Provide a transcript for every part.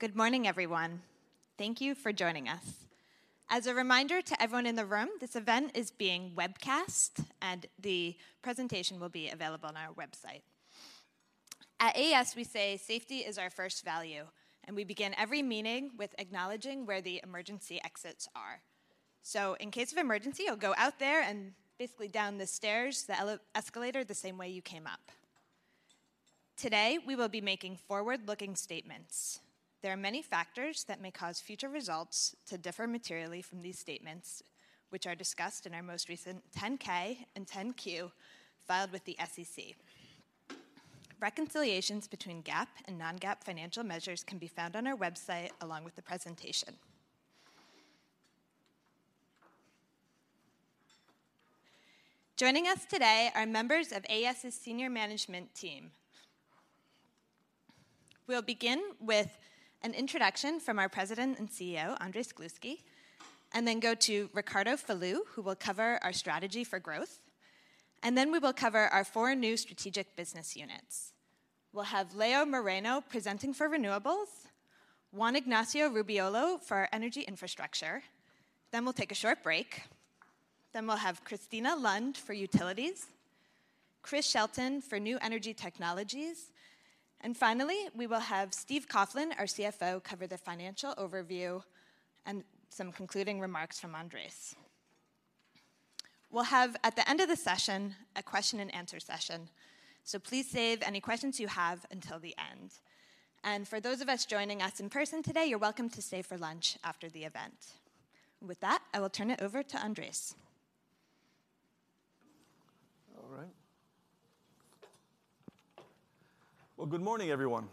Good morning, everyone. Thank you for joining us. As a reminder to everyone in the room, this event is being webcast, and the presentation will be available on our website. At AES, we say safety is our first value, we begin every meeting with acknowledging where the emergency exits are. In case of emergency, you'll go out there and basically down the stairs, the escalator, the same way you came up. Today, we will be making forward-looking statements. There are many factors that may cause future results to differ materially from these statements, which are discussed in our most recent 10-K and 10-Q filed with the SEC. Reconciliations between GAAP and non-GAAP financial measures can be found on our website along with the presentation. Joining us today are members of AES's senior management team. We'll begin with an introduction from our President and CEO, Andrés Gluski, and then go to Ricardo Falú, who will cover our strategy for growth. Then we will cover our four new strategic business units. We'll have Leonardo Moreno presenting for renewables, Juan Ignacio Rubiolo for energy infrastructure, then we'll take a short break, then we'll have Kristina Lund for utilities, Chris Shelton for new energy technologies, and finally, we will have Steve Coughlin, our CFO, cover the financial overview and some concluding remarks from Andrés. We'll have at the end of the session a question-and-answer session. Please save any questions you have until the end. For those of us joining us in person today, you're welcome to stay for lunch after the event. With that, I will turn it over to Andrés. All right. Well, good morning, everyone.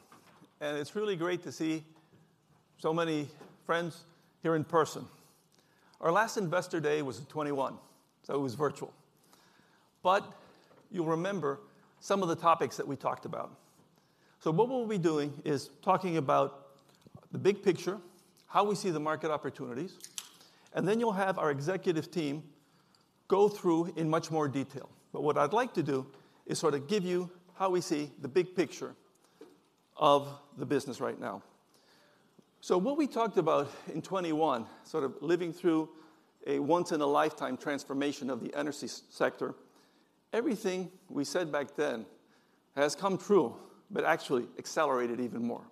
It's really great to see so many friends here in person. Our last investor day was in 2021, so it was virtual. You'll remember some of the topics that we talked about. What we'll be doing is talking about the big picture, how we see the market opportunities, and then you'll have our executive team go through in much more detail. What I'd like to do is sort of give you how we see the big picture of the business right now. What we talked about in 2021, sort of living through a once-in-a-lifetime transformation of the energy sector, everything we said back then has come true but actually accelerated even more.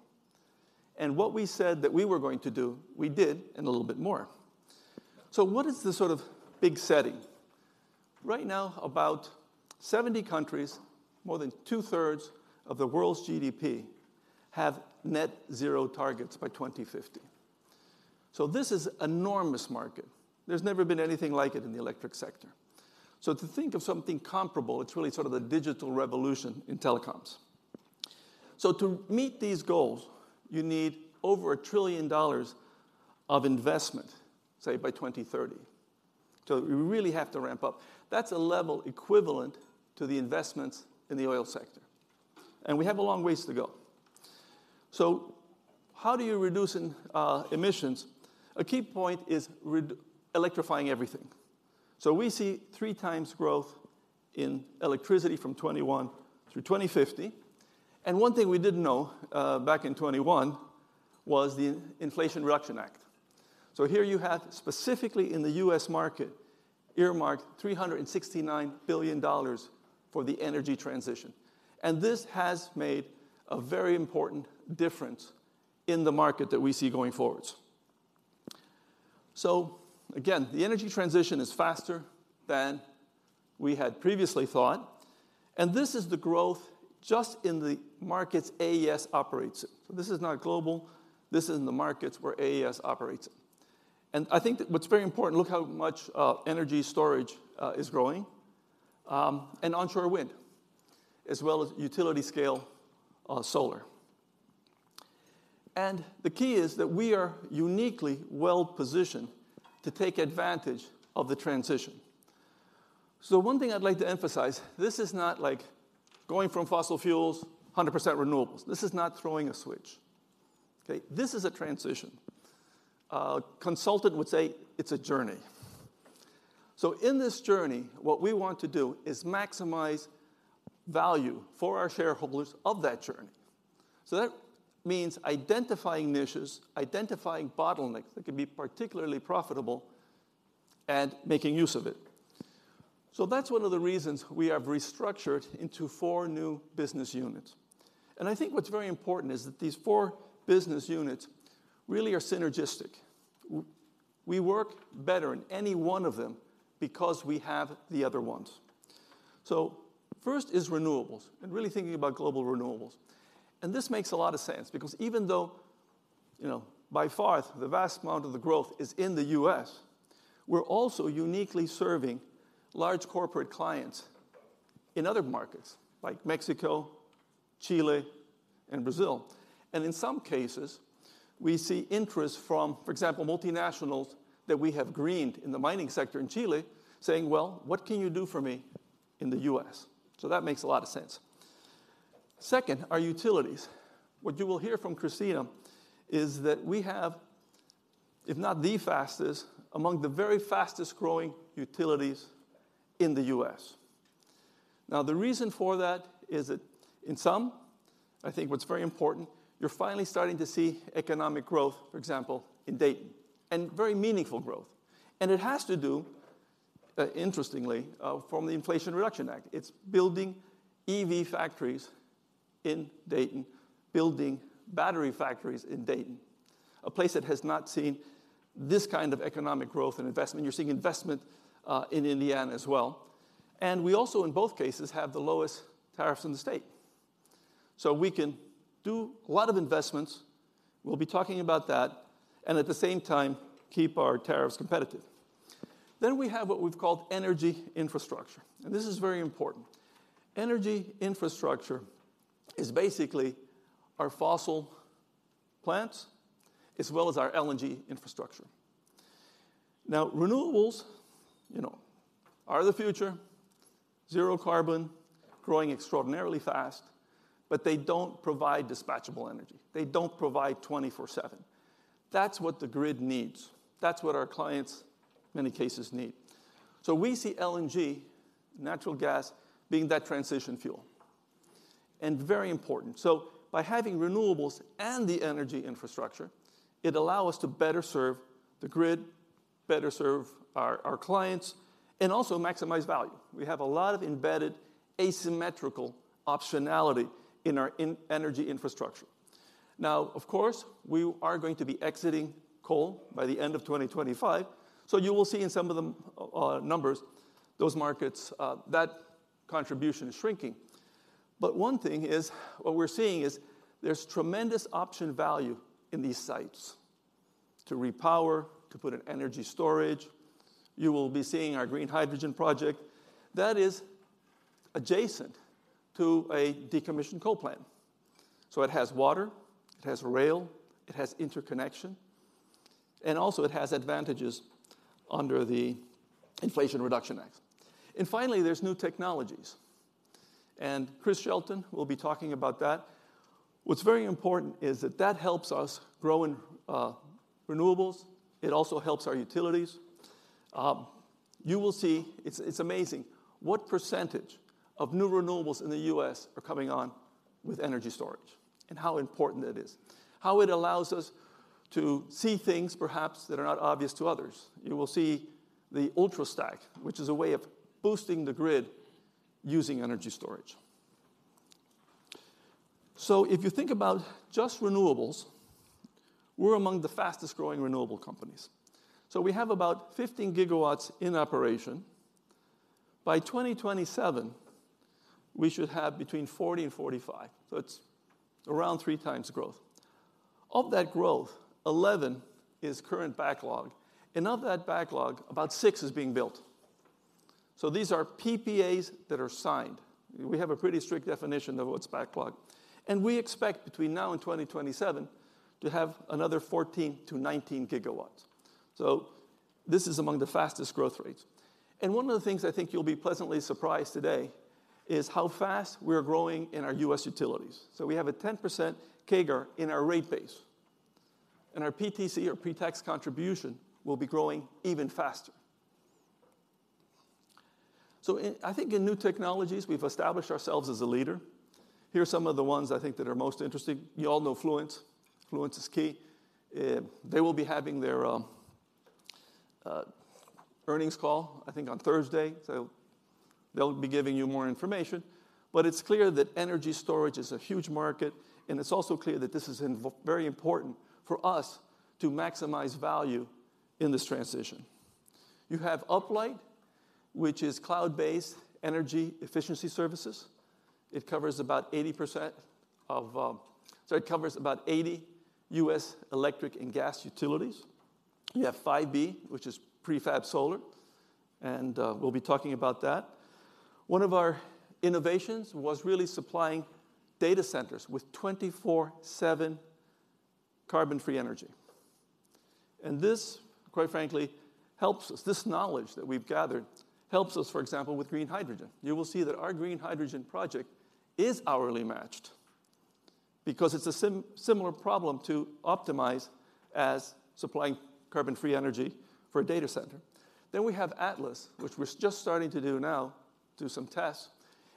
What we said that we were going to do, we did and a little bit more. What is the sort of big setting? Right now, about 70 countries, more than two-thirds of the world's GDP, have net zero targets by 2050. This is enormous market. There's never been anything like it in the electric sector. To think of something comparable, it's really sort of the digital revolution in telecoms. To meet these goals, you need over $1 trillion of investment, say by 2030. We really have to ramp up. That's a level equivalent to the investments in the oil sector. We have a long ways to go. How do you reduce emissions? A key point is re-electrifying everything. We see 3 times growth in electricity from 2021 through 2050, and one thing we didn't know back in 2021 was the Inflation Reduction Act. Here you have specifically in the U.S. market earmarked $369 billion for the energy transition. This has made a very important difference in the market that we see going forwards. Again, the energy transition is faster than we had previously thought, and this is the growth just in the markets AES operates in. This is not global. This is in the markets where AES operates in. I think that what's very important, look how much energy storage is growing, and onshore wind, as well as utility-scale solar. The key is that we are uniquely well-positioned to take advantage of the transition. One thing I'd like to emphasize, this is not like going from fossil fuels, 100% renewables. This is not throwing a switch. Okay? This is a transition. A consultant would say it's a journey. In this journey, what we want to do is maximize value for our shareholders of that journey. That means identifying niches, identifying bottlenecks that can be particularly profitable, and making use of it. That's one of the reasons we have restructured into four new business units. I think what's very important is that these four business units really are synergistic. We work better in any one of them because we have the other ones. First is renewables and really thinking about global renewables. This makes a lot of sense because even though, you know, by far the vast amount of the growth is in the U.S., we're also uniquely serving large corporate clients in other markets like Mexico, Chile, and Brazil. In some cases, we see interest from, for example, multinationals that we have greened in the mining sector in Chile saying, "Well, what can you do for me in the U.S.?" That makes a lot of sense. Second are utilities. What you will hear from Kristina is that we have, if not the fastest, among the very fastest-growing utilities in the U.S. The reason for that is that in some, I think what's very important, you're finally starting to see economic growth, for example, in Dayton, and very meaningful growth. It has to do, interestingly, from the Inflation Reduction Act. It's building EV factories in Dayton, building battery factories in Dayton, a place that has not seen this kind of economic growth and investment. You're seeing investment in Indiana as well. We also, in both cases, have the lowest tariffs in the state. We can do a lot of investments, we'll be talking about that, and at the same time, keep our tariffs competitive. We have what we've called energy infrastructure, and this is very important. Energy infrastructure is basically our fossil plants as well as our LNG infrastructure. Renewables, you know, are the future, zero carbon, growing extraordinarily fast, but they don't provide dispatchable energy. They don't provide 24/7. That's what the grid needs. That's what our clients, many cases, need. We see LNG, natural gas, being that transition fuel, and very important. By having renewables and the energy infrastructure, it allow us to better serve the grid, better serve our clients, and also maximize value. We have a lot of embedded asymmetrical optionality in our energy infrastructure. Of course, we are going to be exiting coal by the end of 2025, so you will see in some of the numbers, those markets, that contribution is shrinking. One thing is, what we're seeing is there's tremendous option value in these sites to repower, to put in energy storage. You will be seeing our green hydrogen project. That is adjacent to a decommissioned coal plant. It has water, it has rail, it has interconnection, and also it has advantages under the Inflation Reduction Act. Finally, there's new technologies, and Chris Shelton will be talking about that. What's very important is that that helps us grow in renewables. It also helps our utilities. You will see, it's amazing what % of new renewables in the U.S. are coming on with energy storage and how important it is, how it allows us to see things perhaps that are not obvious to others. You will see the Ultrastack, which is a way of boosting the grid using energy storage. If you think about just renewables, we're among the fastest-growing renewable companies. We have about 15 GW in operation. By 2027, we should have between 40 and 45 GW, it's around 3 times growth. Of that growth, 11 GW is current backlog, and of that backlog, about 6 GW is being built. These are PPAs that are signed. We have a pretty strict definition of what's backlog. We expect between now and 2027 to have another 14-19 GW. This is among the fastest growth rates. One of the things I think you'll be pleasantly surprised today is how fast we're growing in our U.S. utilities. We have a 10% CAGR in our rate base, and our PTC or pre-tax contribution will be growing even faster. I think in new technologies, we've established ourselves as a leader. Here are some of the ones I think that are most interesting. You all know Fluence. Fluence is key. They will be having their earnings call, I think on Thursday, they'll be giving you more information. It's clear that energy storage is a huge market, and it's also clear that this is very important for us to maximize value in this transition. You have Uplight, which is cloud-based energy efficiency services. It covers about 80% of 80 U.S. electric and gas utilities. You have 5B, which is prefab solar. We'll be talking about that. One of our innovations was really supplying data centers with 24/7 carbon-free energy. This, quite frankly, helps us. This knowledge that we've gathered helps us, for example, with green hydrogen. You will see that our green hydrogen project is hourly matched because it's a similar problem to optimize as supplying carbon-free energy for a data center. We have Atlas, which we're just starting to do now, do some tests,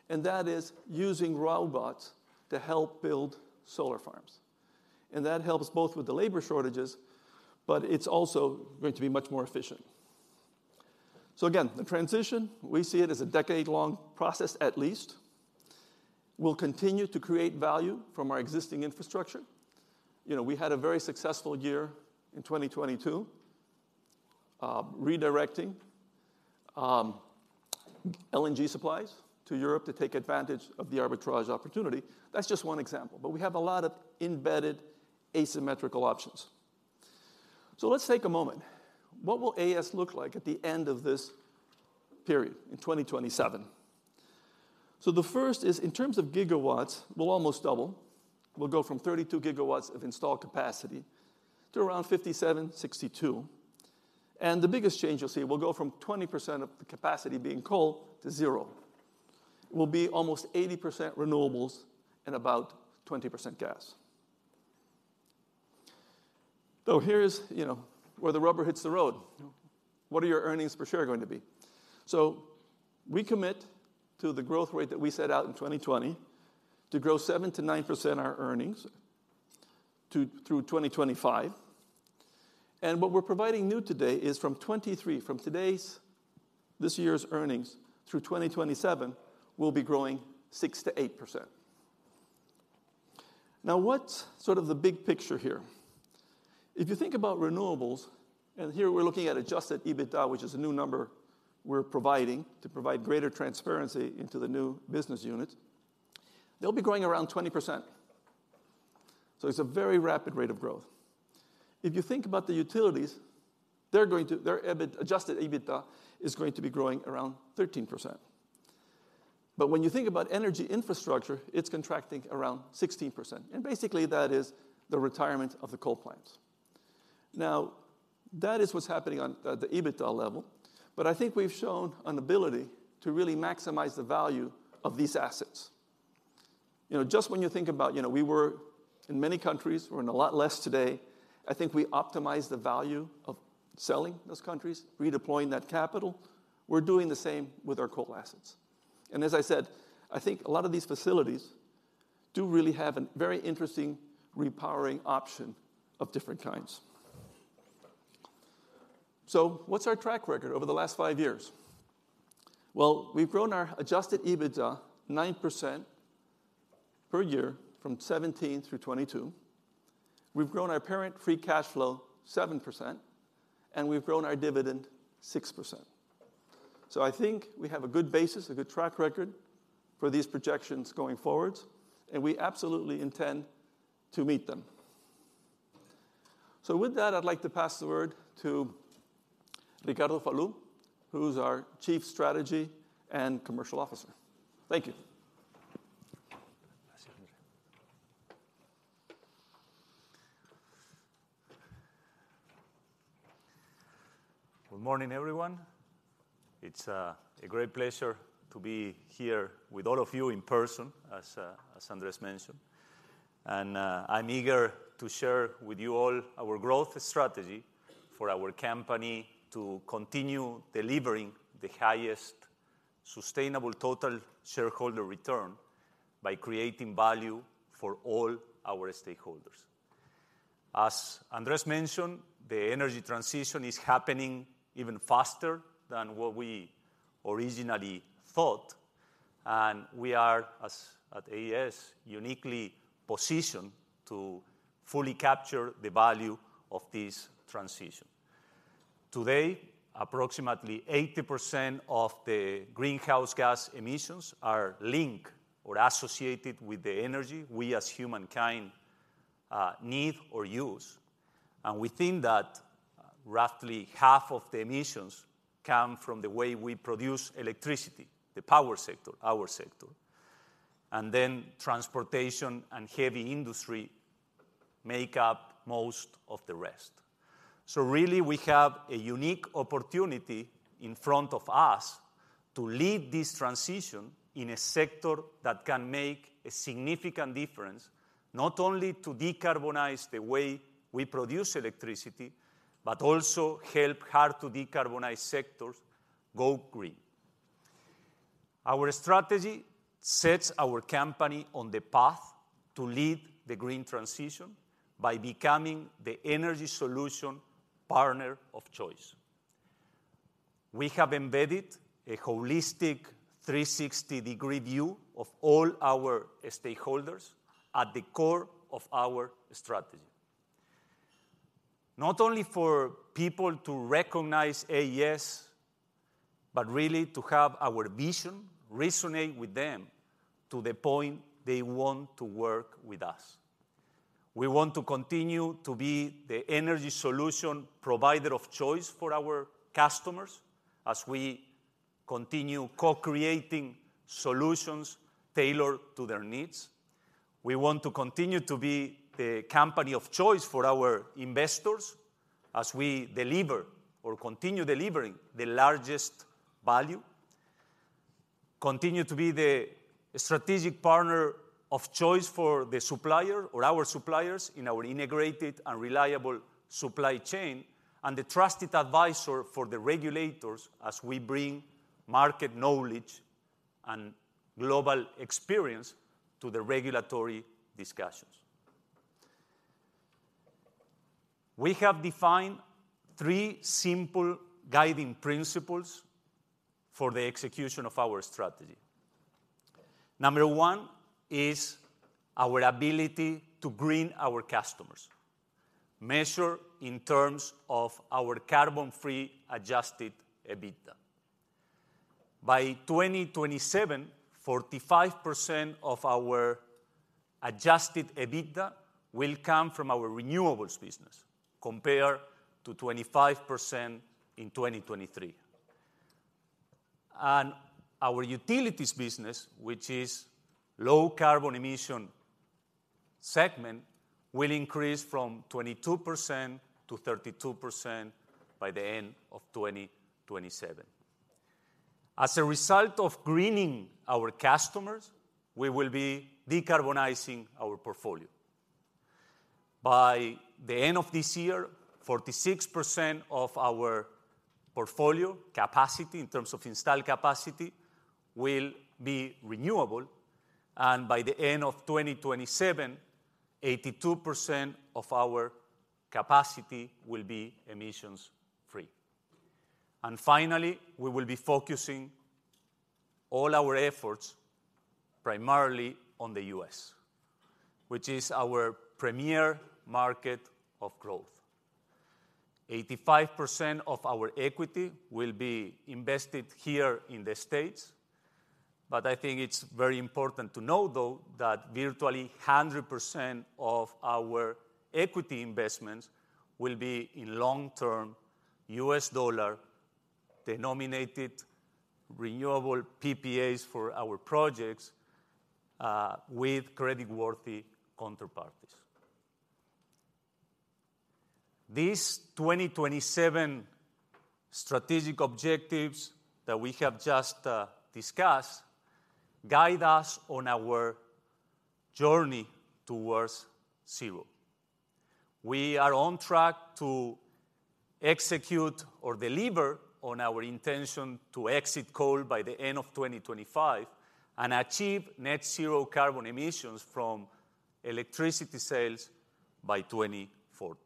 that is using robots to help build solar farms. That helps both with the labor shortages, it's also going to be much more efficient. Again, the transition, we see it as a decade-long process, at least. We'll continue to create value from our existing infrastructure. You know, we had a very successful year in 2022, redirecting LNG supplies to Europe to take advantage of the arbitrage opportunity. That's just one example, but we have a lot of embedded asymmetrical options. Let's take a moment. What will AES look like at the end of this period in 2027? The first is in terms of GW, we'll almost double. We'll go from 32 GW of installed capacity to around 57, 62. The biggest change you'll see, we'll go from 20% of the capacity being coal to 0. We'll be almost 80% renewables and about 20% gas. Here is, you know, where the rubber hits the road. What are your earnings per share going to be? We commit to the growth rate that we set out in 2020 to grow 7%-9% our earnings through 2025. What we're providing new today is from 2023, from today's, this year's earnings through 2027, we'll be growing 6%-8%. What's sort of the big picture here? If you think about renewables, and here we're looking at Adjusted EBITDA, which is a new number we're providing to provide greater transparency into the new business unit, they'll be growing around 20%. It's a very rapid rate of growth. If you think about the utilities, they're going to, their Adjusted EBITDA is going to be growing around 13%. When you think about Energy Infrastructure, it's contracting around 16%. Basically that is the retirement of the coal plants. That is what's happening on the EBITDA level. I think we've shown an ability to really maximize the value of these assets. You know, just when you think about, you know, we were in many countries, we're in a lot less today. I think we optimized the value of selling those countries, redeploying that capital. We're doing the same with our coal assets. As I said, I think a lot of these facilities do really have a very interesting repowering option of different kinds. What's our track record over the last five years? We've grown our Adjusted EBITDA 9% per year from 2017 through 2022. We've grown our parent free cash flow 7%, and we've grown our dividend 6%. I think we have a good basis, a good track record for these projections going forward, and we absolutely intend to meet them. With that, I'd like to pass the word to Ricardo Falú, who's our Chief Strategy and Commercial Officer. Thank you. Good morning, everyone. It's a great pleasure to be here with all of you in person as Andrés mentioned. I'm eager to share with you all our growth strategy for our company to continue delivering the highest sustainable total shareholder return by creating value for all our stakeholders. As Andrés mentioned, the energy transition is happening even faster than what we originally thought, and we are, as at AES, uniquely positioned to fully capture the value of this transition. Today, approximately 80% of the greenhouse gas emissions are linked or associated with the energy we as humankind need or use. We think that roughly half of the emissions come from the way we produce electricity, the power sector, our sector. Transportation and heavy industry make up most of the rest. Really we have a unique opportunity in front of us to lead this transition in a sector that can make a significant difference, not only to decarbonize the way we produce electricity, but also help hard-to-decarbonize sectors go green. Our strategy sets our company on the path to lead the green transition by becoming the energy solution partner of choice. We have embedded a holistic 360-degree view of all our stakeholders at the core of our strategy. Not only for people to recognize AES, but really to have our vision resonate with them to the point they want to work with us. We want to continue to be the energy solution provider of choice for our customers as we continue co-creating solutions tailored to their needs. We want to continue to be the company of choice for our investors as we deliver or continue delivering the largest value. Continue to be the strategic partner of choice for the supplier or our suppliers in our integrated and reliable supply chain, and the trusted advisor for the regulators as we bring market knowledge and global experience to the regulatory discussions. We have defined three simple guiding principles for the execution of our strategy. Number one is our ability to green our customers, measured in terms of our carbon-free Adjusted EBITDA. By 2027, 45% of our Adjusted EBITDA will come from our renewables business, compared to 25% in 2023. Our utilities business, which is low carbon emission segment, will increase from 22% to 32% by the end of 2027. As a result of greening our customers, we will be decarbonizing our portfolio. By the end of this year, 46% of our portfolio capacity in terms of installed capacity will be renewable, and by the end of 2027, 82% of our capacity will be emissions-free. Finally, we will be focusing all our efforts primarily on the U.S., which is our premier market of growth. 85% of our equity will be invested here in the States. I think it's very important to know, though, that virtually 100% of our equity investments will be in long-term U.S. dollar denominated renewable PPAs for our projects with creditworthy counterparties. These 2027 strategic objectives that we have just discussed guide us on our journey towards zero. We are on track to execute or deliver on our intention to exit coal by the end of 2025 and achieve net zero carbon emissions from electricity sales by 2040.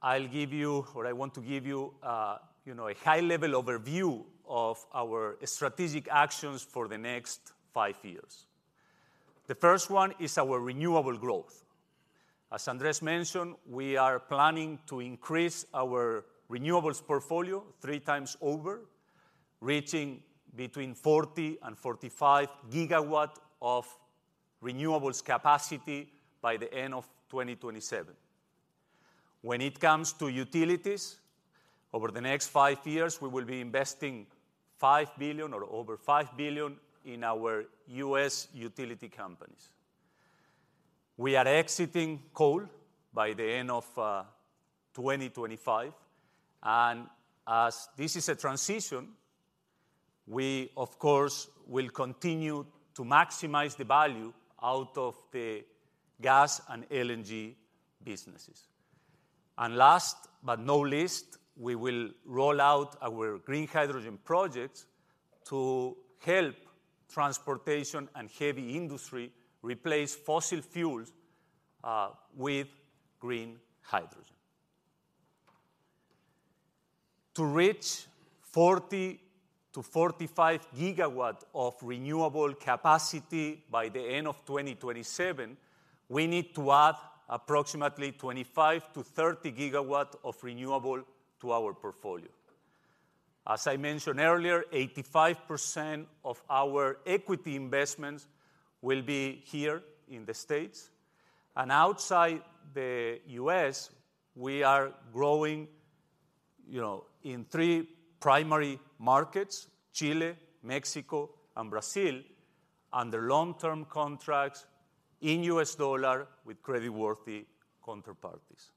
I'll give you or I want to give you know, a high-level overview of our strategic actions for the next five years. The first one is our renewable growth. As Andrés mentioned, we are planning to increase our renewables portfolio 3x over, reaching between 40 and 45 GW of renewables capacity by the end of 2027. When it comes to utilities, over the next five years, we will be investing $5 billion or over $5 billion in our U.S. utility companies. We are exiting coal by the end of 2025. As this is a transition, we of course will continue to maximize the value out of the gas and LNG businesses. Last but not least, we will roll out our green hydrogen projects to help transportation and heavy industry replace fossil fuels with green hydrogen. To reach 40-45 GW of renewable capacity by the end of 2027, we need to add approximately 25-30 GW of renewable to our portfolio. As I mentioned earlier, 85% of our equity investments will be here in the States. Outside the US, we are growing, you know, in 3 primary markets, Chile, Mexico and Brazil, under long-term contracts in US dollar with creditworthy counterparties.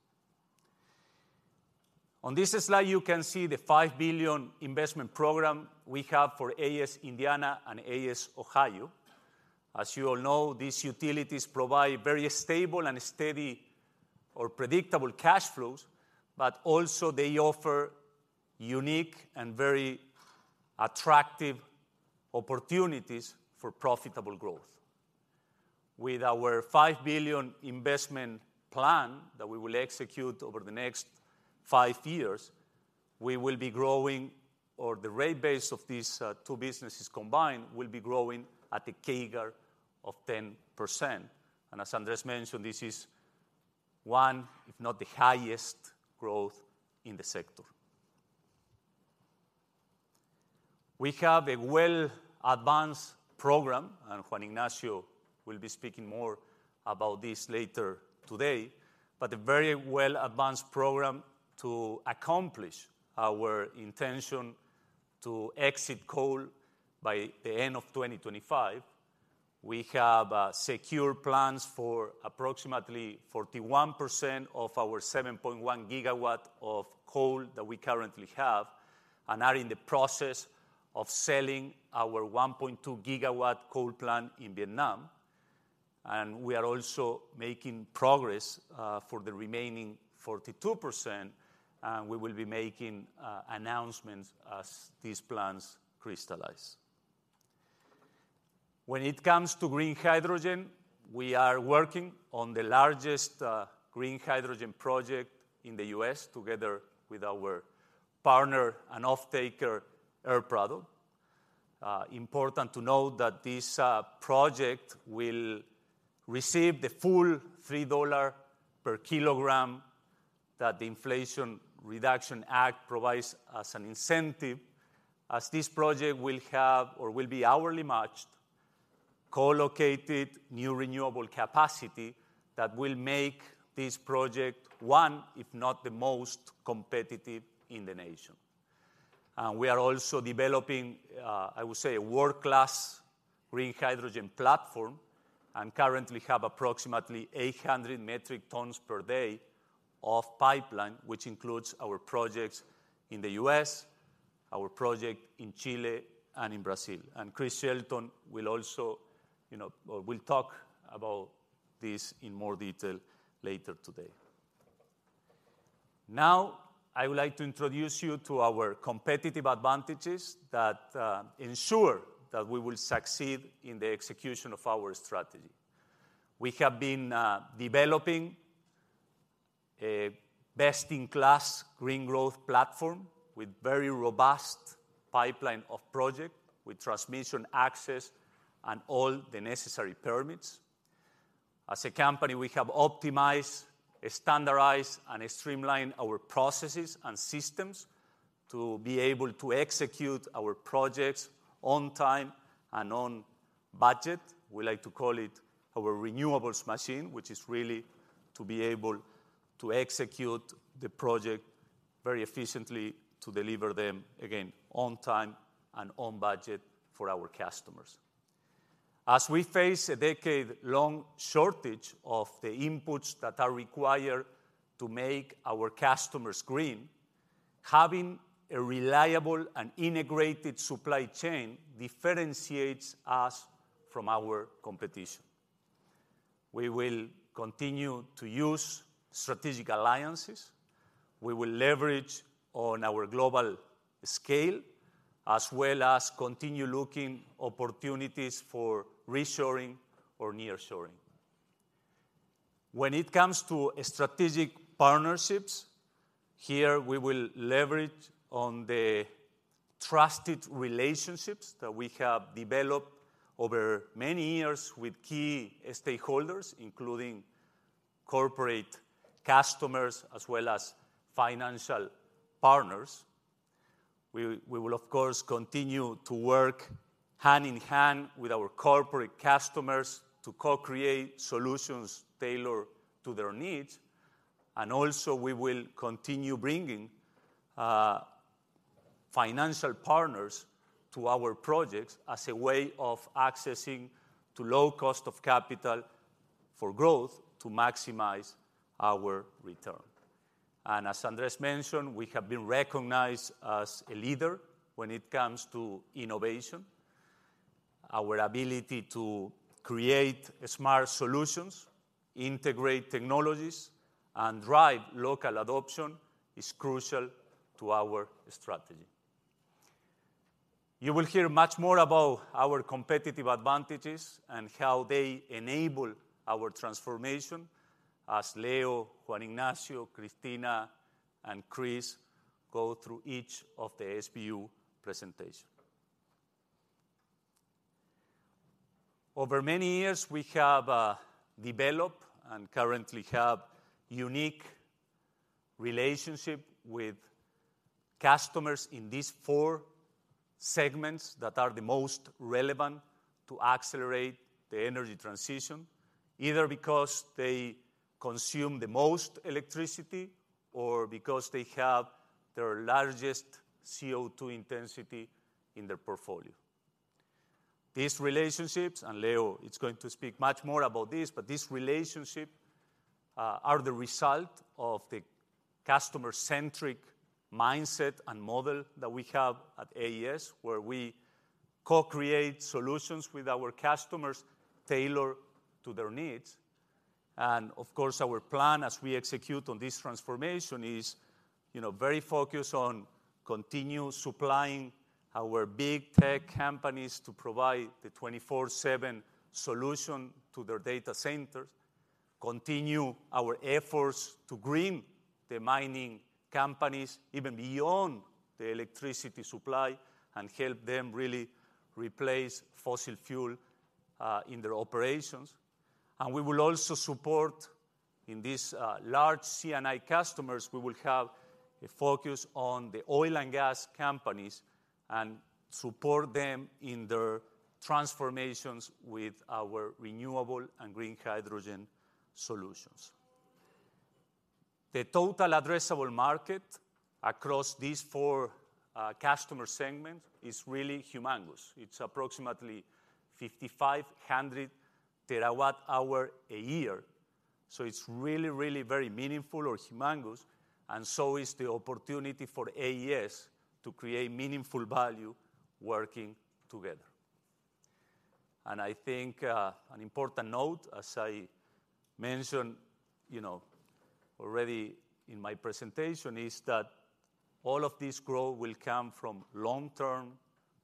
On this slide, you can see the $5 billion investment program we have for AES Indiana and AES Ohio. As you all know, these utilities provide very stable and steady or predictable cash flows, but also they offer unique and very attractive opportunities for profitable growth. With our $5 billion investment plan that we will execute over the next five years, we will be growing or the rate base of these two businesses combined will be growing at a CAGR of 10%. As Andrés mentioned, this is one, if not the highest growth in the sector. We have a well-advanced program, and Juan Ignacio will be speaking more about this later today, but a very well-advanced program to accomplish our intention to exit coal by the end of 2025. We have secure plans for approximately 41% of our 7.1 gigawatt of coal that we currently have and are in the process of selling our 1.2 gigawatt coal plant in Vietnam. We are also making progress for the remaining 42%, and we will be making announcements as these plans crystallize. When it comes to green hydrogen, we are working on the largest green hydrogen project in the U.S. together with our partner and offtaker, Air Products. Important to note that this project will receive the full $3 per kilogram that the Inflation Reduction Act provides as an incentive, as this project will have or will be hourly matched, co-located new renewable capacity that will make this project one, if not the most competitive in the nation. We are also developing, I would say, a world-class green hydrogen platform. Currently have approximately 800 metric tons per day of pipeline, which includes our projects in the U.S., our project in Chile, and in Brazil. Chris Shelton will also, you know, will talk about this in more detail later today. Now, I would like to introduce you to our competitive advantages that ensure that we will succeed in the execution of our strategy. We have been developing a best-in-class green growth platform with very robust pipeline of project, with transmission access and all the necessary permits. As a company, we have optimized, standardized, and streamlined our processes and systems to be able to execute our projects on time and on budget. We like to call it our renewables machine, which is really to be able to execute the project very efficiently to deliver them, again, on time and on budget for our customers. As we face a decade-long shortage of the inputs that are required to make our customers green, having a reliable and integrated supply chain differentiates us from our competition. We will continue to use strategic alliances. We will leverage on our global scale, as well as continue looking opportunities for reshoring or nearshoring. When it comes to strategic partnerships, here we will leverage on the trusted relationships that we have developed over many years with key stakeholders, including corporate customers as well as financial partners. We will of course continue to work hand-in-hand with our corporate customers to co-create solutions tailored to their needs, and also we will continue bringing financial partners to our projects as a way of accessing to low cost of capital for growth to maximize our return. As Andrés mentioned, we have been recognized as a leader when it comes to innovation. Our ability to create smart solutions, integrate technologies, and drive local adoption is crucial to our strategy. You will hear much more about our competitive advantages and how they enable our transformation as Leo, Juan Ignacio, Kristina, and Chris go through each of the SBU presentation. Over many years, we have developed and currently have unique relationship with customers in these four segments that are the most relevant to accelerate the energy transition, either because they consume the most electricity or because they have the largest CO2 intensity in their portfolio. These relationships, and Leo is going to speak much more about this, but these relationship are the result of the customer-centric mindset and model that we have at AES, where we co-create solutions with our customers tailored to their needs. Of course, our plan as we execute on this transformation is, you know, very focused on continue supplying our big tech companies to provide the 24/7 solution to their data centers, continue our efforts to green the mining companies even beyond the electricity supply, and help them really replace fossil fuel in their operations. We will also support in these large C&I customers, we will have a focus on the oil and gas companies and support them in their transformations with our renewable and green hydrogen solutions. The total addressable market across these four customer segments is really humongous. It's approximately 5,500 terawatt hour a year, so it's really, really very meaningful or humongous. So is the opportunity for AES to create meaningful value working together. I think an important note, as I mentioned, you know, already in my presentation, is that all of this growth will come from long-term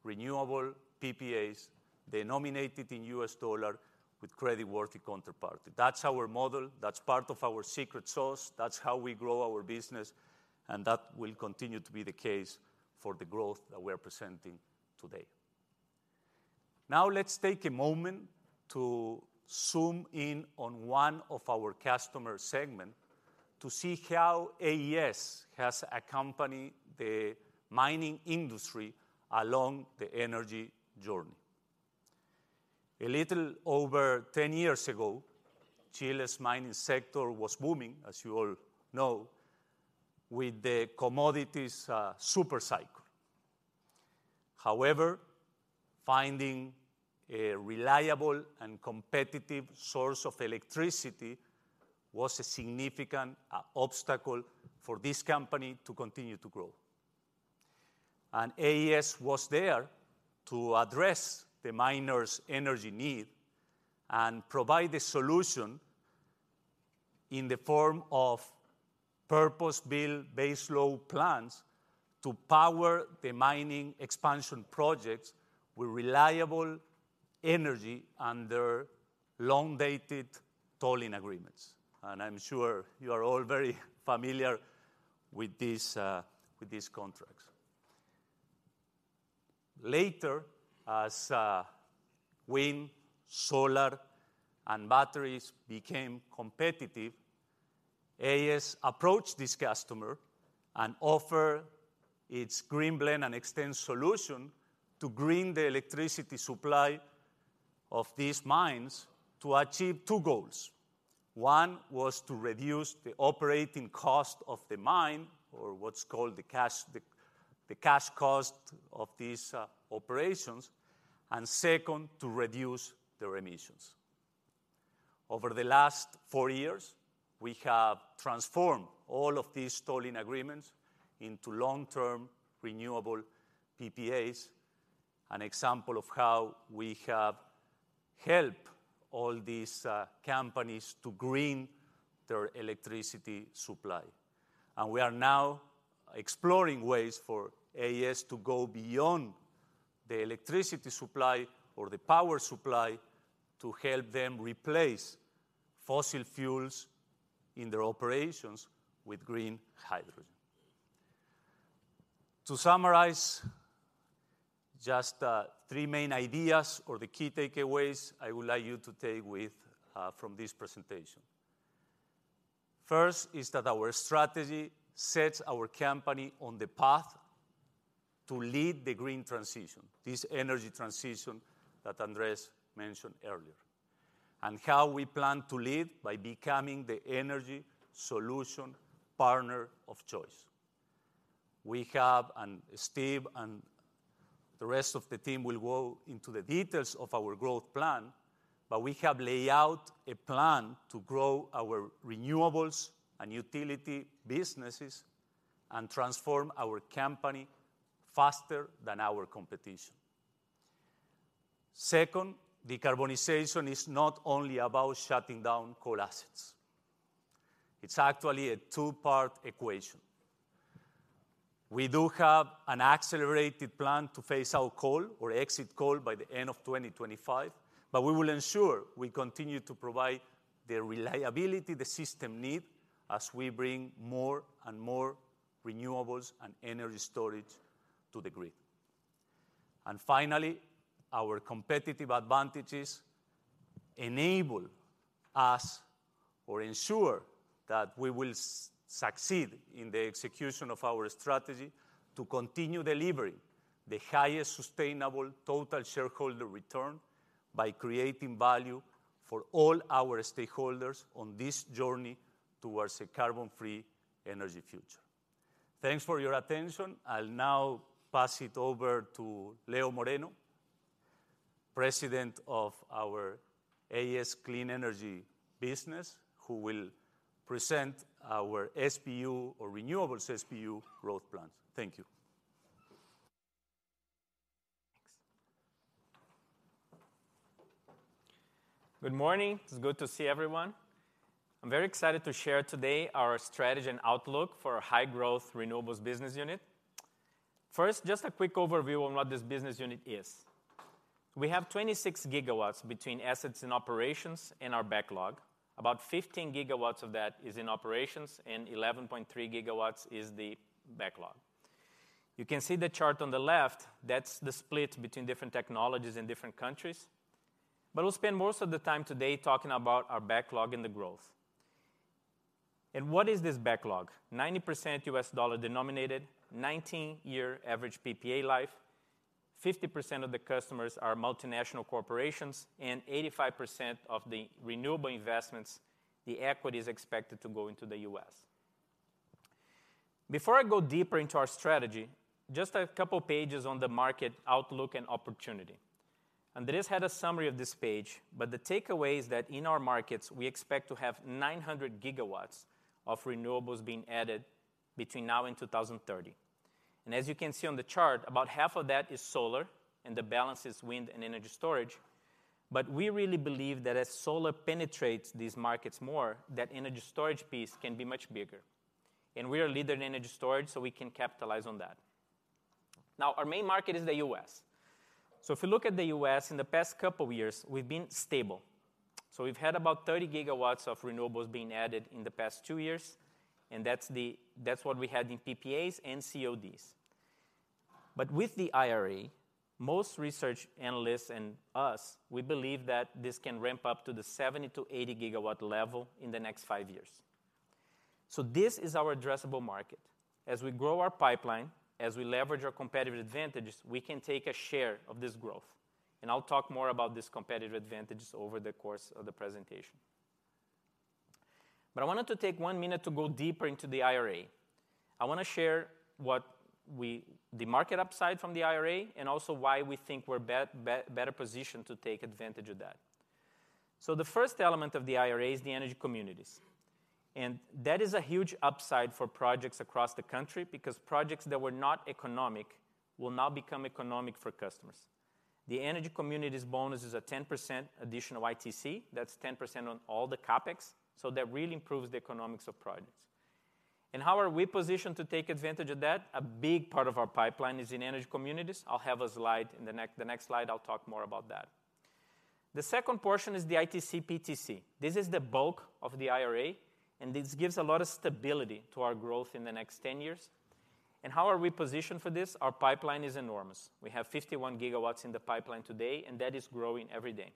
renewable PPAs denominated in US dollar with creditworthy counterparties. That's our model. That's part of our secret sauce. That's how we grow our business, and that will continue to be the case for the growth that we're presenting today. Let's take a moment to zoom in on one of our customer segment to see how AES has accompanied the mining industry along the energy journey. A little over 10 years ago, Chile's mining sector was booming, as you all know, with the commodities super cycle. However, finding a reliable and competitive source of electricity was a significant obstacle for this company to continue to grow. AES was there to address the miner's energy need and provide the solution in the form of purpose-built, baseload plants to power the mining expansion projects with reliable energy under long-dated tolling agreements. I'm sure you are all very familiar with these contracts. Later, as wind, solar, and batteries became competitive, AES approached this customer and offer its Green Blend and Extend solution to green the electricity supply of these mines to achieve 2 goals. 1 was to reduce the operating cost of the mine, or what's called the cash cost of these operations, and 2, to reduce their emissions. Over the last 4 years, we have transformed all of these tolling agreements into long-term renewable PPAs, an example of how we have helped all these companies to green their electricity supply. We are now exploring ways for AES to go beyond the electricity supply or the power supply to help them replace fossil fuels in their operations with green hydrogen. To summarize just 3 main ideas or the key takeaways I would like you to take with from this presentation. First is that our strategy sets our company on the path to lead the green transition, this energy transition that Andrés mentioned earlier, and how we plan to lead by becoming the energy solution partner of choice. We have, and Steve and the rest of the team will go into the details of our growth plan, but we have laid out a plan to grow our renewables and utility businesses and transform our company faster than our competition. Second, decarbonization is not only about shutting down coal assets. It's actually a two-part equation. We do have an accelerated plan to phase out coal or exit coal by the end of 2025, we will ensure we continue to provide the reliability the system needs as we bring more and more renewables and energy storage to the grid. Finally, our competitive advantages enable us or ensure that we will succeed in the execution of our strategy to continue delivering the highest sustainable total shareholder return by creating value for all our stakeholders on this journey towards a carbon-free energy future. Thanks for your attention. I'll now pass it over to Leo Moreno, President of our AES Clean Energy business, who will present our SPU or renewables SPU growth plans. Thank you. Thanks. Good morning. It's good to see everyone. I'm very excited to share today our strategy and outlook for our high-growth renewables business unit. First, just a quick overview on what this business unit is. We have 26 GW between assets and operations in our backlog. About 15 GW of that is in operations, and 11.3 GW is the backlog. You can see the chart on the left, that's the split between different technologies in different countries. We'll spend most of the time today talking about our backlog and the growth. What is this backlog? 90% U.S. dollar denominated, 19-year average PPA life, 50% of the customers are multinational corporations, and 85% of the renewable investments, the equity is expected to go into the U.S. Before I go deeper into our strategy, just a couple pages on the market outlook and opportunity. Andrés had a summary of this page. The takeaway is that in our markets, we expect to have 900 GW of renewables being added between now and 2030. As you can see on the chart, about half of that is solar, and the balance is wind and energy storage. We really believe that as solar penetrates these markets more, that energy storage piece can be much bigger. We are a leader in energy storage, so we can capitalize on that. Now, our main market is the U.S. If you look at the U.S., in the past couple years, we've been stable. We've had about 30 GW of renewables being added in the past two years, and that's what we had in PPAs and CODs. With the IRA, most research analysts and us, we believe that this can ramp up to the 70 to 80 GW level in the next five years. This is our addressable market. As we grow our pipeline, as we leverage our competitive advantages, we can take a share of this growth. I'll talk more about these competitive advantages over the course of the presentation. I wanted to take 1 minute to go deeper into the IRA. I want to share the market upside from the IRA, and also why we think we're better positioned to take advantage of that. The first element of the IRA is the energy communities, and that is a huge upside for projects across the country because projects that were not economic will now become economic for customers. The energy communities bonus is a 10% additional ITC. That's 10% on all the CapEx, that really improves the economics of projects. How are we positioned to take advantage of that? A big part of our pipeline is in energy communities. I'll have a slide in the next slide, I'll talk more about that. The second portion is the ITC/PTC. This is the bulk of the IRA, this gives a lot of stability to our growth in the next 10 years. How are we positioned for this? Our pipeline is enormous. We have 51 GW in the pipeline today, that is growing every day.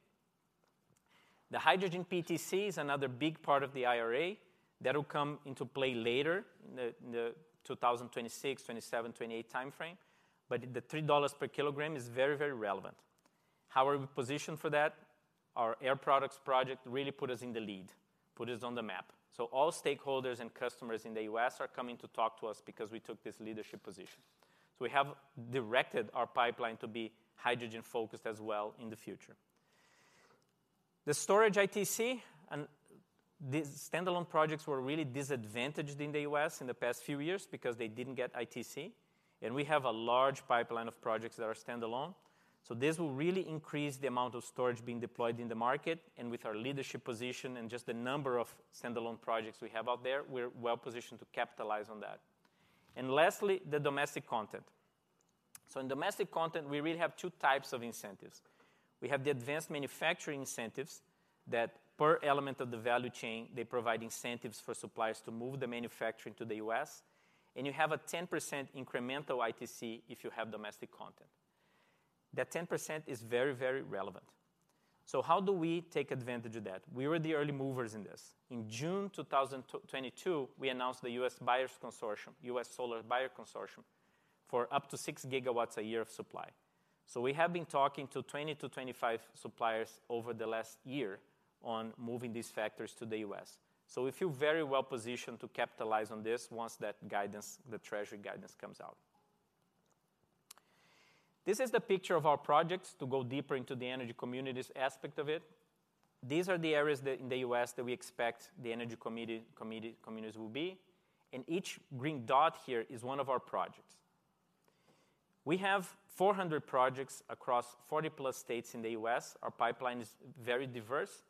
The hydrogen PTC is another big part of the IRA that'll come into play later in the 2026, 2027, 2028 timeframe, the $3 per kilogram is very relevant. How are we positioned for that? Our Air Products project really put us in the lead, put us on the map. All stakeholders and customers in the U.S. are coming to talk to us because we took this leadership position. We have directed our pipeline to be hydrogen-focused as well in the future. The storage ITC and these standalone projects were really disadvantaged in the U.S. in the past few years because they didn't get ITC, and we have a large pipeline of projects that are standalone, this will really increase the amount of storage being deployed in the market, and with our leadership position and just the number of standalone projects we have out there, we're well positioned to capitalize on that. Lastly, the domestic content. In domestic content, we really have two types of incentives. We have the advanced manufacturing incentives that, per element of the value chain, they provide incentives for suppliers to move the manufacturing to the U.S., and you have a 10% incremental ITC if you have domestic content. That 10% is very, very relevant. How do we take advantage of that? We were the early movers in this. In June 2022, we announced the US Buyers Consortium, US Solar Buyer Consortium for up to 6 GW a year of supply. We have been talking to 20 to 25 suppliers over the last year on moving these factors to the U.S. We feel very well positioned to capitalize on this once that guidance, the Treasury guidance comes out. This is the picture of our projects to go deeper into the energy communities aspect of it. These are the areas that in the U.S. that we expect the energy communities will be. Each green dot here is one of our projects. We have 400 projects across 40-plus states in the U.S. Our pipeline is very diverse.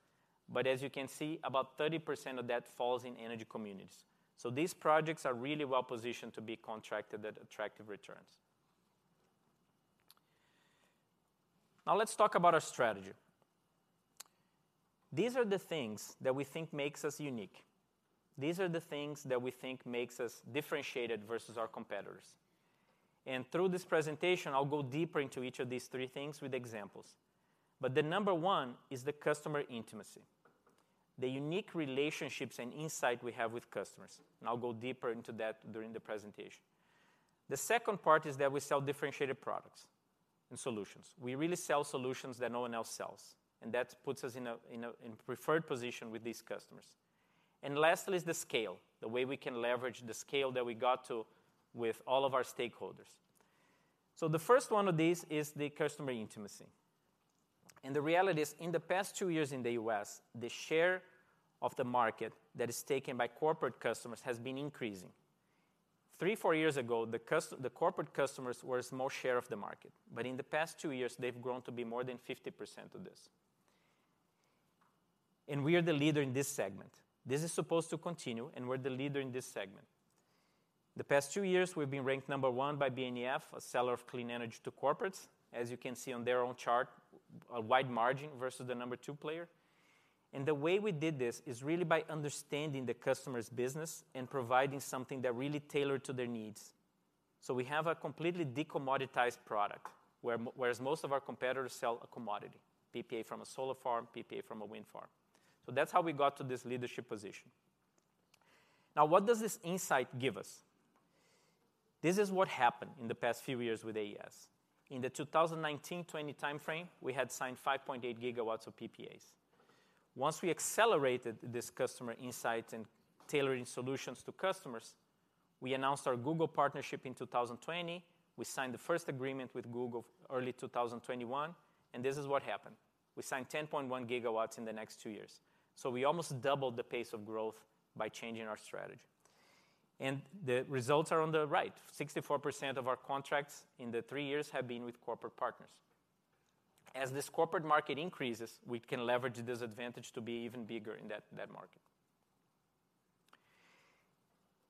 As you can see, about 30% of that falls in energy communities. These projects are really well positioned to be contracted at attractive returns. Now let's talk about our strategy. These are the things that we think makes us unique. These are the things that we think makes us differentiated versus our competitors. Through this presentation, I'll go deeper into each of these 3 things with examples. The number one is the customer intimacy, the unique relationships and insight we have with customers. I'll go deeper into that during the presentation. The second part is that we sell differentiated products and solutions. We really sell solutions that no one else sells, that puts us in a preferred position with these customers. Lastly is the scale, the way we can leverage the scale that we got to with all of our stakeholders. The first one of these is the customer intimacy, the reality is, in the past two years in the U.S., the share of the market that is taken by corporate customers has been increasing. 3, 4 years ago, the corporate customers were small share of the market, in the past two years, they've grown to be more than 50% of this. We are the leader in this segment. This is supposed to continue, we're the leader in this segment. The past two years, we've been ranked number one by BNEF, a seller of clean energy to corporates, as you can see on their own chart, a wide margin versus the number 2 player. The way we did this is really by understanding the customer's business and providing something that really tailored to their needs. We have a completely decommoditized product, whereas most of our competitors sell a commodity, PPA from a solar farm, PPA from a wind farm. That's how we got to this leadership position. What does this insight give us? This is what happened in the past few years with AES. In the 2019/2020 timeframe, we had signed 5.8 GW of PPAs. Once we accelerated this customer insight and tailoring solutions to customers, we announced our Google partnership in 2020. We signed the first agreement with Google early 2021, this is what happened. We signed 10.1 GW in the next two years. We almost doubled the pace of growth by changing our strategy. The results are on the right. 64% of our contracts in the 3 years have been with corporate partners. As this corporate market increases, we can leverage this advantage to be even bigger in that market.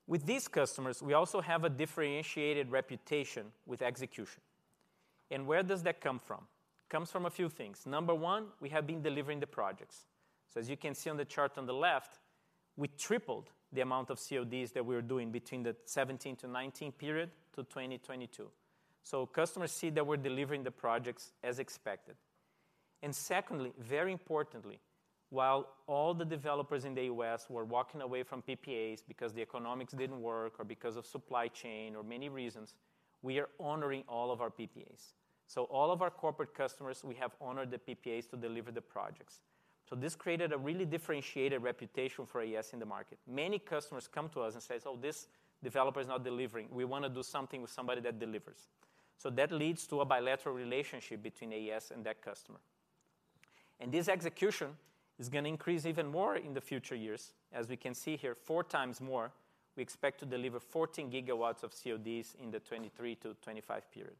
With these customers, we also have a differentiated reputation with execution. Where does that come from? It comes from a few things. Number one, we have been delivering the projects. As you can see on the chart on the left, we tripled the amount of CODs that we were doing between the 17-19 period to 2022. Customers see that we're delivering the projects as expected. Secondly, very importantly, while all the developers in the U.S. were walking away from PPAs because the economics didn't work or because of supply chain or many reasons, we are honoring all of our PPAs. All of our corporate customers, we have honored the PPAs to deliver the projects. This created a really differentiated reputation for AES in the market. Many customers come to us and say, "This developer is not delivering. We wanna do something with somebody that delivers." That leads to a bilateral relationship between AES and that customer. This execution is gonna increase even more in the future years. As we can see here, 4 times more, we expect to deliver 14 GW of CODs in the 2023-2025 period.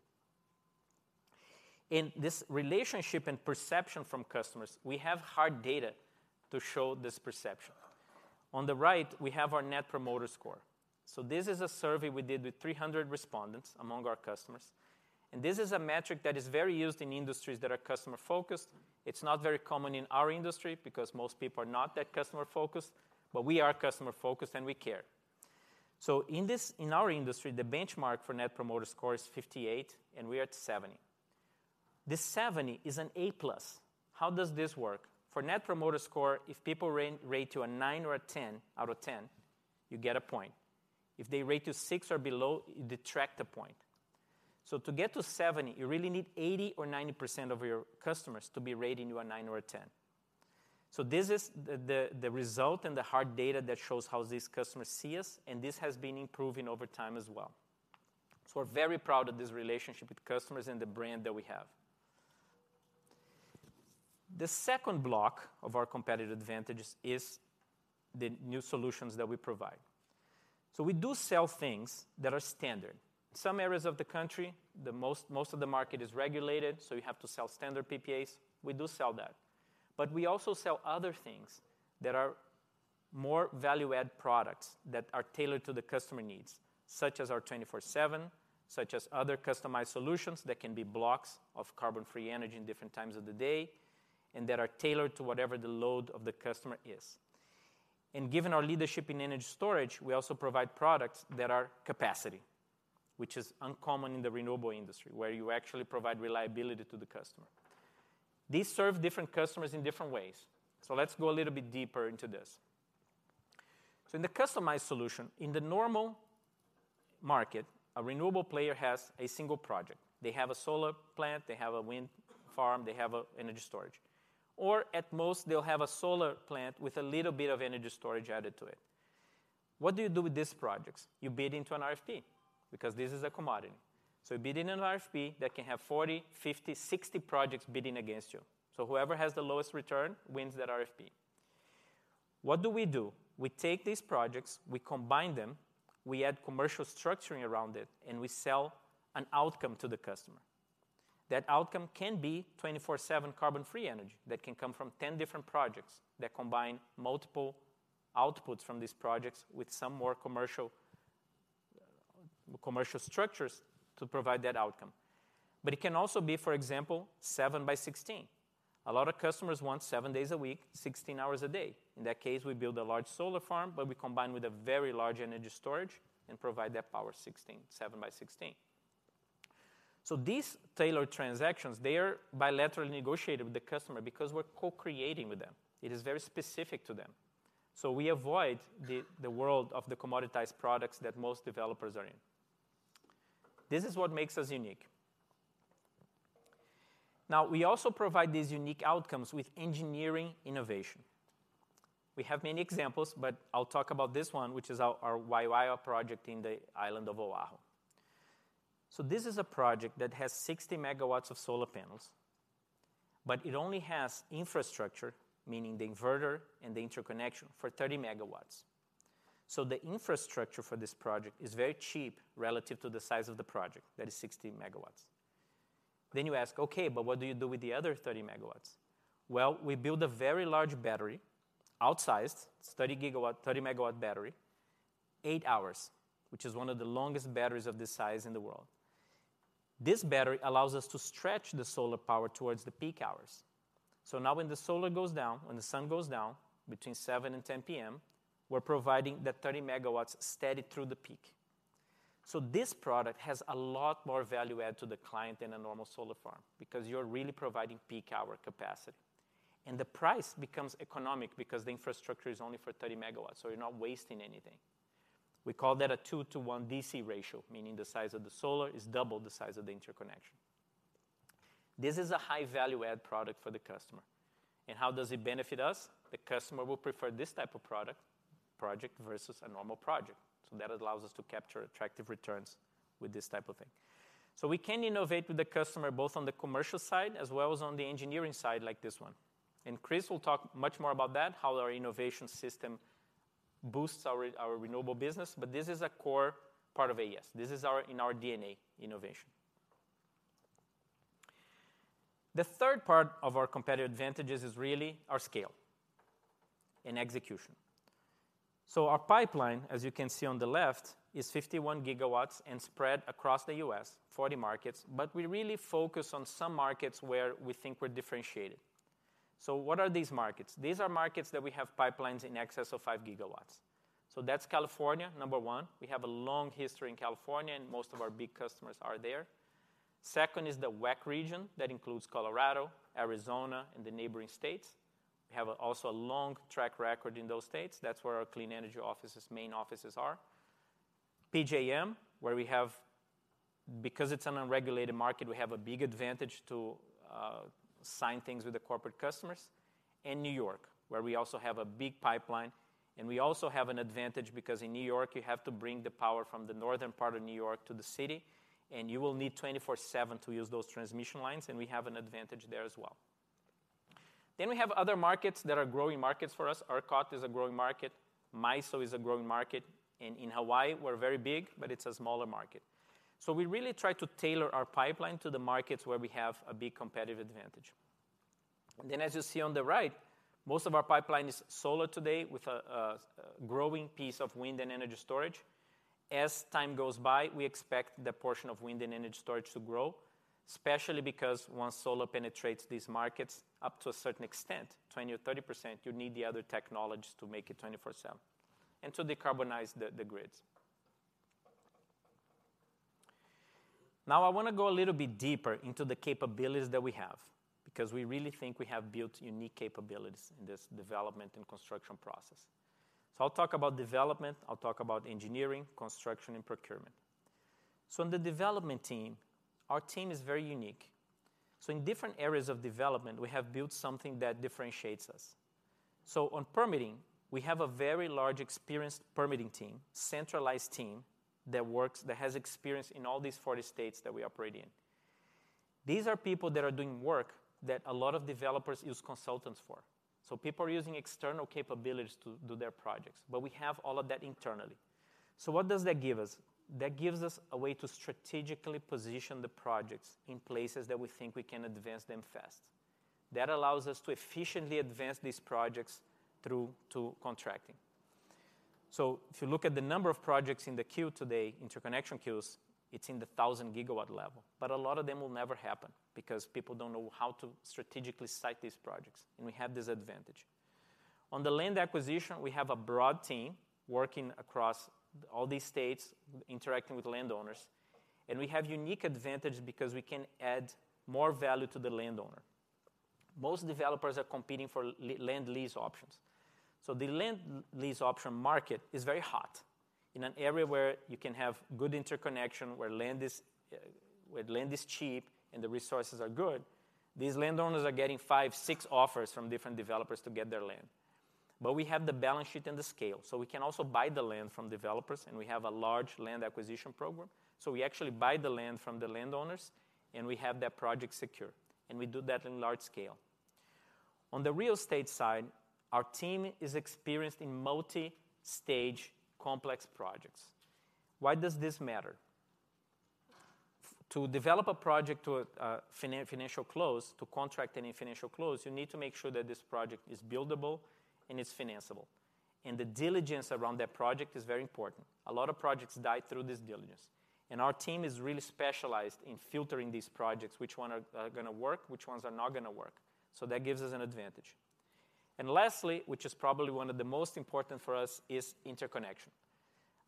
In this relationship and perception from customers, we have hard data to show this perception. On the right, we have our Net Promoter Score. This is a survey we did with 300 respondents among our customers. This is a metric that is very used in industries that are customer-focused. It's not very common in our industry because most people are not that customer-focused. We are customer-focused. We care. In this, in our industry, the benchmark for Net Promoter Score is 58. We are at 70. This 70 is an A+. How does this work? For Net Promoter Score, if people rate you a 9 or a 10 out of 10, you get a point. If they rate you 6 or below, you detract a point. To get to 70, you really need 80% or 90% of your customers to be rating you a 9 or a 10. This is the result and the hard data that shows how these customers see us, and this has been improving over time as well. We're very proud of this relationship with customers and the brand that we have. The second block of our competitive advantages is the new solutions that we provide. We do sell things that are standard. Some areas of the country, most of the market is regulated, so you have to sell standard PPAs. We do sell that. We also sell other things that are more value-add products that are tailored to the customer needs, such as our 24/7, such as other customized solutions that can be blocks of carbon-free energy in different times of the day and that are tailored to whatever the load of the customer is. Given our leadership in energy storage, we also provide products that are capacity, which is uncommon in the renewable industry, where you actually provide reliability to the customer. These serve different customers in different ways, let's go a little bit deeper into this. In the customized solution, in the normal market, a renewable player has a single project. They have a solar plant, they have a wind farm, they have a energy storage. At most, they'll have a solar plant with a little bit of energy storage added to it. What do you do with these projects? You bid into an RFP because this is a commodity. You bid in an RFP that can have 40, 50, 60 projects bidding against you. Whoever has the lowest return wins that RFP. What do we do? We take these projects, we combine them, we add commercial structuring around it, and we sell an outcome to the customer. That outcome can be 24/7 carbon-free energy that can come from 10 different projects that combine multiple outputs from these projects with some more commercial structures to provide that outcome. It can also be, for example, 7 by 16. A lot of customers want 7 days a week, 16 hours a day. In that case, we build a large solar farm, but we combine with a very large energy storage and provide that power 16, 7 by 16. These tailored transactions, they are bilaterally negotiated with the customer because we're co-creating with them. It is very specific to them. We avoid the world of the commoditized products that most developers are in. This is what makes us unique. We also provide these unique outcomes with engineering innovation. We have many examples, but I'll talk about this one, which is our Waiawa project in the island of Oahu. This is a project that has 60 MW of solar panels, but it only has infrastructure, meaning the inverter and the interconnection, for 30 MW. The infrastructure for this project is very cheap relative to the size of the project, that is 60 MW. You ask, "Okay, but what do you do with the other 30 megawatts?" Well, we build a very large battery, outsized, it's 30 gigawatt, 30-megawatt battery, 8 hours, which is one of the longest batteries of this size in the world. This battery allows us to stretch the solar power towards the peak hours. Now when the solar goes down, when the sun goes down between 7 and 10 P.M., we're providing the 30 megawatts steady through the peak. This product has a lot more value add to the client than a normal solar farm because you're really providing peak hour capacity. The price becomes economic because the infrastructure is only for 30 megawatts, so you're not wasting anything. We call that a 2-to-1 DC ratio, meaning the size of the solar is double the size of the interconnection. This is a high value add product for the customer. How does it benefit us? The customer will prefer this type of product, project versus a normal project, so that allows us to capture attractive returns with this type of thing. We can innovate with the customer, both on the commercial side as well as on the engineering side like this one. Chris will talk much more about that, how our innovation system boosts our renewable business, but this is a core part of AES. This is our, in our DNA, innovation. The third part of our competitive advantages is really our scale and execution. Our pipeline, as you can see on the left, is 51 GW and spread across the U.S., 40 markets, but we really focus on some markets where we think we're differentiated. What are these markets? These are markets that we have pipelines in excess of 5 GW. That's California, number one. We have a long history in California, and most of our big customers are there. Second is the WECC region. That includes Colorado, Arizona, and the neighboring states. We have also a long track record in those states. That's where our clean energy office's main offices are. PJM, where we have, because it's an unregulated market, we have a big advantage to sign things with the corporate customers. In New York, where we also have a big pipeline, and we also have an advantage because in New York, you have to bring the power from the northern part of New York to the city, and you will need 24/7 to use those transmission lines, and we have an advantage there as well. We have other markets that are growing markets for us. ERCOT is a growing market, MISO is a growing market, and in Hawaii, we're very big, but it's a smaller market. We really try to tailor our pipeline to the markets where we have a big competitive advantage. As you see on the right, most of our pipeline is solar today with a growing piece of wind and energy storage. As time goes by, we expect the portion of wind and energy storage to grow, especially because once solar penetrates these markets up to a certain extent, 20% or 30%, you need the other technologies to make it 24/7 and to decarbonize the grids. I want to go a little bit deeper into the capabilities that we have, because we really think we have built unique capabilities in this development and construction process. I'll talk about development, I'll talk about engineering, construction, and procurement. On the development team, our team is very unique. In different areas of development, we have built something that differentiates us. On permitting, we have a very large experienced permitting team, centralized team, that has experience in all these 40 states that we operate in. These are people that are doing work that a lot of developers use consultants for. People are using external capabilities to do their projects, but we have all of that internally. What does that give us? That gives us a way to strategically position the projects in places that we think we can advance them fast. That allows us to efficiently advance these projects through to contracting. If you look at the number of projects in the queue today, interconnection queues, it's in the 1,000 gigawatt level. A lot of them will never happen because people don't know how to strategically site these projects, and we have this advantage. On the land acquisition, we have a broad team working across all these states, interacting with landowners, and we have unique advantage because we can add more value to the landowner. Most developers are competing for land lease options. The land lease option market is very hot. In an area where you can have good interconnection, where land is, where land is cheap, and the resources are good, these landowners are getting five, six offers from different developers to get their land. We have the balance sheet and the scale, so we can also buy the land from developers, and we have a large land acquisition program. We actually buy the land from the landowners, and we have that project secure. We do that in large scale. On the real estate side, our team is experienced in multi-stage complex projects. Why does this matter? To develop a project to a financial close, to contract any financial close, you need to make sure that this project is buildable and it's financeable. The diligence around that project is very important. A lot of projects die through this diligence. Our team is really specialized in filtering these projects. Which ones are gonna work, which ones are not gonna work. That gives us an advantage. Lastly, which is probably one of the most important for us, is interconnection.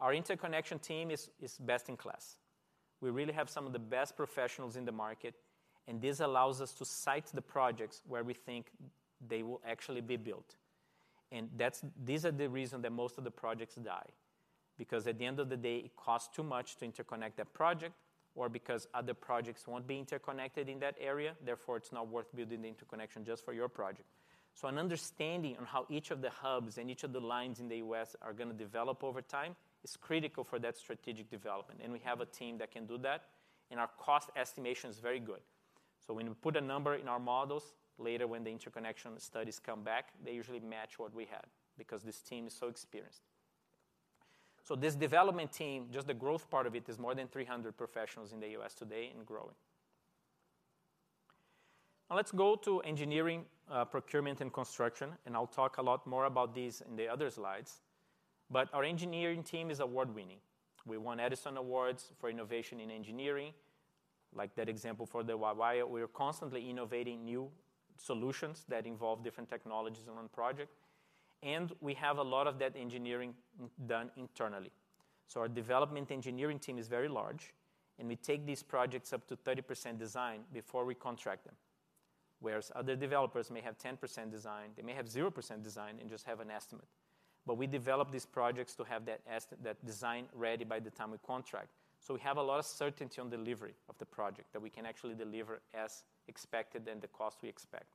Our interconnection team is best in class. We really have some of the best professionals in the market, and this allows us to site the projects where we think they will actually be built. These are the reason that most of the projects die. Because at the end of the day, it costs too much to interconnect that project or because other projects won't be interconnected in that area, therefore, it's not worth building the interconnection just for your project. An understanding on how each of the hubs and each of the lines in the U.S. are gonna develop over time is critical for that strategic development. We have a team that can do that, and our cost estimation is very good. When we put a number in our models, later when the interconnection studies come back, they usually match what we had because this team is so experienced. This development team, just the growth part of it, is more than 300 professionals in the U.S. today and growing. Let's go to engineering, procurement, and construction, and I'll talk a lot more about these in the other slides. Our engineering team is award-winning. We won Edison Awards for innovation in engineering, like that example for the Hawaii. We are constantly innovating new solutions that involve different technologies on project. We have a lot of that engineering done internally. Our development engineering team is very large, and we take these projects up to 30% design before we contract them. Whereas other developers may have 10% design, they may have 0% design and just have an estimate. We develop these projects to have that design ready by the time we contract. We have a lot of certainty on delivery of the project, that we can actually deliver as expected and the cost we expect.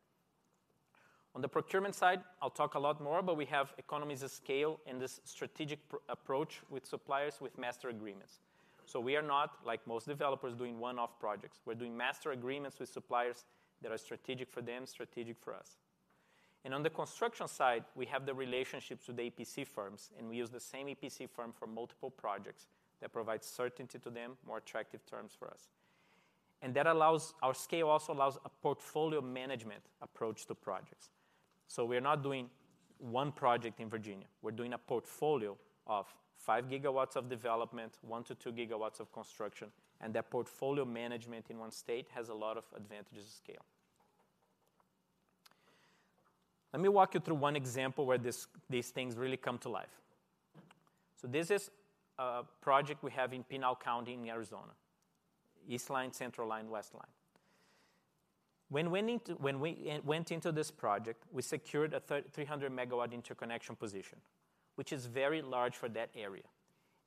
On the procurement side, I'll talk a lot more, we have economies of scale and this strategic approach with suppliers with master agreements. We are not, like most developers, doing one-off projects. We're doing master agreements with suppliers that are strategic for them, strategic for us. On the construction side, we have the relationships with EPC firms, and we use the same EPC firm for multiple projects. That provides certainty to them, more attractive terms for us. That allows our scale also allows a portfolio management approach to projects. We are not doing one project in Virginia. We're doing a portfolio of 5 GW of development, 1-2 GW of construction, and that portfolio management in one state has a lot of advantages of scale. Let me walk you through one example where this, these things really come to life. This is a project we have in Pinal County in Arizona. East Line, Central Line, West Line. When we went into this project, we secured a 300 MW interconnection position, which is very large for that area.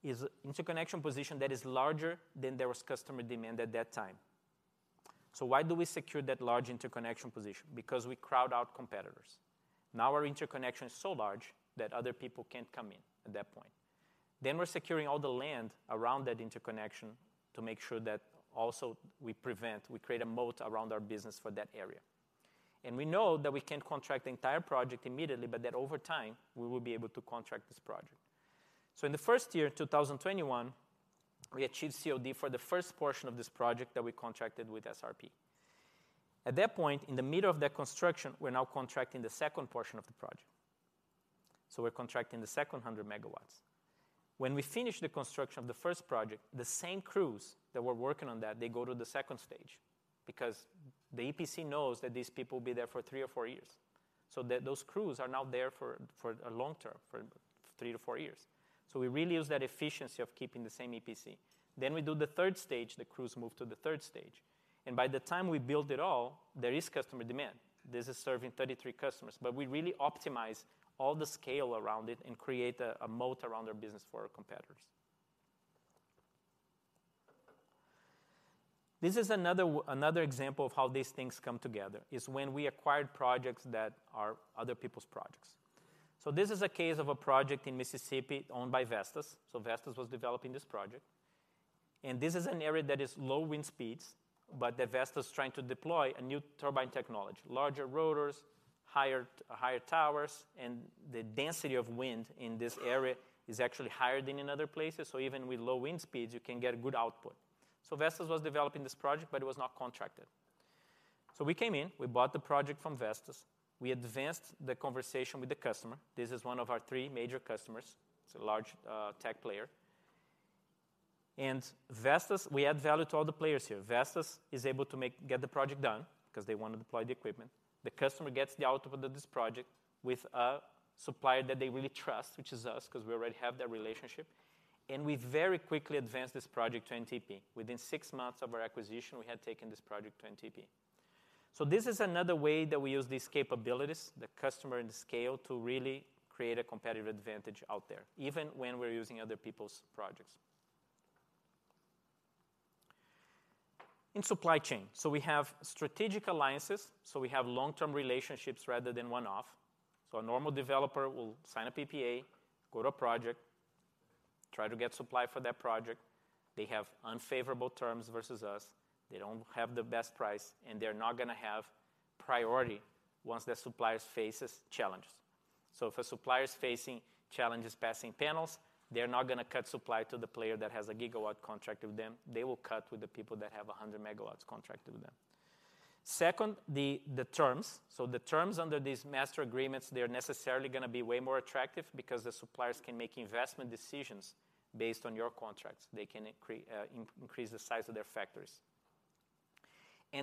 Is interconnection position that is larger than there was customer demand at that time. Why do we secure that large interconnection position? Because we crowd out competitors. Now our interconnection is so large that other people can't come in at that point. We're securing all the land around that interconnection to make sure that also we prevent, we create a moat around our business for that area. We know that we can't contract the entire project immediately, but that over time, we will be able to contract this project. In the first year, 2021, we achieved COD for the first portion of this project that we contracted with SRP. At that point, in the middle of that construction, we're now contracting the second portion of the project. We're contracting the second 100 megawatts. When we finish the construction of the first project, the same crews that were working on that, they go to the second stage because the EPC knows that these people will be there for three or four years. Those crews are now there for a long term, for 3 to 4 years. We really use that efficiency of keeping the same EPC. We do the third stage, the crews move to the third stage, and by the time we build it all, there is customer demand. This is serving 33 customers. We really optimize all the scale around it and create a moat around our business for our competitors. This is another example of how these things come together, is when we acquired projects that are other people's projects. This is a case of a project in Mississippi owned by Vestas. Vestas was developing this project, and this is an area that is low wind speeds, but that Vestas is trying to deploy a new turbine technology, larger rotors, higher towers, and the density of wind in this area is actually higher than in other places, so even with low wind speeds, you can get good output. Vestas was developing this project, but it was not contracted. We came in, we bought the project from Vestas. We advanced the conversation with the customer. This is one of our 3 major customers. It's a large, tech player. Vestas, we add value to all the players here. Vestas is able to get the project done because they want to deploy the equipment. The customer gets the output of this project with a supplier that they really trust, which is us, because we already have that relationship. We very quickly advanced this project to NTP. Within 6 months of our acquisition, we had taken this project to NTP. This is another way that we use these capabilities, the customer and the scale, to really create a competitive advantage out there, even when we're using other people's projects. In supply chain, we have strategic alliances, we have long-term relationships rather than one-off. A normal developer will sign a PPA, go to a project, try to get supply for that project. They have unfavorable terms versus us. They don't have the best price, and they're not going to have priority once their suppliers faces challenges. If a supplier is facing challenges passing panels, they're not gonna cut supply to the player that has a gigawatt contract with them. They will cut with the people that have a 100 megawatts contract with them. Second, the terms. The terms under these master agreements, they're necessarily gonna be way more attractive because the suppliers can make investment decisions based on your contracts. They can increase the size of their factories.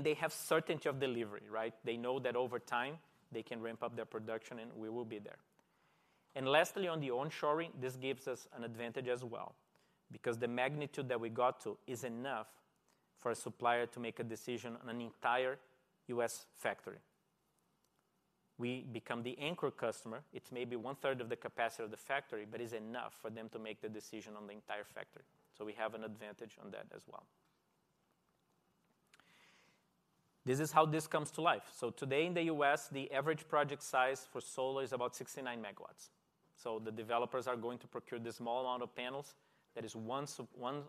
They have certainty of delivery, right? They know that over time, they can ramp up their production, and we will be there. Lastly, on the onshoring, this gives us an advantage as well because the magnitude that we got to is enough for a supplier to make a decision on an entire US factory. We become the anchor customer. It may be one-third of the capacity of the factory, but is enough for them to make the decision on the entire factory. We have an advantage on that as well. This is how this comes to life. Today in the U.S., the average project size for solar is about 69 megawatts. The developers are going to procure this small amount of panels. That is one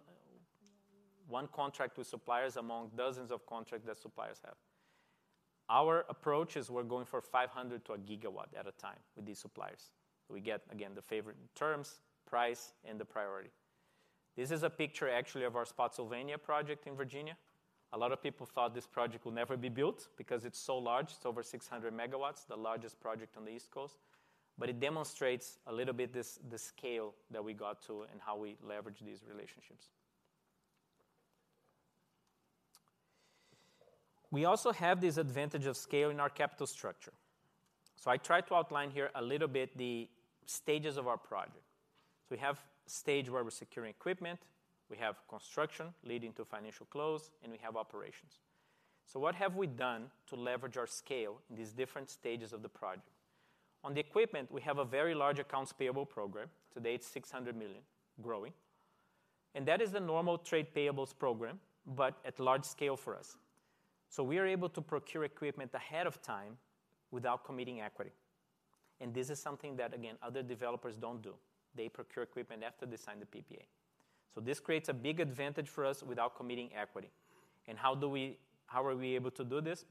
contract with suppliers among dozens of contract that suppliers have. Our approach is we're going for 500 to a gigawatt at a time with these suppliers. We get, again, the favorite terms, price, and the priority. This is a picture actually of our Spotsylvania project in Virginia. A lot of people thought this project would never be built because it's so large. It's over 600 megawatts, the largest project on the East Coast. It demonstrates a little bit this, the scale that we got to and how we leverage these relationships. We also have this advantage of scale in our capital structure. I tried to outline here a little bit the stages of our project. We have stage where we're securing equipment, we have construction leading to financial close, and we have operations. What have we done to leverage our scale in these different stages of the project? On the equipment, we have a very large accounts payable program. Today, it's $600 million, growing. That is the normal trade payables program, but at large scale for us. We are able to procure equipment ahead of time without committing equity. This is something that, again, other developers don't do. They procure equipment after they sign the PPA. This creates a big advantage for us without committing equity. How are we able to do this?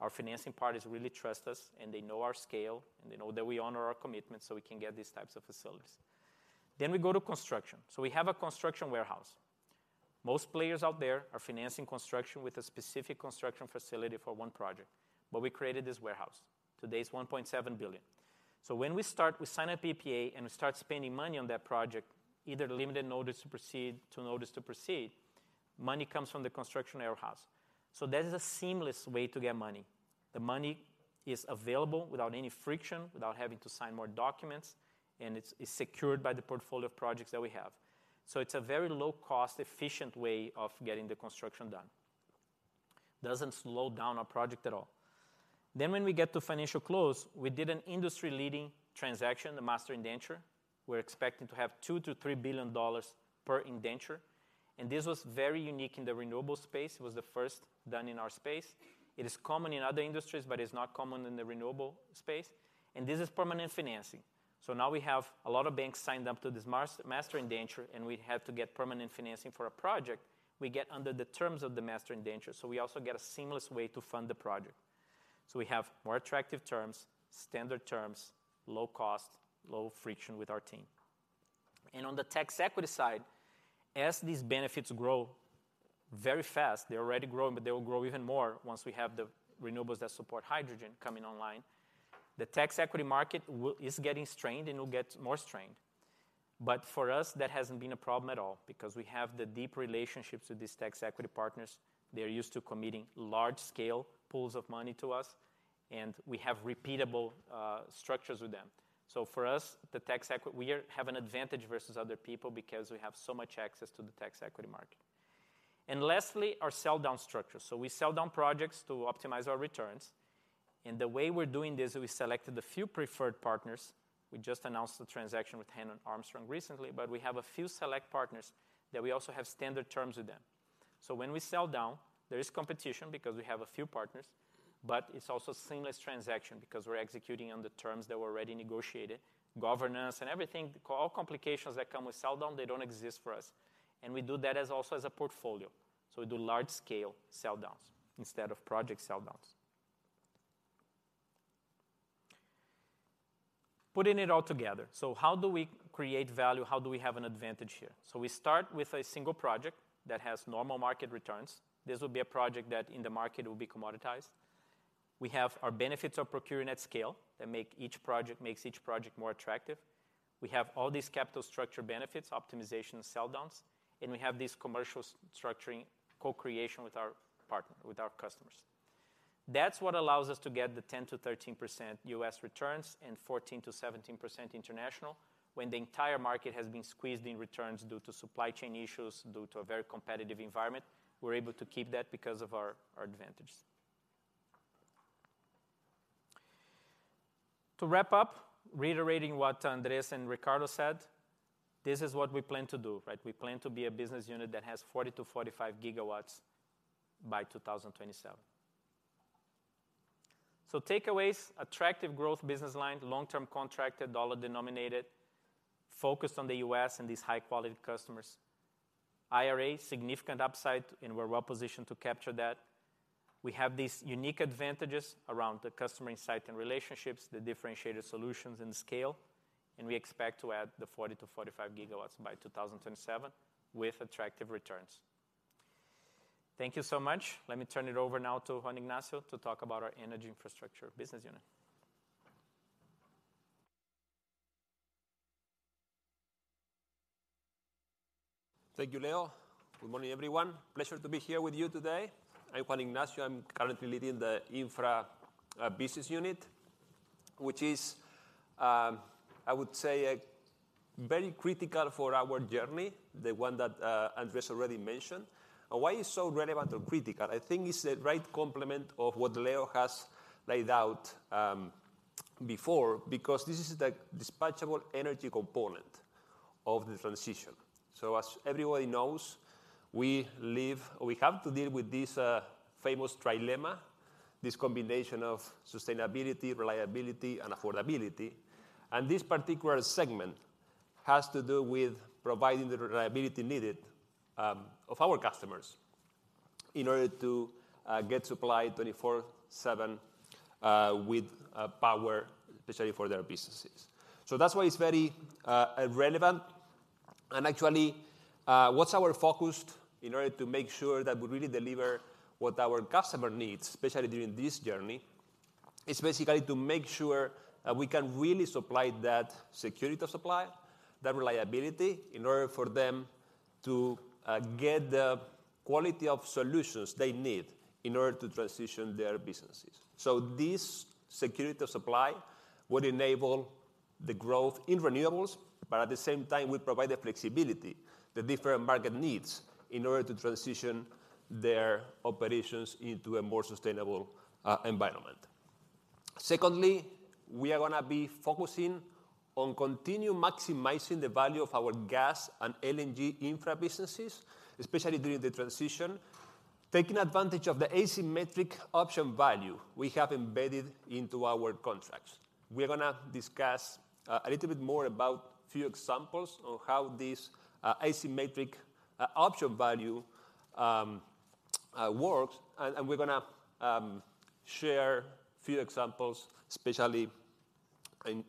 Our financing parties really trust us, and they know our scale, and they know that we honor our commitments, so we can get these types of facilities. We go to construction. We have a construction warehouse. Most players out there are financing construction with a specific construction facility for one project. We created this warehouse. Today, it's $1.7 billion. When we start, we sign a PPA, and we start spending money on that project, either limited notice to proceed to notice to proceed, money comes from the construction warehouse. That is a seamless way to get money. The money is available without any friction, without having to sign more documents, and it's secured by the portfolio of projects that we have. It's a very low cost, efficient way of getting the construction done. Doesn't slow down our project at all. When we get to financial close, we did an industry-leading transaction, the master indenture. We're expecting to have $2 billion-$3 billion per indenture, and this was very unique in the renewable space. It was the first done in our space. It is common in other industries, but it's not common in the renewable space. This is permanent financing. Now we have a lot of banks signed up to this master indenture, and we have to get permanent financing for a project we get under the terms of the master indenture. We also get a seamless way to fund the project. We have more attractive terms, standard terms, low cost, low friction with our team. On the tax equity side, as these benefits grow very fast, they're already growing, but they will grow even more once we have the renewables that support hydrogen coming online. The tax equity market is getting strained and will get more strained. For us, that hasn't been a problem at all because we have the deep relationships with these tax equity partners. They're used to committing large scale pools of money to us, and we have repeatable structures with them. For us, the tax equity. We have an advantage versus other people because we have so much access to the tax equity market. Lastly, our sell down structure. We sell down projects to optimize our returns. The way we're doing this, we selected a few preferred partners. We just announced the transaction with Hannon Armstrong recently, we have a few select partners that we also have standard terms with them. When we sell down, there is competition because we have a few partners, but it's also seamless transaction because we're executing on the terms that were already negotiated, governance and everything. All complications that come with sell down, they don't exist for us, we do that as also as a portfolio. We do large scale sell downs instead of project sell downs. Putting it all together. How do we create value? How do we have an advantage here? We start with a single project that has normal market returns. This will be a project that in the market will be commoditized. We have our benefits of procuring at scale that make each project more attractive. We have all these capital structure benefits, optimization sell downs. We have these commercial structuring co-creation with our customers. That's what allows us to get the 10%-13% U.S. returns and 14%-17% international. When the entire market has been squeezed in returns due to supply chain issues, due to a very competitive environment, we're able to keep that because of our advantage. To wrap up, reiterating what Andrés and Ricardo said, this is what we plan to do, right? We plan to be a business unit that has 40-45 GW by 2027. Takeaways, attractive growth business line, long-term contracted, dollar-denominated, focused on the U.S. and these high-quality customers. IRA, significant upside, and we're well positioned to capture that. We have these unique advantages around the customer insight and relationships, the differentiated solutions and scale, and we expect to add the 40 to 45 GW by 2007 with attractive returns. Thank you so much. Let me turn it over now to Juan Ignacio to talk about our Energy Infrastructure business unit. Thank you, Leo. Good morning, everyone. Pleasure to be here with you today. I'm Juan Ignacio. I'm currently leading the infra business unit, which is, I would say, a very critical for our journey, the one that Andrés already mentioned. Why it's so relevant or critical, I think it's the right complement of what Leo has laid out before, because this is the dispatchable energy component of the transition. As everybody knows, we live, we have to deal with this famous trilemma, this combination of sustainability, reliability and affordability. This particular segment has to do with providing the reliability needed of our customers in order to get supply 24/7 with power especially for their businesses. That's why it's very relevant and actually, what's our focus in order to make sure that we really deliver what our customer needs, especially during this journey, is basically to make sure that we can really supply that security of supply, that reliability, in order for them to get the quality of solutions they need in order to transition their businesses. This security of supply would enable the growth in renewables, but at the same time would provide the flexibility the different market needs in order to transition their operations into a more sustainable environment. Secondly, we are gonna be focusing on continue maximizing the value of our gas and LNG infra businesses, especially during the transition, taking advantage of the asymmetric option value we have embedded into our contracts. We're gonna discuss a little bit more about few examples on how this asymmetric option value works, and we're gonna share a few examples, especially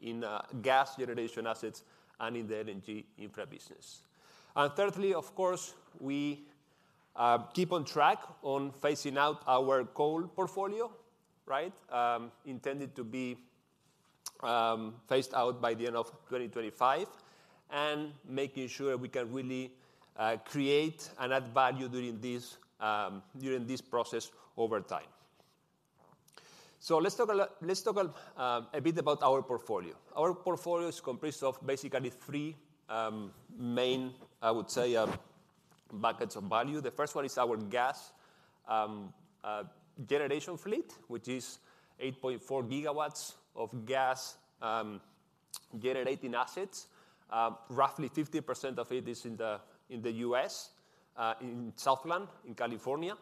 in gas generation assets and in the LNG infra business. Thirdly, of course, we keep on track on phasing out our coal portfolio, right? Intended to be phased out by the end of 2025, and making sure we can really create and add value during this process over time. Let's talk a bit about our portfolio. Our portfolio is comprised of basically three main, I would say, buckets of value. The first one is our gas generation fleet, which is 8.4 GW of gas generating assets. Roughly 50% of it is in the U.S., in Southland, in California.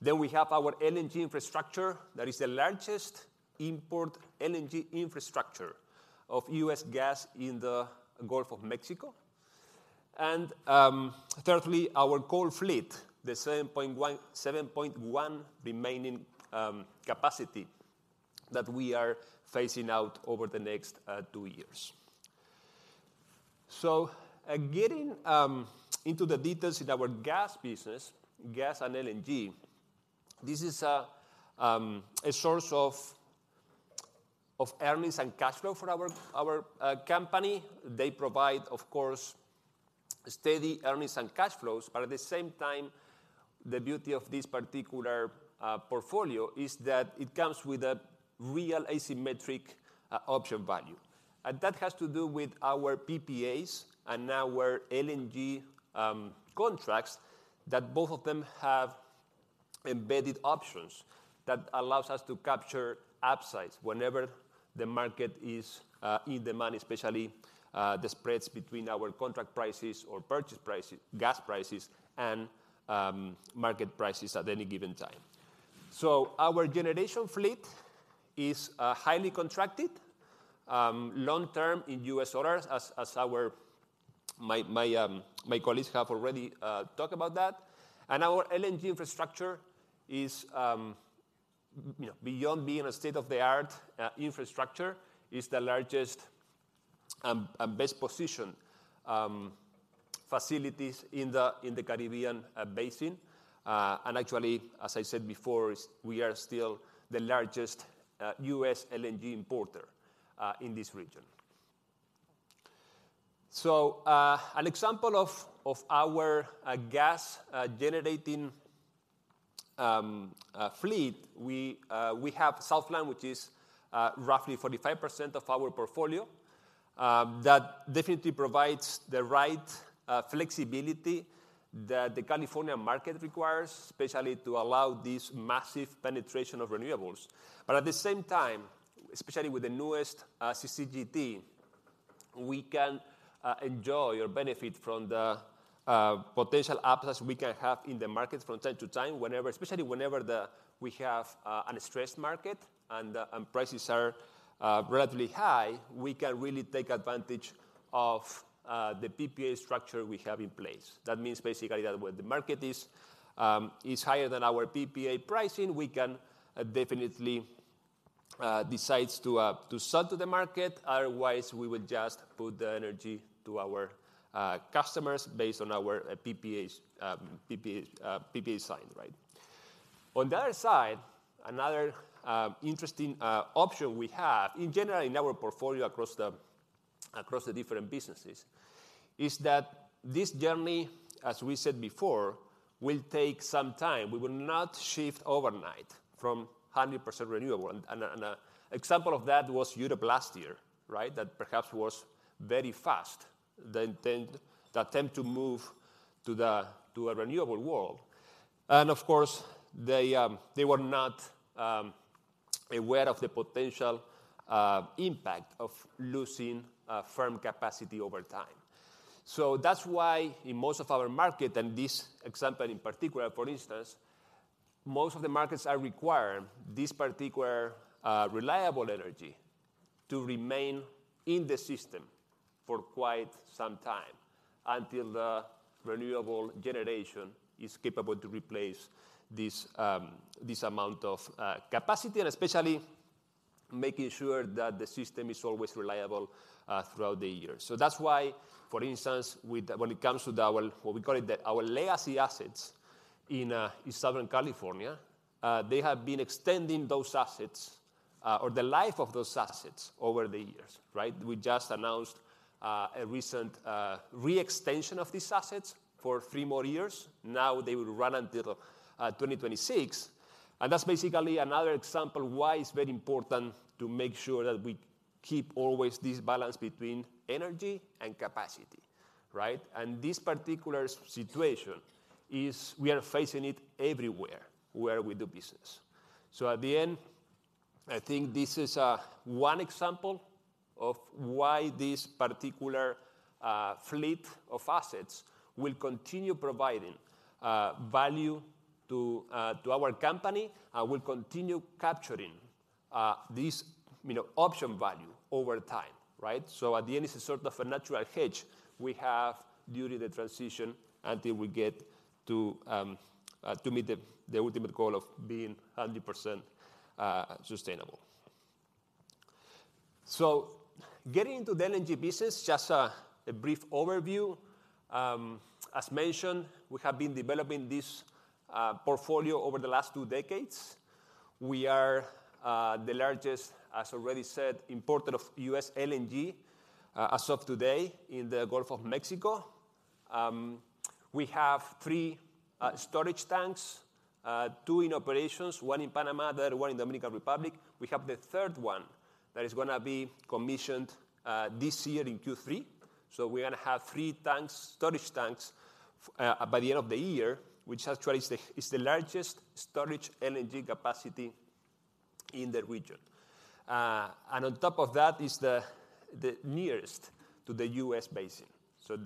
We have our LNG infrastructure that is the largest import LNG infrastructure of U.S. gas in the Gulf of Mexico. Thirdly, our coal fleet, the 7.1 remaining capacity that we are phasing out over the next two years. Getting into the details in our gas business, gas and LNG, this is a source of earnings and cash flow for our company. They provide, of course, steady earnings and cash flows, but at the same time, the beauty of this particular portfolio is that it comes with a real asymmetric option value. That has to do with our PPAs and now our LNG contracts that both of them have embedded options that allows us to capture upsides whenever the market is in demand, especially the spreads between our contract prices or purchase prices, gas prices, and market prices at any given time. Our generation fleet is highly contracted long-term in US dollars as our colleagues have already talked about that. Our LNG infrastructure is, you know, beyond being a state-of-the-art infrastructure, is the largest and best-positioned facilities in the Caribbean basin. Actually, as I said before, we are still the largest U.S. LNG importer in this region. An example of our gas generating fleet, we have Southland, which is roughly 45% of our portfolio, that definitely provides the right flexibility that the California market requires, especially to allow this massive penetration of renewables. At the same time, especially with the newest CCGT, we can enjoy or benefit from the potential surplus we can have in the market from time to time, whenever, especially whenever we have a stressed market and prices are relatively high, we can really take advantage of the PPA structure we have in place. That means basically that when the market is higher than our PPA pricing, we can definitely decide to sell to the market. Otherwise, we would just put the energy to our customers based on our PPAs signed, right? On the other side, another interesting option we have in general in our portfolio across the different businesses is that this journey, as we said before, will take some time. We will not shift overnight from 100% renewable. An example of that was Europe last year, right? That perhaps was very fast, the intent, the attempt to move to a renewable world. Of course, they were not aware of the potential impact of losing firm capacity over time. That's why in most of our market, and this example in particular, for instance, most of the markets are requiring this particular reliable energy to remain in the system for quite some time until the renewable generation is capable to replace this amount of capacity, and especially making sure that the system is always reliable throughout the year. That's why, for instance, when it comes to our, what we call it the, our legacy assets in Southern California, they have been extending those assets or the life of those assets over the years, right? We just announced a recent re-extension of these assets for three more years. Now they will run until 2026. That's basically another example why it's very important to make sure that we keep always this balance between energy and capacity, right? This particular situation is we are facing it everywhere where we do business. At the end, I think this is one example of why this particular fleet of assets will continue providing value to to our company, will continue capturing this, you know, option value over time, right? At the end, it's a sort of a natural hedge we have during the transition until we get to meet the ultimate goal of being 100% sustainable. Getting into the LNG business, just a brief overview. As mentioned, we have been developing this portfolio over the last two decades. We are the largest, as already said, importer of US LNG as of today in the Gulf of Mexico. We have 3 storage tanks, 2 in operations, 1 in Panama, the other one in Dominican Republic. We have the third one that is gonna be commissioned this year in Q3. We're gonna have 3 tanks, storage tanks by the end of the year, which actually is the largest storage LNG capacity in the region. On top of that is the nearest to the US basin.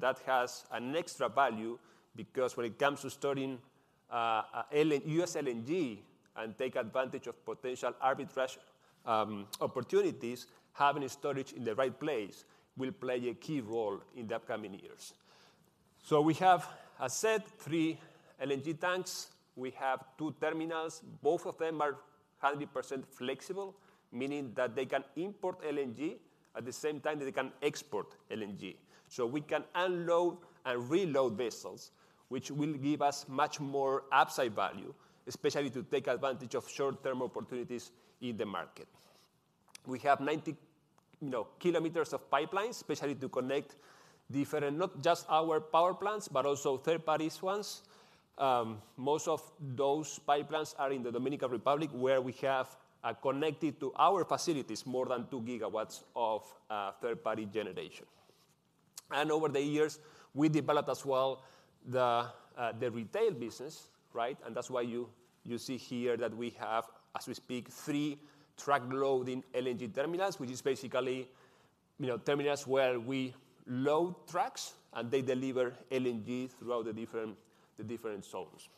That has an extra value because when it comes to storing US LNG and take advantage of potential arbitrage opportunities, having a storage in the right place will play a key role in the upcoming years. We have, I said, 3 LNG tanks. We have two terminals. Both of them are 100% flexible, meaning that they can import LNG at the same time that they can export LNG. We can unload and reload vessels, which will give us much more upside value, especially to take advantage of short-term opportunities in the market. We have 90, you know, kilometers of pipelines, especially to connect different, not just our power plants, but also third parties ones. Most of those pipelines are in the Dominican Republic, where we have connected to our facilities more than 2 GW of third-party generation. Over the years, we developed as well the retail business, right? That's why you see here that we have, as we speak, 3 truck loading LNG terminals, which is basically, you know, terminals where we load trucks and they deliver LNG throughout the different zones.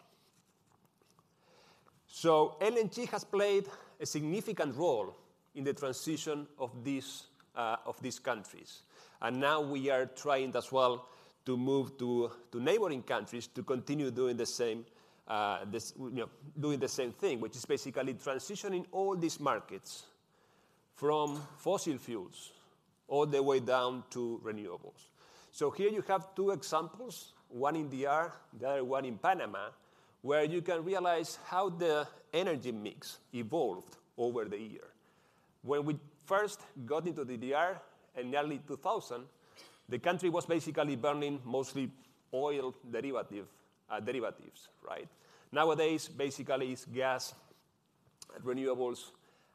LNG has played a significant role in the transition of these countries. Now we are trying as well to move to neighboring countries to continue doing the same, you know, doing the same thing, which is basically transitioning all these markets from fossil fuels all the way down to renewables. Here you have 2 examples, one in DR, the other one in Panama, where you can realize how the energy mix evolved over the year. When we first got into the DR in the early 2000, the country was basically burning mostly oil derivatives, right? Nowadays, basically it's gas, renewables,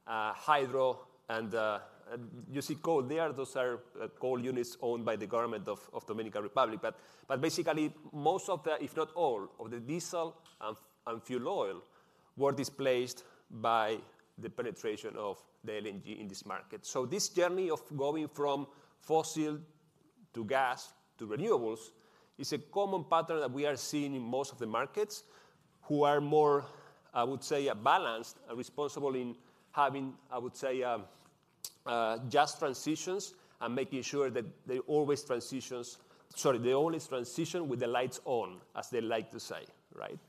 hydro and you see coal. Those are coal units owned by the government of Dominican Republic. Basically most of the, if not all, of the diesel and fuel oil were displaced by the penetration of the LNG in this market. This journey of going from fossil to gas to renewables is a common pattern that we are seeing in most of the markets who are more, I would say, balanced and responsible in having, I would say, just transitions and making sure that they always transitions, sorry, they always transition with the lights on, as they like to say, right?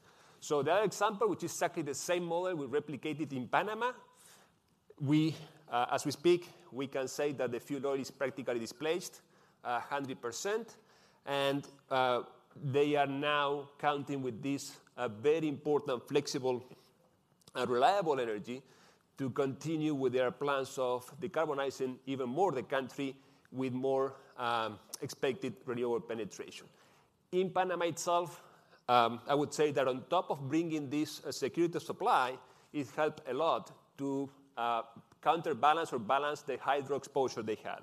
The other example, which is exactly the same model, we replicated in Panama. We, as we speak, we can say that the fuel oil is practically displaced 100%. They are now counting with this very important, flexible, and reliable energy to continue with their plans of decarbonizing even more the country with more expected renewable penetration. In Panama itself, I would say that on top of bringing this security supply, it helped a lot to counterbalance or balance the hydro exposure they had.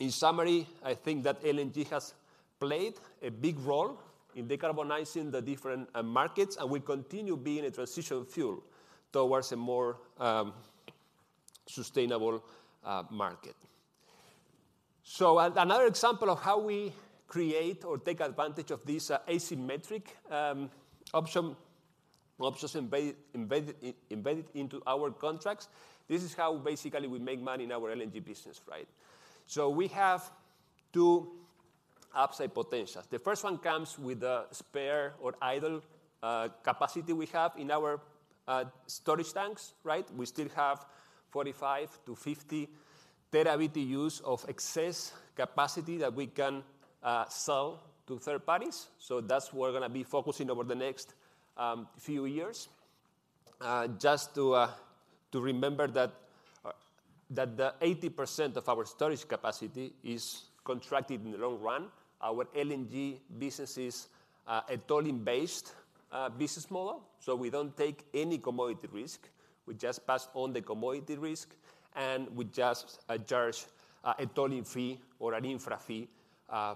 In summary, I think that LNG has played a big role in decarbonizing the different markets, and will continue being a transitional fuel towards a more sustainable market. Another example of how we create or take advantage of these asymmetric option, options embedded into our contracts, this is how basically we make money in our LNG business, right? We have two upside potentials. The first one comes with the spare or idle capacity we have in our storage tanks, right? We still have 45 to 50 terabyte use of excess capacity that we can sell to third parties. That's what we're gonna be focusing over the next few years. Just to remember that the 80% of our storage capacity is contracted in the long run. Our LNG business is a tolling-based business model, so we don't take any commodity risk. We just pass on the commodity risk, and we just charge a tolling fee or an infra fee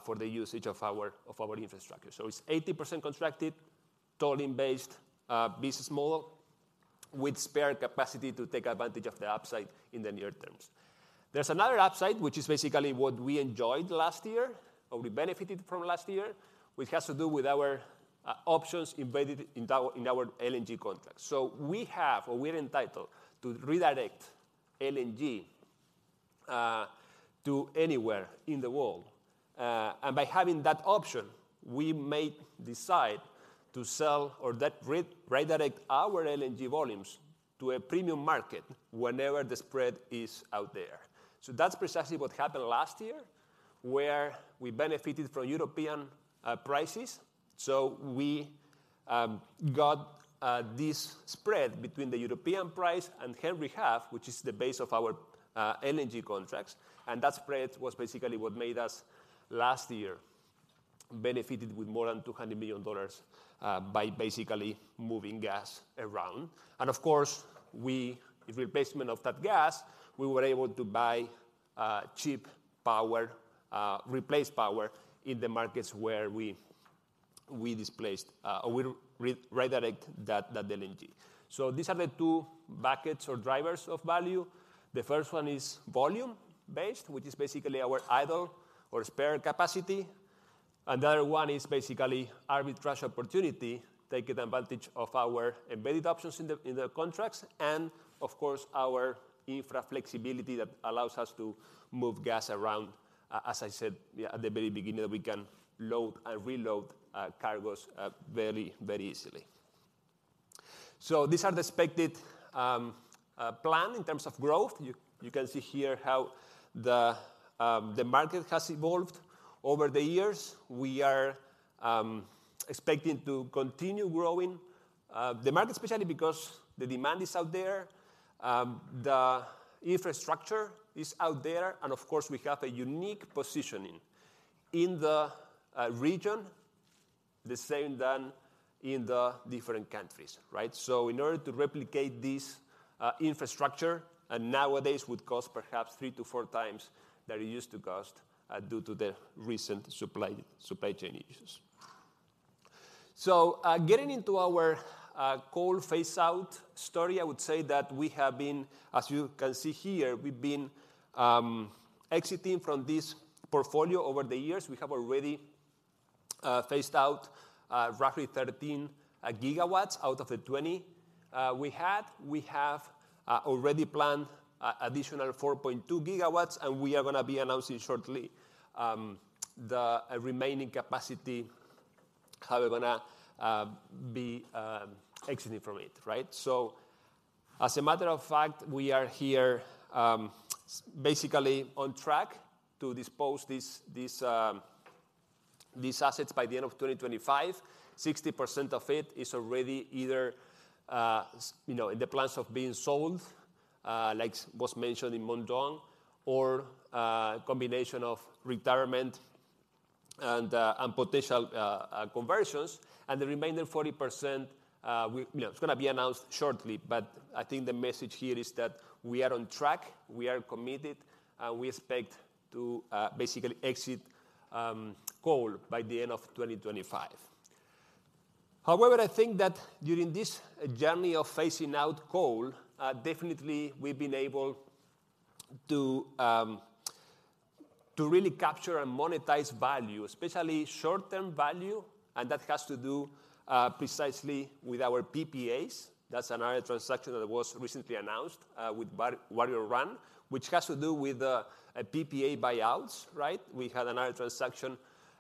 for the usage of our infrastructure. It's 80% contracted, tolling-based business model with spare capacity to take advantage of the upside in the near terms. There's another upside, which is basically what we enjoyed last year, or we benefited from last year, which has to do with our options embedded in our LNG contracts. We have, or we're entitled to redirect LNG to anywhere in the world. And by having that option, we may decide to sell or that re-redirect our LNG volumes to a premium market whenever the spread is out there. That's precisely what happened last year, where we benefited from European prices. We got this spread between the European price and Henry Hub, which is the base of our LNG contracts. And that spread was basically what made us last year benefited with more than $200 million by basically moving gas around. Of course, we, the replacement of that gas, we were able to buy cheap power, replace power in the markets where we displaced, or we re-redirect that LNG. These are the two buckets or drivers of value. The first one is volume-based, which is basically our idle or spare capacity. Another one is basically arbitrage opportunity, taking advantage of our embedded options in the contracts, and of course, our infra flexibility that allows us to move gas around, as I said at the very beginning, that we can load and reload cargos very, very easily. These are the expected plan in terms of growth. You can see here how the market has evolved over the years. We are expecting to continue growing the market especially because the demand is out there, the infrastructure is out there, and of course, we have a unique positioning in the region, the same than in the different countries, right? In order to replicate this infrastructure, and nowadays would cost perhaps 3 to 4 times than it used to cost due to the recent supply chain issues. Getting into our coal phase out story, I would say that we have been, as you can see here, we've been exiting from this portfolio over the years. We have already phased out roughly 13 GW out of the 20 we had. We have already planned additional 4.2 GW, and we are gonna be announcing shortly the remaining capacity, how we're gonna be exiting from it, right? As a matter of fact, we are here basically on track to dispose these assets by the end of 2025. 60% of it is already either, you know, in the plans of being sold, like was mentioned in Mong Duong, or a combination of retirement and potential conversions. The remaining 40%, we, you know, it's gonna be announced shortly. I think the message here is that we are on track, we are committed, and we expect to basically exit coal by the end of 2025. I think that during this journey of phasing out coal, definitely we've been able to really capture and monetize value, especially short-term value, and that has to do precisely with our PPAs. That's another transaction that was recently announced with Warrior Run, which has to do with a PPA buyouts, right? We had another transaction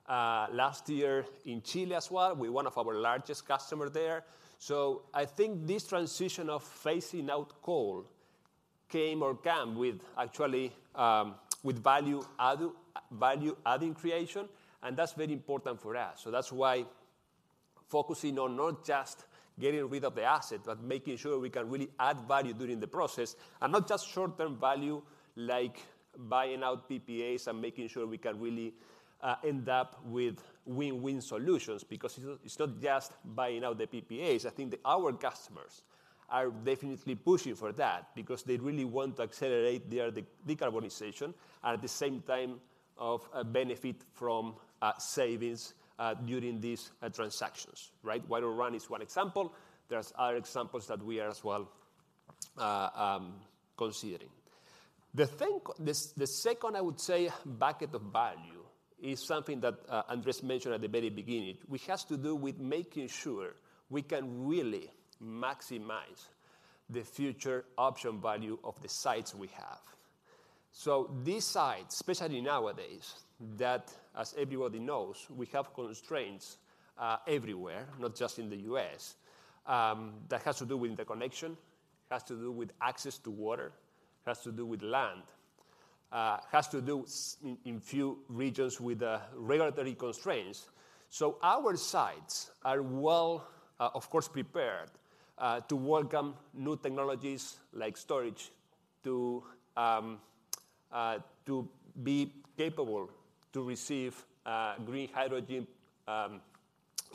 last year in Chile as well with one of our largest customer there. I think this transition of phasing out coal came or come with actually, with value-adding creation, and that's very important for us. That's why focusing on not just getting rid of the asset, but making sure we can really add value during the process, and not just short-term value like buying out PPAs and making sure we can really end up with win-win solutions because it's not just buying out the PPAs. I think our customers are definitely pushing for that because they really want to accelerate their decarbonization at the same time of benefit from savings during these transactions, right? Warrior Run is one example. There's other examples that we are as well considering. The second I would say bucket of value is something that Andrés mentioned at the very beginning, which has to do with making sure we can really maximize the future option value of the sites we have. These sites, especially nowadays, that as everybody knows, we have constraints everywhere, not just in the U.S., that has to do with the connection, has to do with access to water, has to do with land, has to do in few regions with the regulatory constraints. Our sites are well, of course, prepared, to welcome new technologies like storage to be capable to receive green hydrogen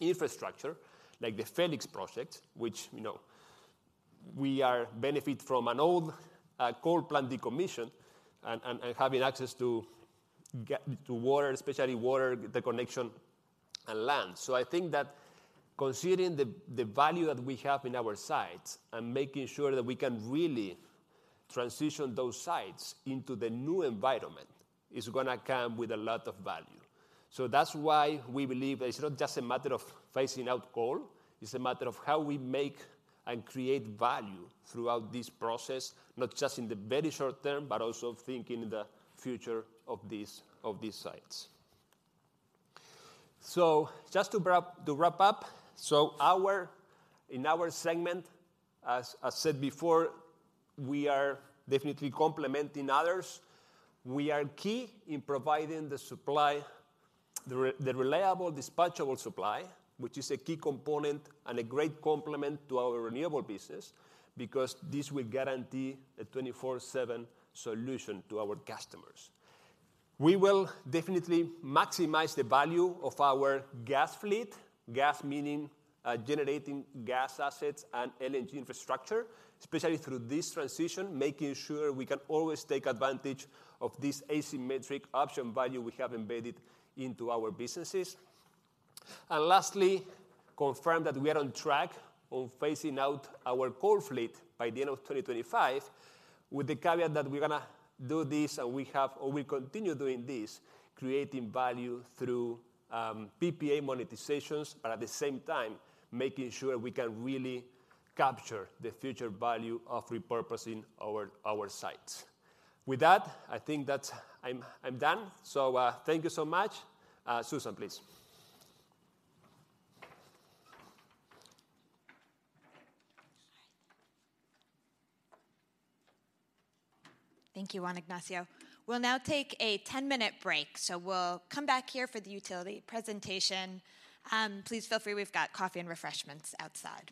infrastructure like the Felix project, which, you know, we are benefit from an old coal plant decommission and having access to water, especially water, the connection and land. I think that considering the value that we have in our sites and making sure that we can really transition those sites into the new environment is gonna come with a lot of value. That's why we believe that it's not just a matter of phasing out coal, it's a matter of how we make and create value throughout this process, not just in the very short term, but also thinking in the future of these sites. Just to wrap up. Our, in our segment, as said before, we are definitely complementing others. We are key in providing the supply, the reliable dispatchable supply, which is a key component and a great complement to our renewable business because this will guarantee a 24/7 solution to our customers. We will definitely maximize the value of our gas fleet, gas meaning, generating gas assets and LNG infrastructure, especially through this transition, making sure we can always take advantage of this asymmetric option value we have embedded into our businesses. Lastly, confirm that we are on track on phasing out our coal fleet by the end of 2025, with the caveat that we're gonna do this and we continue doing this, creating value through PPA monetizations, but at the same time making sure we can really capture the future value of repurposing our sites. With that, I think that I'm done. Thank you so much. Susan, please. Thank you, Juan Ignacio. We'll now take a 10-minute break. We'll come back here for the utility presentation. Please feel free. We've got coffee and refreshments outside.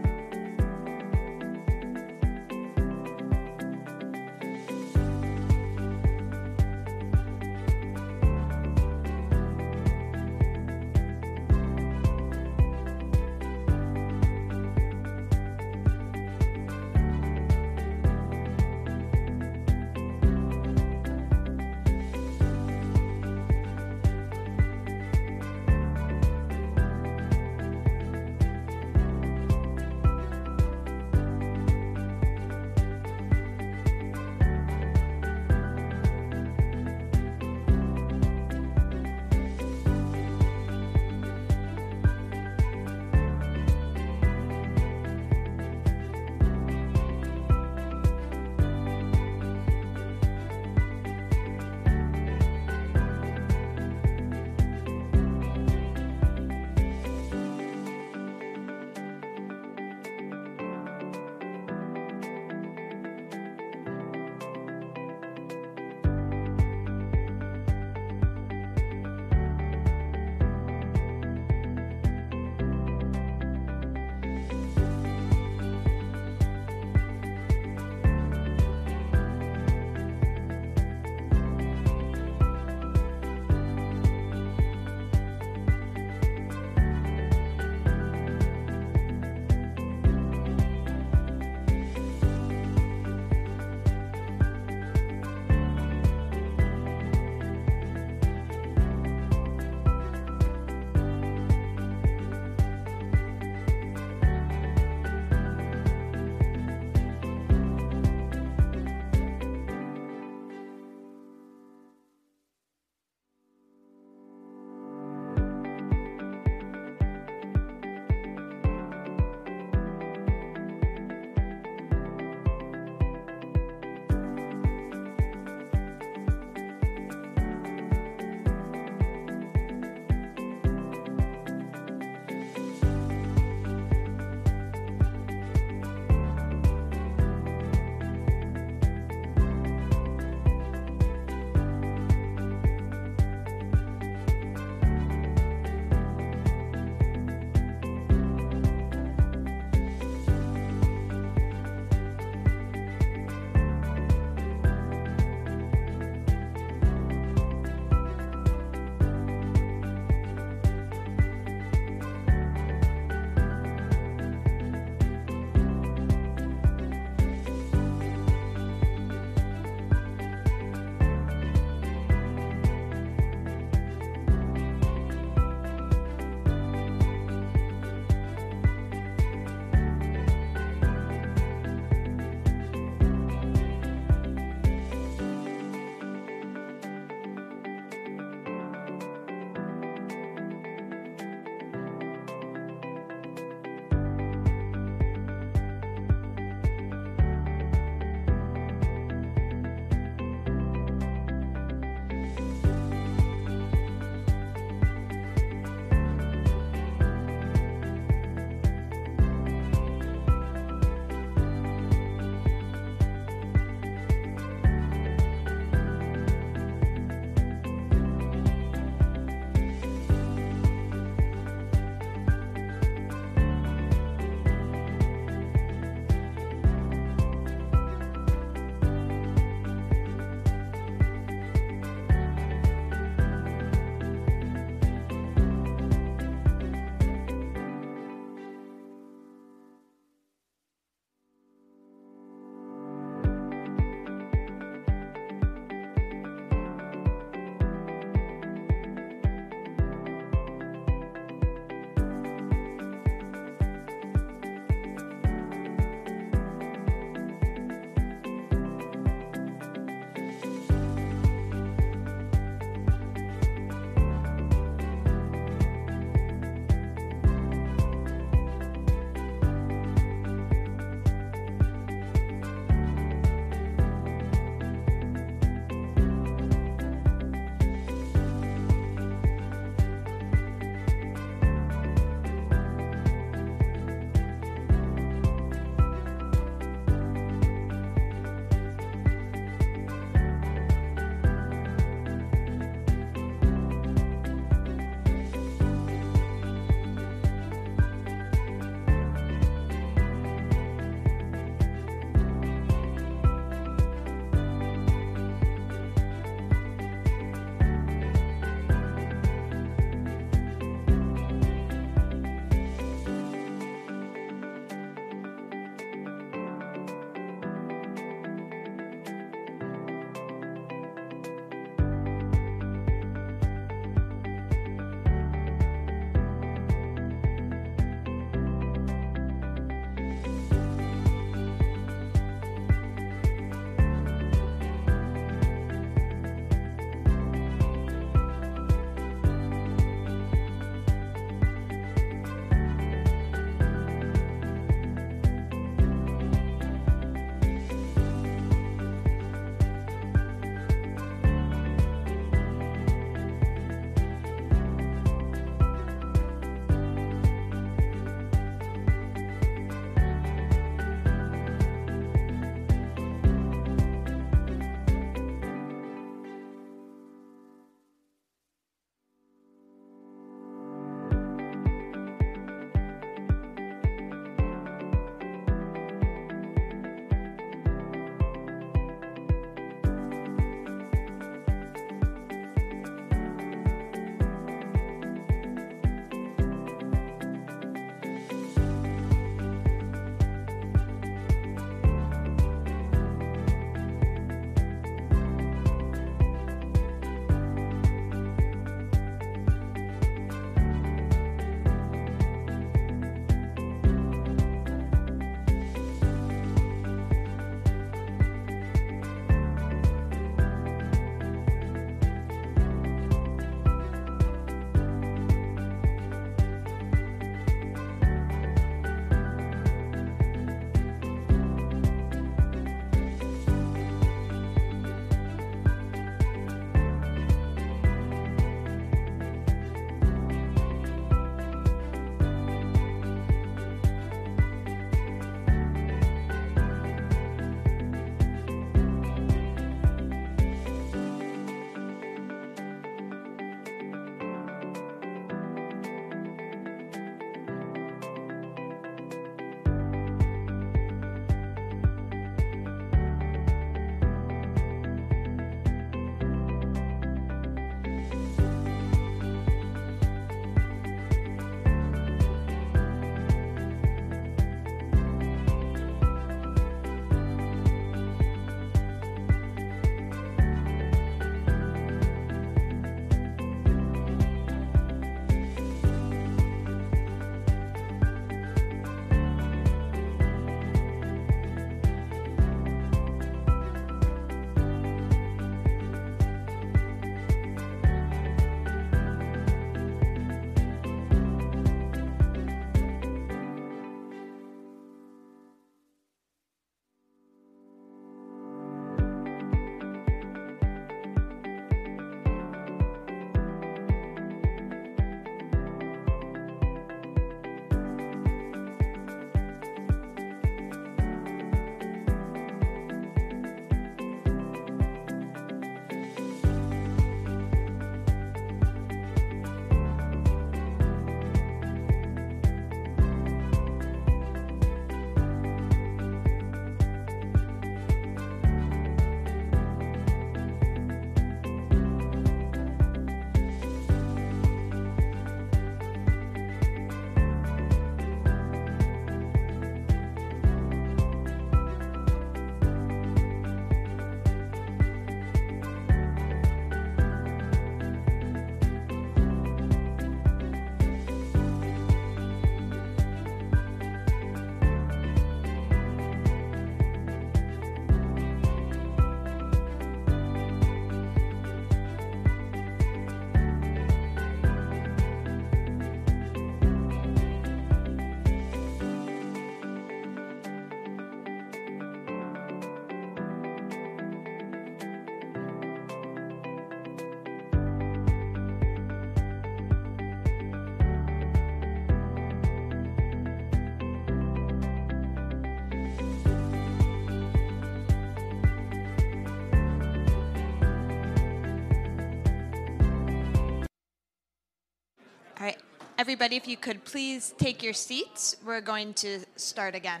All right. Everybody, if you could please take your seats. We're going to start again.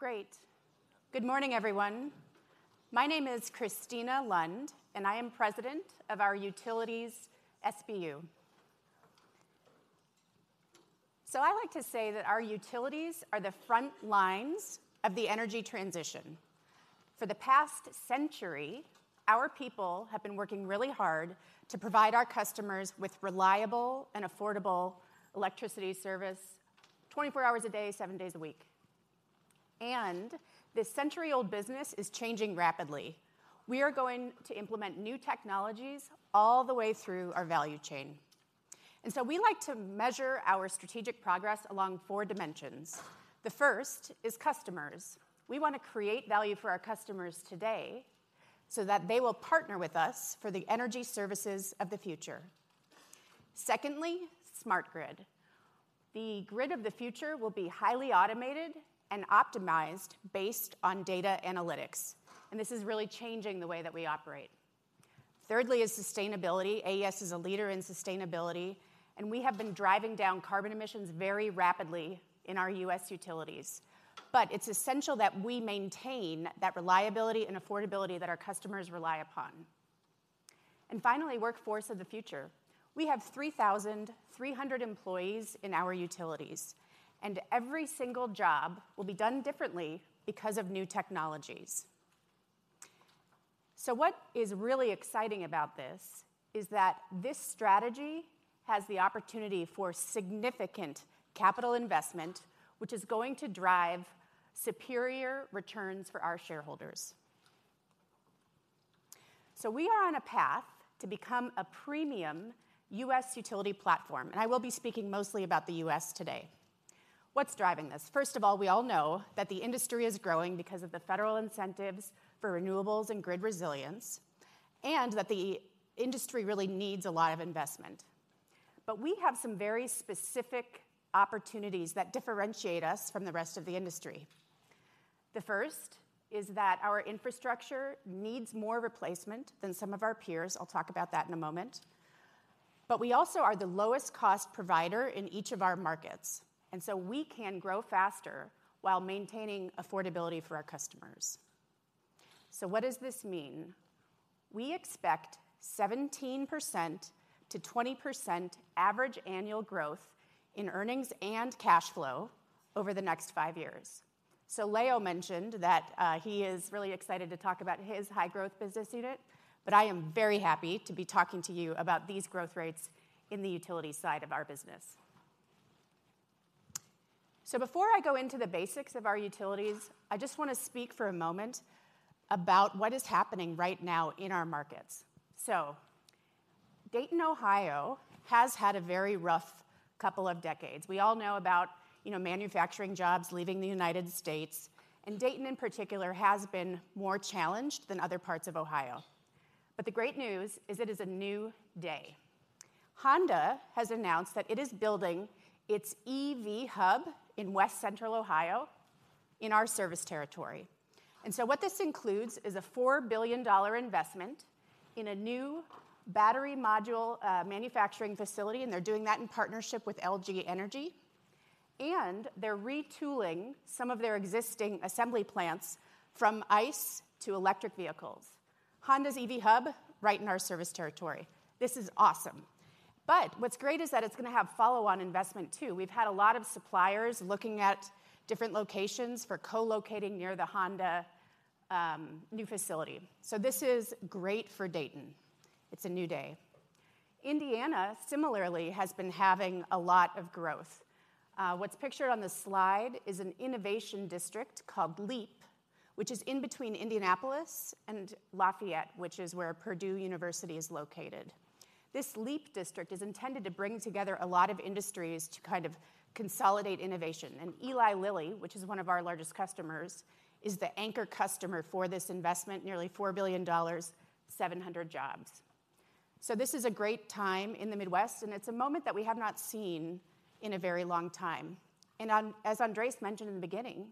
Great. Good morning, everyone. My name is Kristina Lund, and I am president of our Utilities SBU. I like to say that our utilities are the front lines of the energy transition. For the past century, our people have been working really hard to provide our customers with reliable and affordable electricity service 24 hours a day, 7 days a week. This century-old business is changing rapidly. We are going to implement new technologies all the way through our value chain. We like to measure our strategic progress along 4 dimensions. The first is customers. We want to create value for our customers today so that they will partner with us for the energy services of the future. Secondly, smart grid. The grid of the future will be highly automated and optimized based on data analytics, and this is really changing the way that we operate. Thirdly is sustainability. AES is a leader in sustainability, and we have been driving down carbon emissions very rapidly in our US utilities. It's essential that we maintain that reliability and affordability that our customers rely upon. Finally, workforce of the future. We have 3,300 employees in our utilities, and every single job will be done differently because of new technologies. What is really exciting about this is that this strategy has the opportunity for significant capital investment, which is going to drive superior returns for our shareholders. We are on a path to become a premium US utility platform, and I will be speaking mostly about the US today. What's driving this? First of all, we all know that the industry is growing because of the federal incentives for renewables and grid resilience, and that the industry really needs a lot of investment. We have some very specific opportunities that differentiate us from the rest of the industry. The first is that our infrastructure needs more replacement than some of our peers. I'll talk about that in a moment. We also are the lowest cost provider in each of our markets, and so we can grow faster while maintaining affordability for our customers. What does this mean? We expect 17%-20% average annual growth in earnings and cash flow over the next five years. Leo mentioned that he is really excited to talk about his high-growth business unit, but I am very happy to be talking to you about these growth rates in the utility side of our business. Before I go into the basics of our utilities, I just wanna speak for a moment about what is happening right now in our markets. Dayton, Ohio, has had a very rough couple of decades. We all know about, you know, manufacturing jobs leaving the United States, and Dayton, in particular, has been more challenged than other parts of Ohio. The great news is it is a new day. Honda has announced that it is building its EV hub in West Central Ohio in our service territory. What this includes is a $4 billion investment in a new battery module manufacturing facility, and they're doing that in partnership with LG Energy. They're retooling some of their existing assembly plants from ICE to electric vehicles. Honda's EV hub, right in our service territory. This is awesome. What's great is that it's gonna have follow-on investment too. We've had a lot of suppliers looking at different locations for co-locating near the Honda new facility. This is great for Dayton. It's a new day. Indiana, similarly, has been having a lot of growth. What's pictured on this slide is an innovation district called LEAP, which is in between Indianapolis and Lafayette, which is where Purdue University is located. This LEAP district is intended to bring together a lot of industries to kind of consolidate innovation. Eli Lilly, which is one of our largest customers, is the anchor customer for this investment, nearly $4 billion, 700 jobs. This is a great time in the Midwest, and it's a moment that we have not seen in a very long time. As Andrés mentioned in the beginning,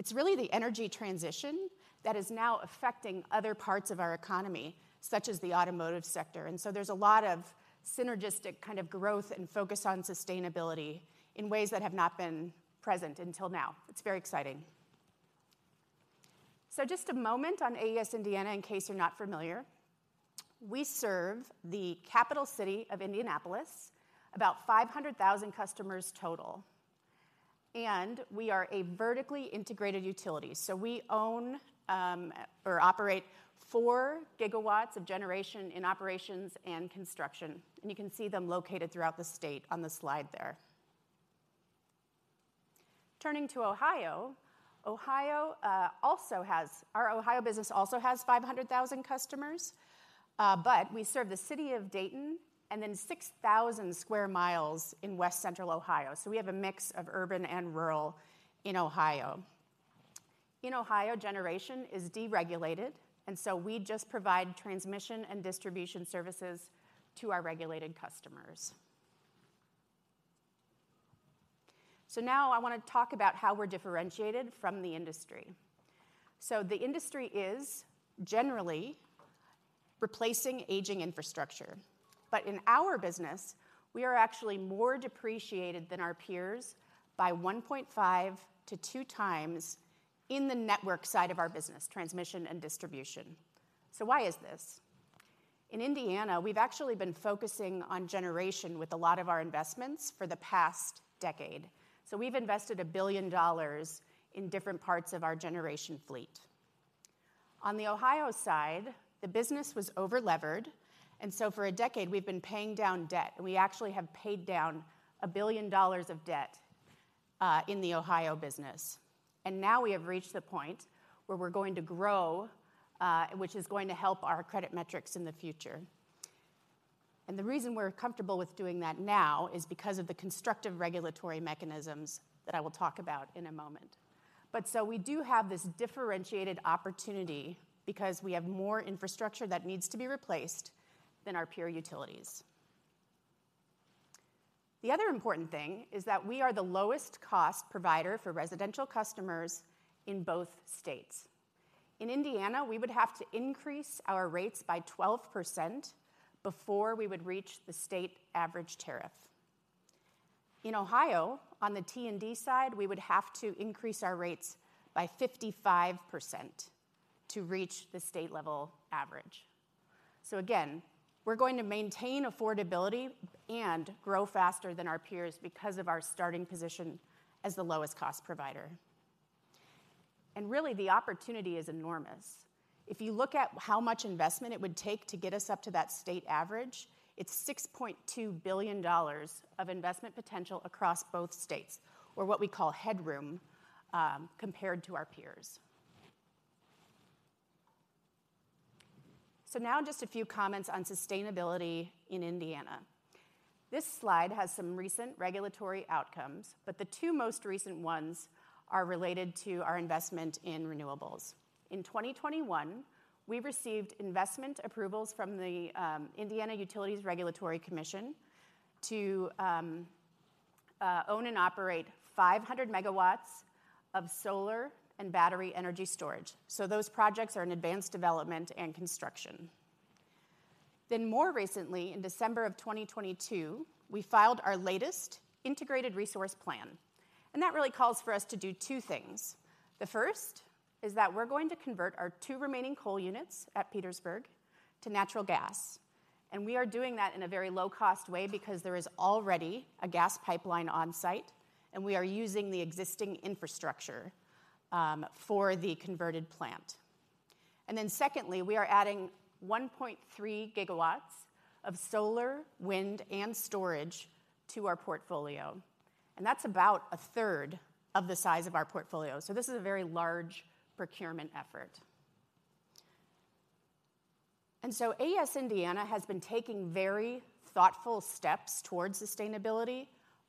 it's really the energy transition that is now affecting other parts of our economy, such as the automotive sector. There's a lot of synergistic kind of growth and focus on sustainability in ways that have not been present until now. It's very exciting. Just a moment on AES Indiana in case you're not familiar. We serve the capital city of Indianapolis, about 500,000 customers total, and we are a vertically integrated utility. We own or operate 4 GW of generation in operations and construction, and you can see them located throughout the state on the slide there. Turning to Ohio, our Ohio business also has 500,000 customers, but we serve the city of Dayton and then 6,000 sq mi in West Central Ohio. We have a mix of urban and rural in Ohio. In Ohio, generation is deregulated, and we just provide transmission and distribution services to our regulated customers. Now I wanna talk about how we're differentiated from the industry. The industry is generally replacing aging infrastructure. In our business, we are actually more depreciated than our peers by 1.5-2 times in the network side of our business, transmission and distribution. Why is this? In Indiana, we've actually been focusing on generation with a lot of our investments for the past decade. We've invested $1 billion in different parts of our generation fleet. On the Ohio side, the business was over-levered, for a decade, we've been paying down debt. We actually have paid down $1 billion of debt in the Ohio business. Now we have reached the point where we're going to grow, which is going to help our credit metrics in the future. The reason we're comfortable with doing that now is because of the constructive regulatory mechanisms that I will talk about in a moment. We do have this differentiated opportunity because we have more infrastructure that needs to be replaced than our peer utilities. The other important thing is that we are the lowest cost provider for residential customers in both states. In Indiana, we would have to increase our rates by 12% before we would reach the state average tariff. In Ohio, on the T&D side, we would have to increase our rates by 55% to reach the state level average. Again, we're going to maintain affordability and grow faster than our peers because of our starting position as the lowest cost provider. Really, the opportunity is enormous. If you look at how much investment it would take to get us up to that state average, it's $6.2 billion of investment potential across both states, or what we call headroom, compared to our peers. Now just a few comments on sustainability in Indiana. This slide has some recent regulatory outcomes, but the 2 most recent ones are related to our investment in renewables. In 2021, we received investment approvals from the Indiana Utility Regulatory Commission to own and operate 500 megawatts of solar and battery energy storage. Those projects are in advanced development and construction. More recently, in December of 2022, we filed our latest integrated resource plan, and that really calls for us to do 2 things. The first is that we're going to convert our 2 remaining coal units at Petersburg to natural gas, and we are doing that in a very low-cost way because there is already a gas pipeline on site, and we are using the existing infrastructure for the converted plant. Secondly, we are adding 1.3 GW of solar, wind, and storage to our portfolio, and that's about a third of the size of our portfolio. This is a very large procurement effort. AES Indiana has been taking very thoughtful steps towards sustainability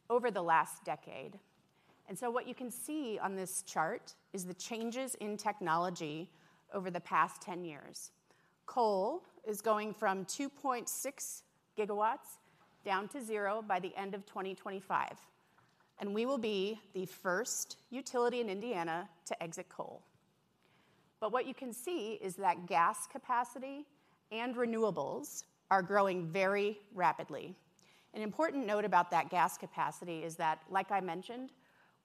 over the last 10 years. What you can see on this chart is the changes in technology over the past 10 years. Coal is going from 2.6 GW down to 0 by the end of 2025, and we will be the first utility in Indiana to exit coal. What you can see is that gas capacity and renewables are growing very rapidly. An important note about that gas capacity is that, like I mentioned,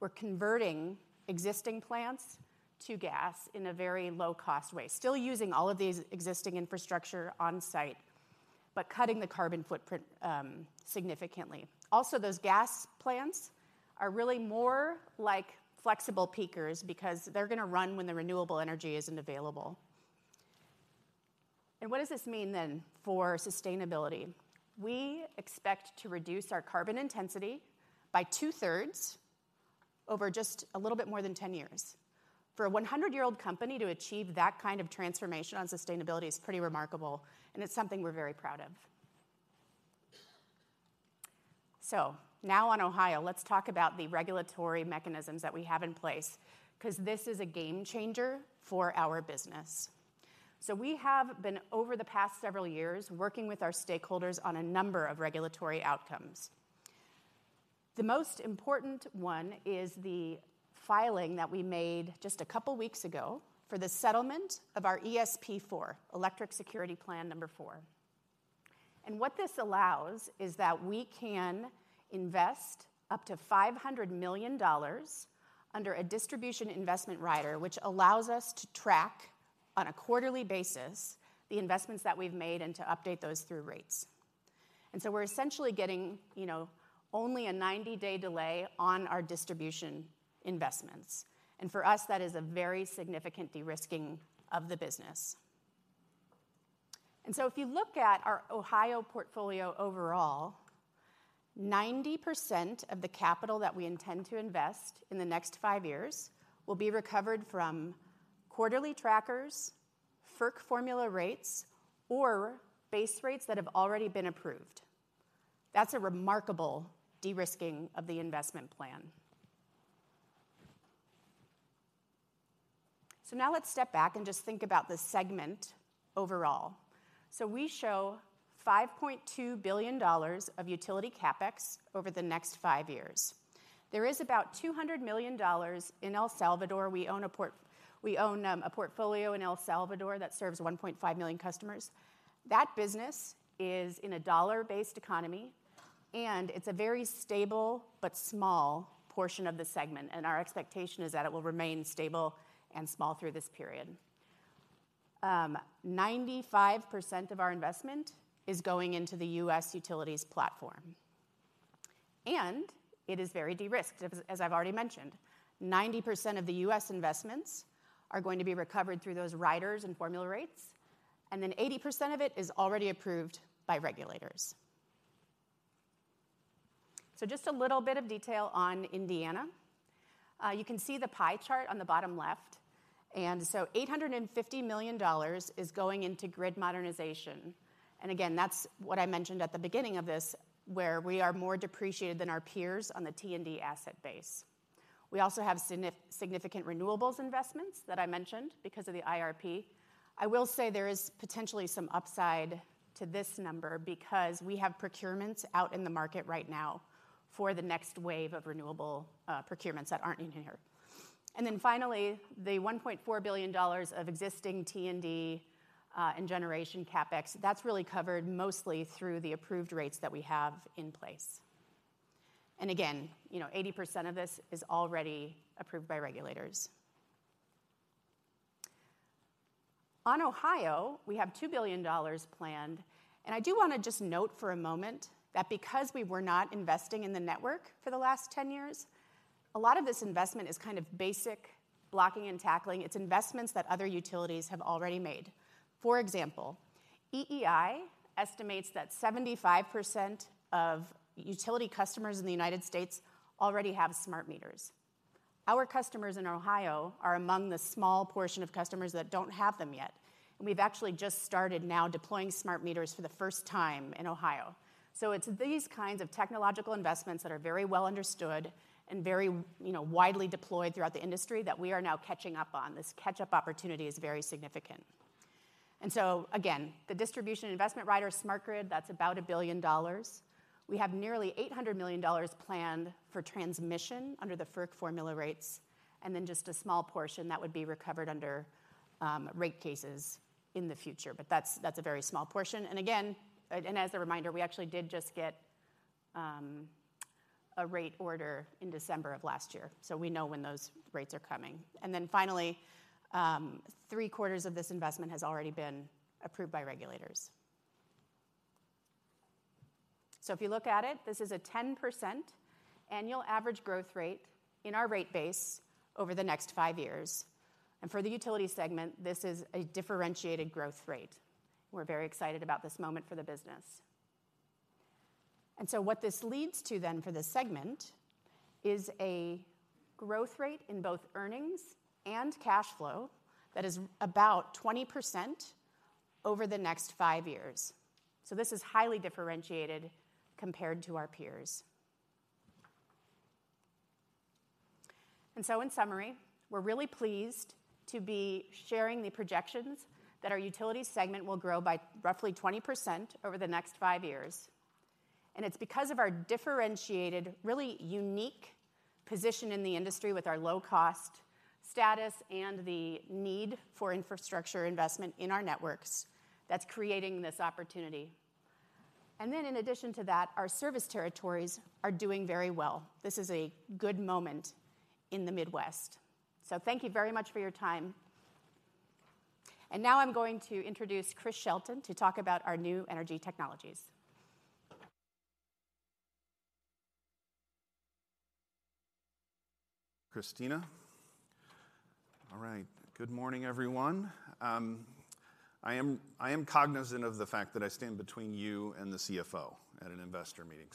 we're converting existing plants to gas in a very low-cost way, still using all of these existing infrastructure on site, but cutting the carbon footprint significantly. Also, those gas plants are really more like flexible peakers because they're gonna run when the renewable energy isn't available. What does this mean then for sustainability? We expect to reduce our carbon intensity by two-thirds over just a little bit more than 10 years. For a 100-year-old company to achieve that kind of transformation on sustainability is pretty remarkable, and it's something we're very proud of. Now on Ohio, let's talk about the regulatory mechanisms that we have in place, 'cause this is a game changer for our business. We have been, over the past several years, working with our stakeholders on a number of regulatory outcomes. The most important one is the filing that we made just a couple weeks ago for the settlement of our ESP 4, Electric Security Plan number 4. What this allows is that we can invest up to $500 million under a distribution investment rider, which allows us to track on a quarterly basis the investments that we've made and to update those through rates. We're essentially getting, you know, only a 90-day delay on our distribution investments. For us, that is a very significant de-risking of the business. If you look at our Ohio portfolio overall, 90% of the capital that we intend to invest in the next five years will be recovered from quarterly trackers, FERC formula rates, or base rates that have already been approved. That's a remarkable de-risking of the investment plan. Now let's step back and just think about the segment overall. We show $5.2 billion of utility CapEx over the next five years. There is about $200 million in El Salvador. We own a portfolio in El Salvador that serves 1.5 million customers. That business is in a dollar-based economy, and it's a very stable but small portion of the segment, and our expectation is that it will remain stable and small through this period. 95% of our investment is going into the US utilities platform, it is very de-risked, as I've already mentioned. 90% of the US investments are going to be recovered through those riders and formula rates, 80% of it is already approved by regulators. Just a little bit of detail on Indiana. You can see the pie chart on the bottom left. $850 million is going into grid modernization, again, that's what I mentioned at the beginning of this, where we are more depreciated than our peers on the T&D asset base. We also have significant renewables investments that I mentioned because of the IRP. I will say there is potentially some upside to this number because we have procurements out in the market right now for the next wave of renewable procurements that aren't in here. Finally, the $1.4 billion of existing T&D and generation CapEx, that's really covered mostly through the approved rates that we have in place. Again, you know, 80% of this is already approved by regulators. On Ohio, we have $2 billion planned, and I do wanna just note for a moment that because we were not investing in the network for the last 10 years, a lot of this investment is kind of basic blocking and tackling. It's investments that other utilities have already made. For example, EEI estimates that 75% of utility customers in the United States already have smart meters. Our customers in Ohio are among the small portion of customers that don't have them yet. We've actually just started now deploying smart meters for the first time in Ohio. It's these kinds of technological investments that are very well understood and very, you know, widely deployed throughout the industry that we are now catching up on. This catch-up opportunity is very significant. Again, the distribution investment rider, smart grid, that's about $1 billion. We have nearly $800 million planned for transmission under the FERC formula rates, and then just a small portion that would be recovered under rate cases in the future. That's, that's a very small portion. Again, and as a reminder, we actually did just get a rate order in December of last year, so we know when those rates are coming. Finally, three quarters of this investment has already been approved by regulators. This is a 10% annual average growth rate in our rate base over the next five years. For the utility segment, this is a differentiated growth rate. We're very excited about this moment for the business. What this leads to for the segment is a growth rate in both earnings and cash flow that is about 20% over the next five years. This is highly differentiated compared to our peers. In summary, we're really pleased to be sharing the projections that our utility segment will grow by roughly 20% over the next five years. It's because of our differentiated, really unique position in the industry with our low cost status and the need for infrastructure investment in our networks that's creating this opportunity. In addition to that, our service territories are doing very well. This is a good moment in the Midwest. Thank you very much for your time. Now I'm going to introduce Chris Shelton to talk about our new energy technologies. Kristina. All right. Good morning, everyone. I am cognizant of the fact that I stand between you and the CFO at an investor meeting.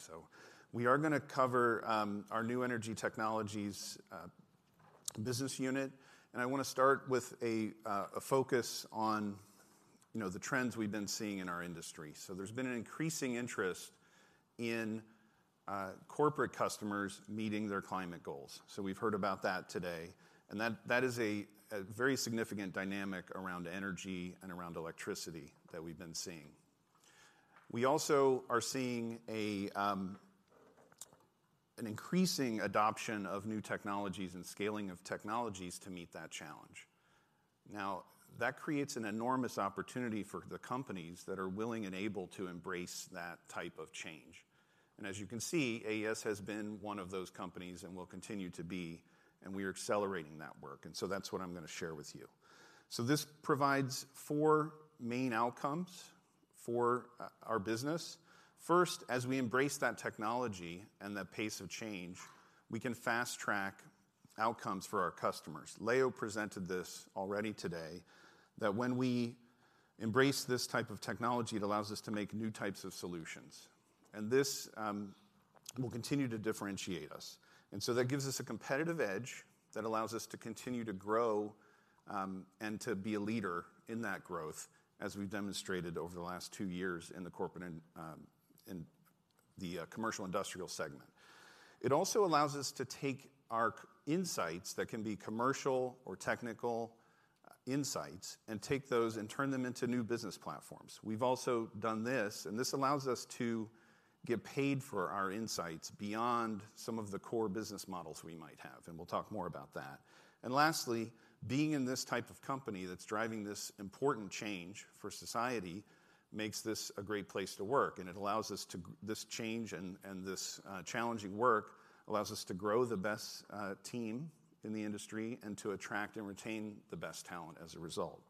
We are gonna cover our new energy technologies business unit. I wanna start with a focus on, you know, the trends we've been seeing in our industry. There's been an increasing interest in corporate customers meeting their climate goals. We've heard about that today, and that is a very significant dynamic around energy and around electricity that we've been seeing. We also are seeing an increasing adoption of new technologies and scaling of technologies to meet that challenge. That creates an enormous opportunity for the companies that are willing and able to embrace that type of change. As you can see, AES has been one of those companies and will continue to be, and we are accelerating that work, and so that's what I'm gonna share with you. This provides four main outcomes for our business. First, as we embrace that technology and that pace of change, we can fast track outcomes for our customers. Leo presented this already today, that when we embrace this type of technology, it allows us to make new types of solutions, and this will continue to differentiate us. That gives us a competitive edge that allows us to continue to grow and to be a leader in that growth as we've demonstrated over the last two years in the corporate and in the commercial industrial segment. It also allows us to take our insights, that can be commercial or technical insights, and take those and turn them into new business platforms. We've also done this allows us to get paid for our insights beyond some of the core business models we might have, and we'll talk more about that. Lastly, being in this type of company that's driving this important change for society makes this a great place to work, and it allows us to this change and this challenging work allows us to grow the best team in the industry and to attract and retain the best talent as a result.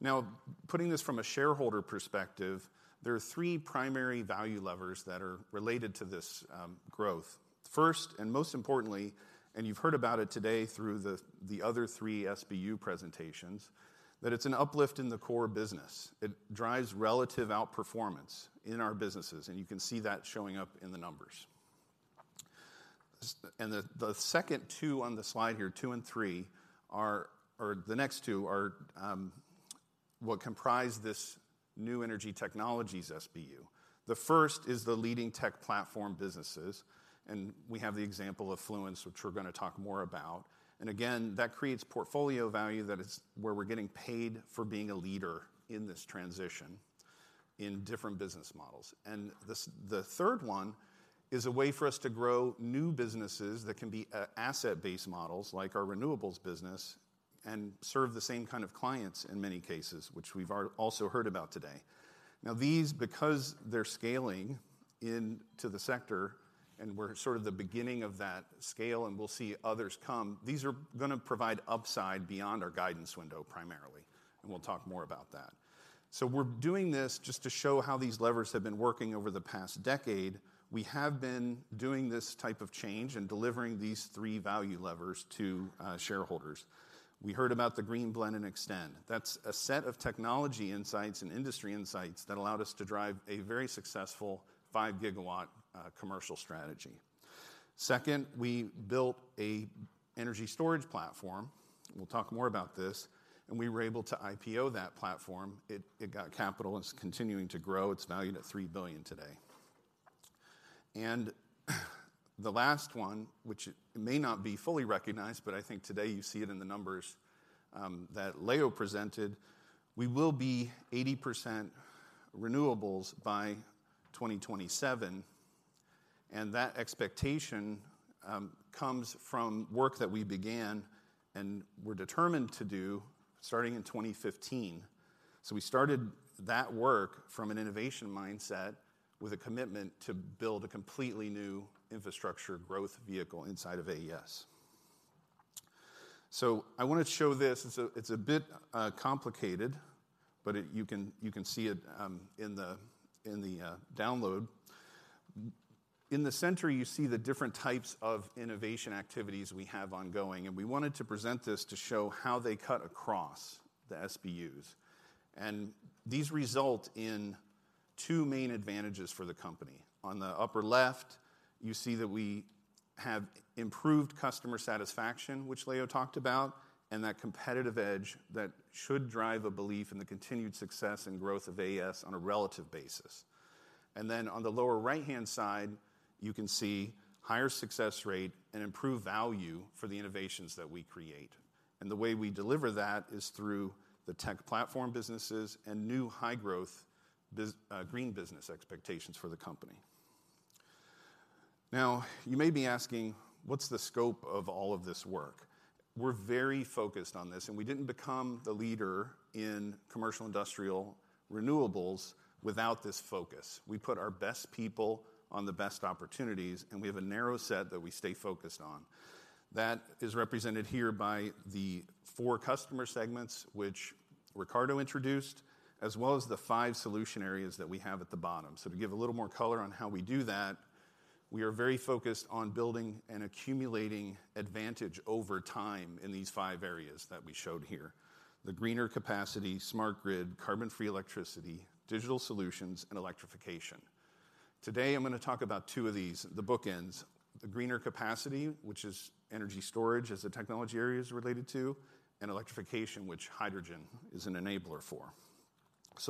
Now putting this from a shareholder perspective, there are 3 primary value levers that are related to this growth. First, and most importantly, you've heard about it today through the other three SBU presentations, that it's an uplift in the core business. It drives relative outperformance in our businesses, and you can see that showing up in the numbers. The second two on the slide here, two and three, or the next two are what comprise this new energy technologies SBU. The first is the leading tech platform businesses, and we have the example of Fluence, which we're gonna talk more about. Again, that creates portfolio value that is where we're getting paid for being a leader in this transition in different business models. The third one is a way for us to grow new businesses that can be asset-based models, like our renewables business, and serve the same kind of clients in many cases, which we've also heard about today. These, because they're scaling into the sector and we're sort of the beginning of that scale and we'll see others come, these are gonna provide upside beyond our guidance window primarily, and we'll talk more about that. We're doing this just to show how these levers have been working over the past decade. We have been doing this type of change and delivering these three value levers to shareholders. We heard about the Green Blend & Extend. That's a set of technology insights and industry insights that allowed us to drive a very successful 5 gigawatt commercial strategy. we built a energy storage platform, we'll talk more about this, we were able to IPO that platform. It got capital it's continuing to grow. It's valued at $3 billion today. The last one, which may not be fully recognized, but I think today you see it in the numbers, that Leo presented, we will be 80% renewables by 2027, that expectation comes from work that we began and were determined to do starting in 2015. We started that work from an innovation mindset with a commitment to build a completely new infrastructure growth vehicle inside of AES. I wanna show this. It's a bit complicated, you can see it in the download. In the center, you see the different types of innovation activities we have ongoing. We wanted to present this to show how they cut across the SBUs. These result in two main advantages for the company. On the upper left, you see that we have improved customer satisfaction, which Leo talked about, and that competitive edge that should drive a belief in the continued success and growth of AES on a relative basis. Then on the lower right-hand side, you can see higher success rate and improved value for the innovations that we create. The way we deliver that is through the tech platform businesses and new high growth green business expectations for the company. Now, you may be asking: What's the scope of all of this work? We're very focused on this. We didn't become the leader in commercial industrial renewables without this focus. We put our best people on the best opportunities. We have a narrow set that we stay focused on. That is represented here by the four customer segments which Ricardo introduced, as well as the five solution areas that we have at the bottom. To give a little more color on how we do that, we are very focused on building and accumulating advantage over time in these five areas that we showed here: the greener capacity, smart grid, carbon-free electricity, digital solutions, and electrification. Today, I'm gonna talk about two of these, the bookends, the greener capacity, which is energy storage as the technology area is related to, and electrification, which hydrogen is an enabler for.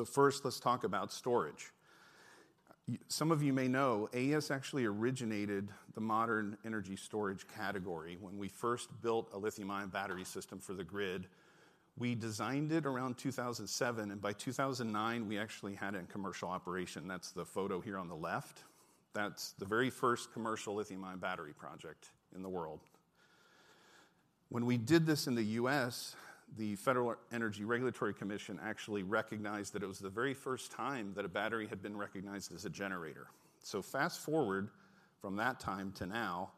First, let's talk about storage. Some of you may know, AES actually originated the modern energy storage category when we first built a lithium-ion battery system for the grid. We designed it around 2007, and by 2009, we actually had it in commercial operation. That's the photo here on the left. That's the very first commercial lithium-ion battery project in the world. When we did this in the U.S., the Federal Energy Regulatory Commission actually recognized that it was the very first time that a battery had been recognized as a generator. Fast-forward from that time to now,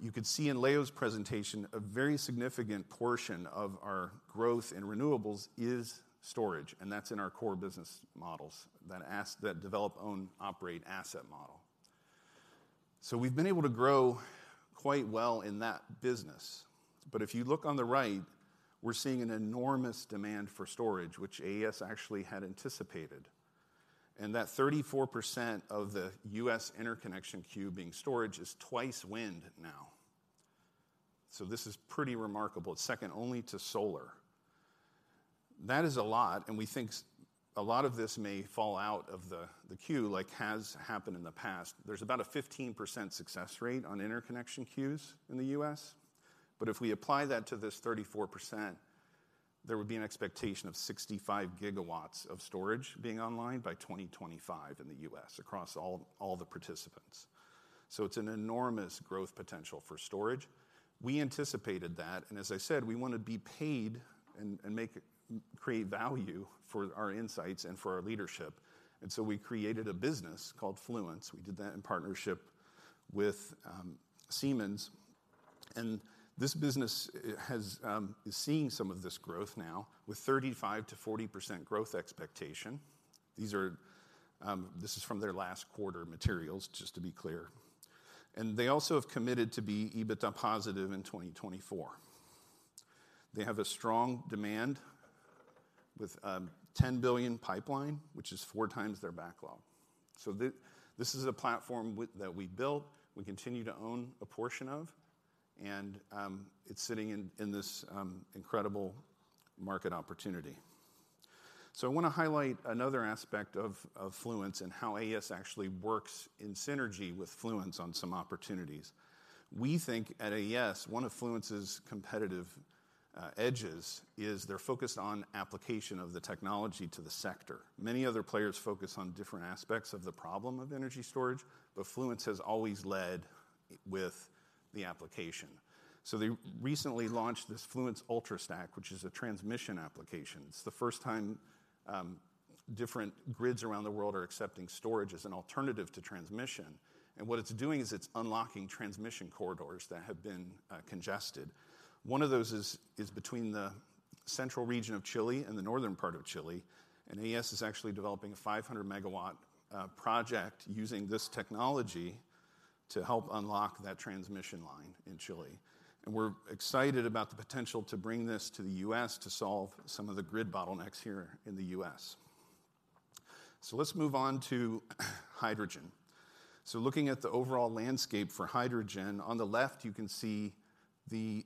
you could see in Leo's presentation, a very significant portion of our growth in renewables is storage, and that's in our core business models, that develop, own, operate asset model. We've been able to grow quite well in that business. If you look on the right, we're seeing an enormous demand for storage, which AES actually had anticipated. That 34% of the U.S. interconnection queue being storage is 2x wind now. This is pretty remarkable. It's second only to solar. That is a lot, and we think a lot of this may fall out of the queue like has happened in the past. There's about a 15% success rate on interconnection queues in the U.S. If we apply that to this 34%, there would be an expectation of 65 GW of storage being online by 2025 in the U.S. across all the participants. It's an enormous growth potential for storage. We anticipated that, and as I said, we wanna be paid and create value for our insights and for our leadership. We created a business called Fluence. We did that in partnership with Siemens. This business has is seeing some of this growth now with 35%-40% growth expectation. These are, this is from their last quarter materials, just to be clear. They also have committed to be EBITDA positive in 2024. They have a strong demand with a $10 billion pipeline, which is 4 times their backlog. This is a platform that we built, we continue to own a portion of, and it's sitting in this incredible market opportunity. I wanna highlight another aspect of Fluence and how AES actually works in synergy with Fluence on some opportunities. We think at AES, one of Fluence's competitive edges is they're focused on application of the technology to the sector. Many other players focus on different aspects of the problem of energy storage. Fluence has always led with the application. They recently launched this Fluence Ultrastack, which is a transmission application. It's the first time different grids around the world are accepting storage as an alternative to transmission. What it's doing is it's unlocking transmission corridors that have been congested. One of those is between the central region of Chile and the northern part of Chile. AES is actually developing a 500 megawatt project using this technology to help unlock that transmission line in Chile. We're excited about the potential to bring this to the U.S. to solve some of the grid bottlenecks here in the U.S. Let's move on to hydrogen. Looking at the overall landscape for hydrogen, on the left you can see the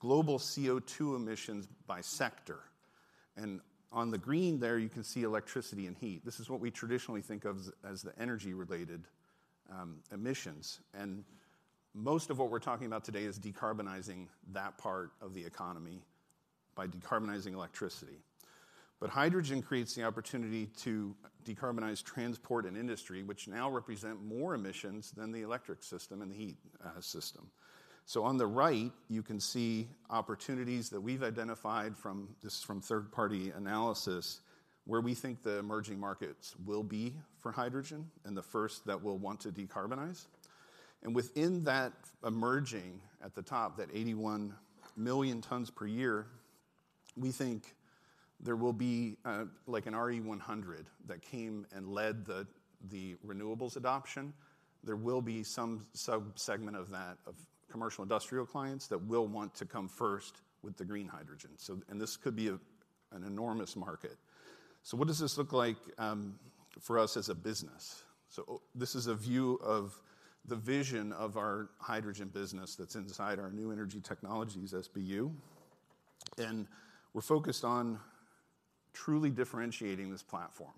global CO2 emissions by sector. On the green there, you can see electricity and heat. This is what we traditionally think of as the energy-related emissions. Most of what we're talking about today is decarbonizing that part of the economy. By decarbonizing electricity. Hydrogen creates the opportunity to decarbonize transport and industry, which now represent more emissions than the electric system and the heat system. On the right, you can see opportunities that we've identified from this is from third-party analysis, where we think the emerging markets will be for hydrogen and the first that we'll want to decarbonize. Within that emerging at the top, that 81 million tons per year, we think there will be like an RE100 that came and led the renewables adoption. There will be some subsegment of that, of commercial industrial clients that will want to come first with the green hydrogen. This could be an enormous market. What does this look like for us as a business? This is a view of the vision of our hydrogen business that's inside our new energy technologies SBU, and we're focused on truly differentiating this platform.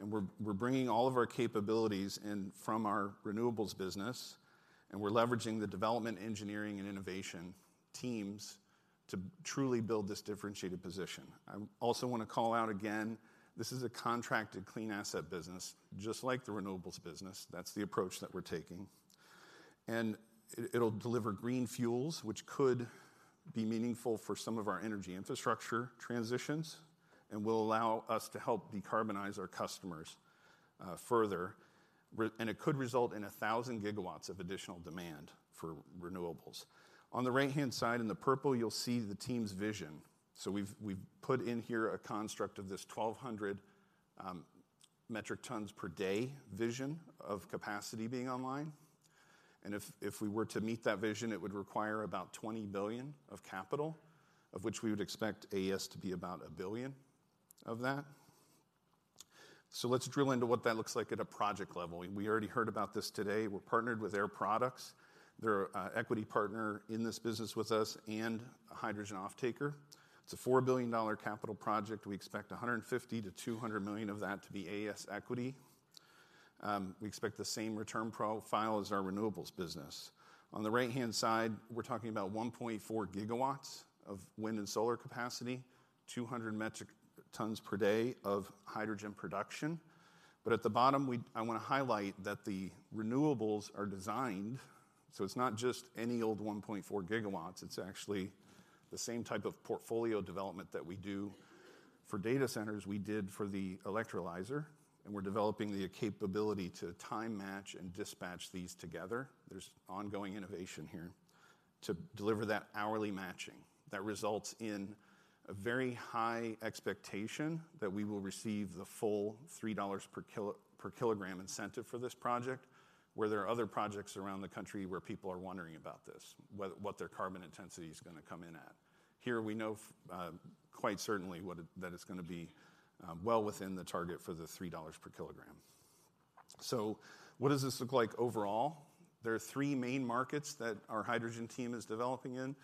We're bringing all of our capabilities in from our renewables business, and we're leveraging the development, engineering, and innovation teams to truly build this differentiated position. I also wanna call out again, this is a contracted clean asset business, just like the renewables business. That's the approach that we're taking. It'll deliver green fuels, which could be meaningful for some of our energy infrastructure transitions and will allow us to help decarbonize our customers further. It could result in 1,000 GW of additional demand for renewables. On the right-hand side in the purple, you'll see the team's vision. We've put in here a construct of this 1,200 metric tons per day vision of capacity being online. If we were to meet that vision, it would require about $20 billion of capital, of which we would expect AES to be about $1 billion of that. Let's drill into what that looks like at a project level. We already heard about this today. We're partnered with Air Products. They're a equity partner in this business with us and a hydrogen offtaker. It's a $4 billion capital project. We expect $150 million to $200 million of that to be AES equity. We expect the same return profile as our renewables business. On the right-hand side, we're talking about 1.4 GW of wind and solar capacity, 200 metric tons per day of hydrogen production. At the bottom, I want to highlight that the renewables are designed, so it's not just any old 1.4 GW, it's actually the same type of portfolio development that we do for data centers we did for the electrolyzer, and we're developing the capability to time match and dispatch these together, there's ongoing innovation here, to deliver that hourly matching. That results in a very high expectation that we will receive the full $3 per kilo, per kilogram incentive for this project, where there are other projects around the country where people are wondering about what their carbon intensity is gonna come in at. Here we know quite certainly that it's gonna be well within the target for the $3 per kilogram. What does this look like overall? There are 3 main markets that our hydrogen team is developing in.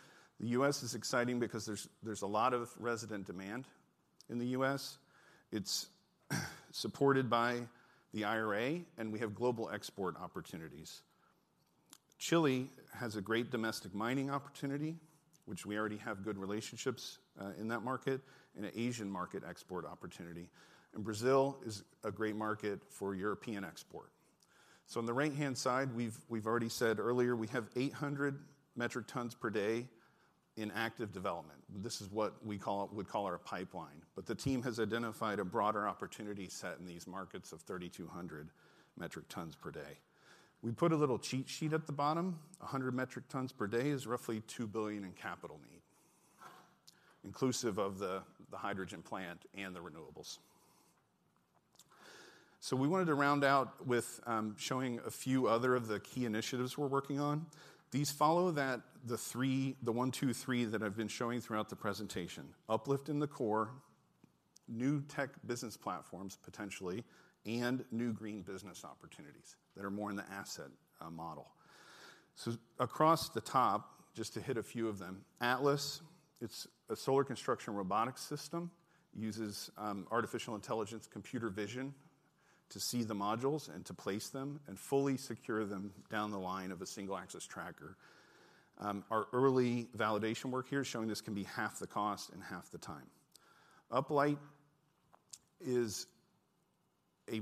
The U.S. is exciting because there's a lot of resident demand in the U.S. It's supported by the IRA, and we have global export opportunities. Chile has a great domestic mining opportunity, which we already have good relationships in that market, and an Asian market export opportunity. Brazil is a great market for European export. On the right-hand side, we've already said earlier we have 800 metric tons per day in active development. This is what we call, we call our pipeline. But the team has identified a broader opportunity set in these markets of 3,200 metric tons per day. We put a little cheat sheet at the bottom. 100 metric tons per day is roughly $2 billion in capital need, inclusive of the hydrogen plant and the renewables. We wanted to round out with showing a few other of the key initiatives we're working on. These follow the three, the one, two, three that I've been showing throughout the presentation. Uplight in the core, new tech business platforms, potentially, and new green business opportunities that are more in the asset model. Across the top, just to hit a few of them, Atlas, it's a solar construction robotics system, uses artificial intelligence computer vision to see the modules and to place them and fully secure them down the line of a single-axis tracker. Our early validation work here is showing this can be half the cost and half the time. Uplight is a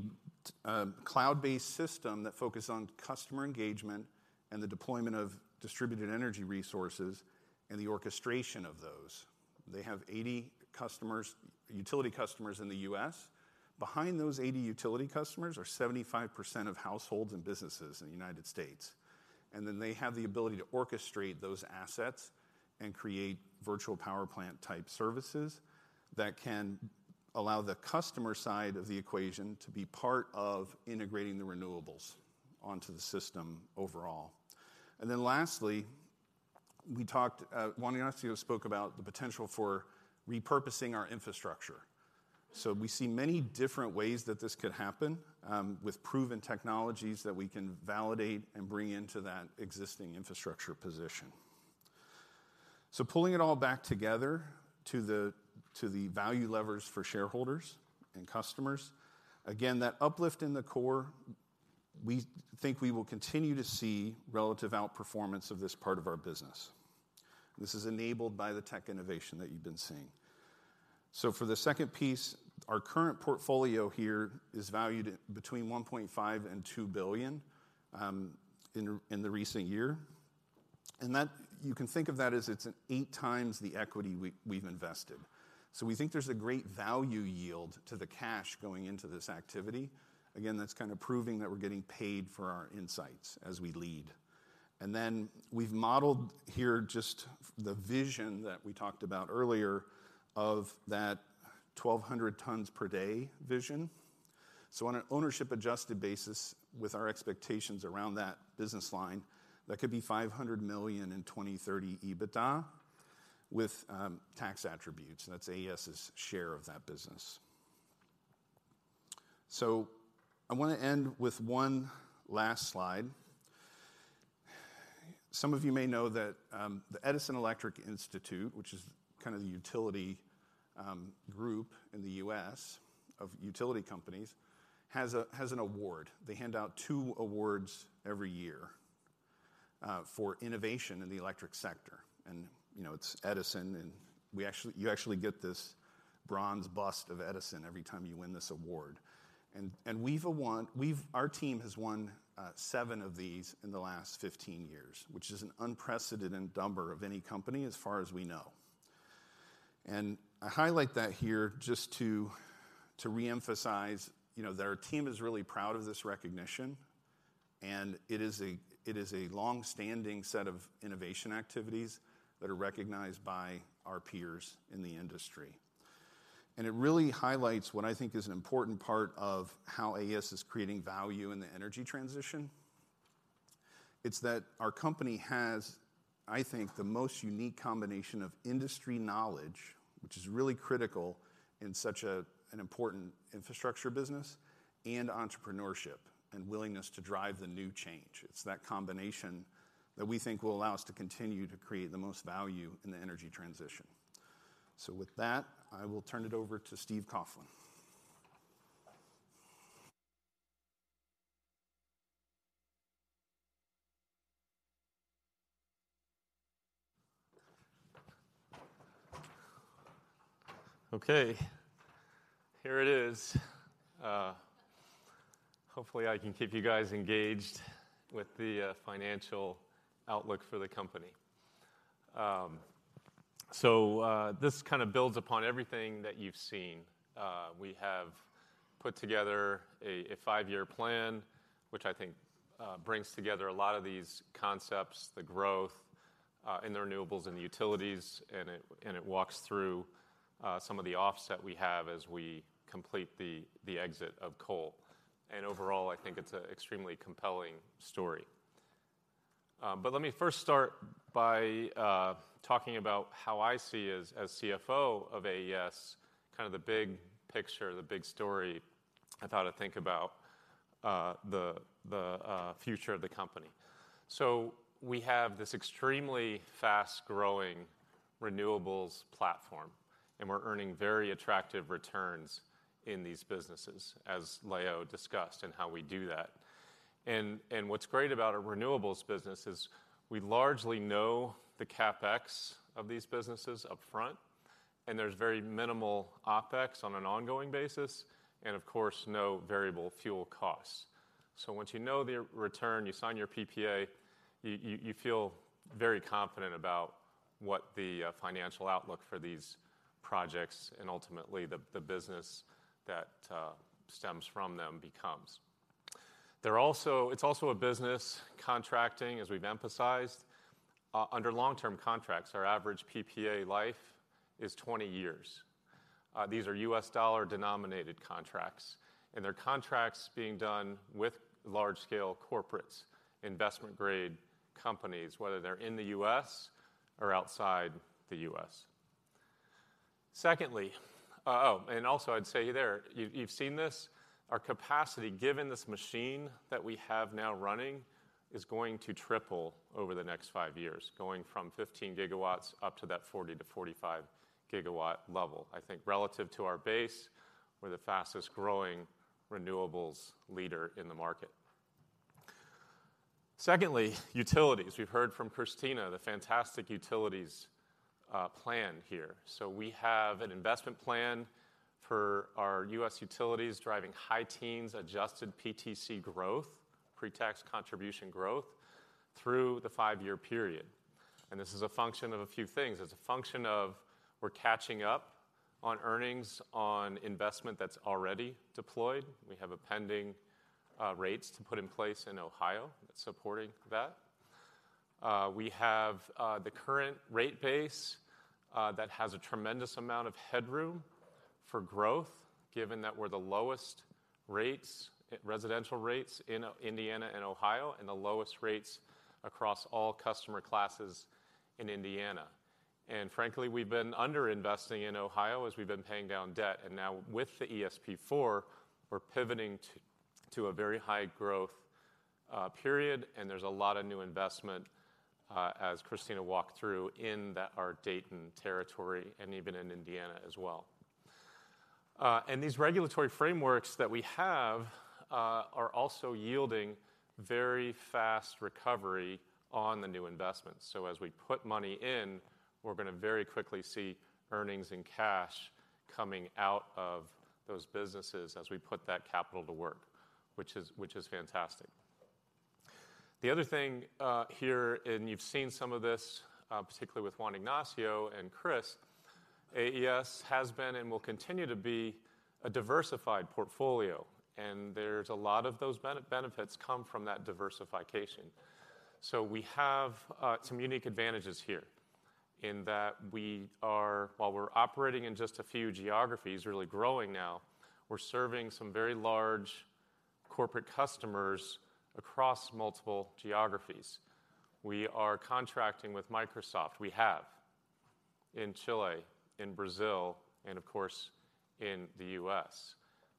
cloud-based system that focuses on customer engagement and the deployment of distributed energy resources and the orchestration of those. They have 80 customers, utility customers in the U.S. Behind those 80 utility customers are 75% of households and businesses in the United States. They have the ability to orchestrate those assets and create virtual power plant type services that can allow the customer side of the equation to be part of integrating the renewables onto the system overall. Lastly, we talked, Juan Ignacio spoke about the potential for repurposing our infrastructure. We see many different ways that this could happen with proven technologies that we can validate and bring into that existing infrastructure position. Pulling it all back together to the value levers for shareholders and customers. Again, that uplift in the core. We think we will continue to see relative outperformance of this part of our business. This is enabled by the tech innovation that you've been seeing. For the second piece, our current portfolio here is valued at between $1.5 billion and $2 billion in the recent year. That you can think of that as it's an 8 times the equity we've invested. We think there's a great value yield to the cash going into this activity. That's kind of proving that we're getting paid for our insights as we lead. Then we've modeled here just the vision that we talked about earlier of that 1,200 tons per day vision. On an ownership adjusted basis, with our expectations around that business line, that could be $500 million in 2030 EBITDA with tax attributes, and that's AES's share of that business. I wanna end with one last slide. Some of you may know that the Edison Electric Institute, which is kind of the utility group in the U.S. of utility companies, has an award. They hand out two awards every year for innovation in the electric sector. You know, it's Edison, and you actually get this bronze bust of Edison every time you win this award. Our team has won seven of these in the last 15 years, which is an unprecedented number of any company as far as we know. I highlight that here just to reemphasize, you know, that our team is really proud of this recognition, and it is a long-standing set of innovation activities that are recognized by our peers in the industry. It really highlights what I think is an important part of how AES is creating value in the energy transition. It's that our company has, I think, the most unique combination of industry knowledge, which is really critical in such an important infrastructure business, and entrepreneurship, and willingness to drive the new change. It's that combination that we think will allow us to continue to create the most value in the energy transition. With that, I will turn it over to Steve Coughlin. Okay, here it is. Hopefully I can keep you guys engaged with the financial outlook for the company. This kind of builds upon everything that you've seen. We have put together a five year plan, which I think brings together a lot of these concepts, the growth in the renewables and the utilities, and it walks through some of the offset we have as we complete the exit of coal. Overall, I think it's an extremely compelling story. Let me first start by talking about how I see as CFO of AES, kind of the big picture, the big story, I thought I'd think about the future of the company. We have this extremely fast-growing renewables platform, and we're earning very attractive returns in these businesses, as Leo discussed in how we do that. What's great about our renewables business is we largely know the CapEx of these businesses up front, and there's very minimal OpEx on an ongoing basis, and of course, no variable fuel costs. Once you know the return, you sign your PPA, you feel very confident about what the financial outlook for these projects and ultimately the business that stems from them becomes. It's also a business contracting, as we've emphasized, under long-term contracts. Our average PPA life is 20 years. These are U.S. dollar denominated contracts, and they're contracts being done with large scale corporates, investment grade companies, whether they're in the U.S. or outside the U.S. Secondly, and also I'd say there, you've seen this, our capacity, given this machine that we have now running, is going to triple over the next five years, going from 15 GW up to that 40-45 gigawatt level. I think relative to our base, we're the fastest growing renewables leader in the market. Secondly, utilities. We've heard from Kristina, the fantastic utilities plan here. We have an investment plan for our U.S. utilities driving high teens Adjusted PTC growth, pre-tax contribution growth, through the five year period. This is a function of a few things. It's a function of we're catching up on earnings on investment that's already deployed. We have a pending rates to put in place in Ohio that's supporting that. We have the current rate base that has a tremendous amount of headroom for growth, given that we're the lowest rates, residential rates in Indiana and Ohio, and the lowest rates across all customer classes in Indiana. Frankly, we've been under-investing in Ohio as we've been paying down debt. Now with the ESP4, we're pivoting to a very high growth period, and there's a lot of new investment as Kristina walked through in our Dayton territory and even in Indiana as well. These regulatory frameworks that we have are also yielding very fast recovery on the new investments. As we put money in, we're gonna very quickly see earnings and cash coming out of those businesses as we put that capital to work, which is fantastic. The other thing, here, you've seen some of this, particularly with Juan Ignacio and Chris, AES has been and will continue to be a diversified portfolio, there's a lot of those benefits come from that diversification. We have some unique advantages here in that we are, while we're operating in just a few geographies, really growing now, we're serving some very large corporate customers across multiple geographies. We are contracting with Microsoft. We have in Chile, in Brazil, and of course, in the U.S.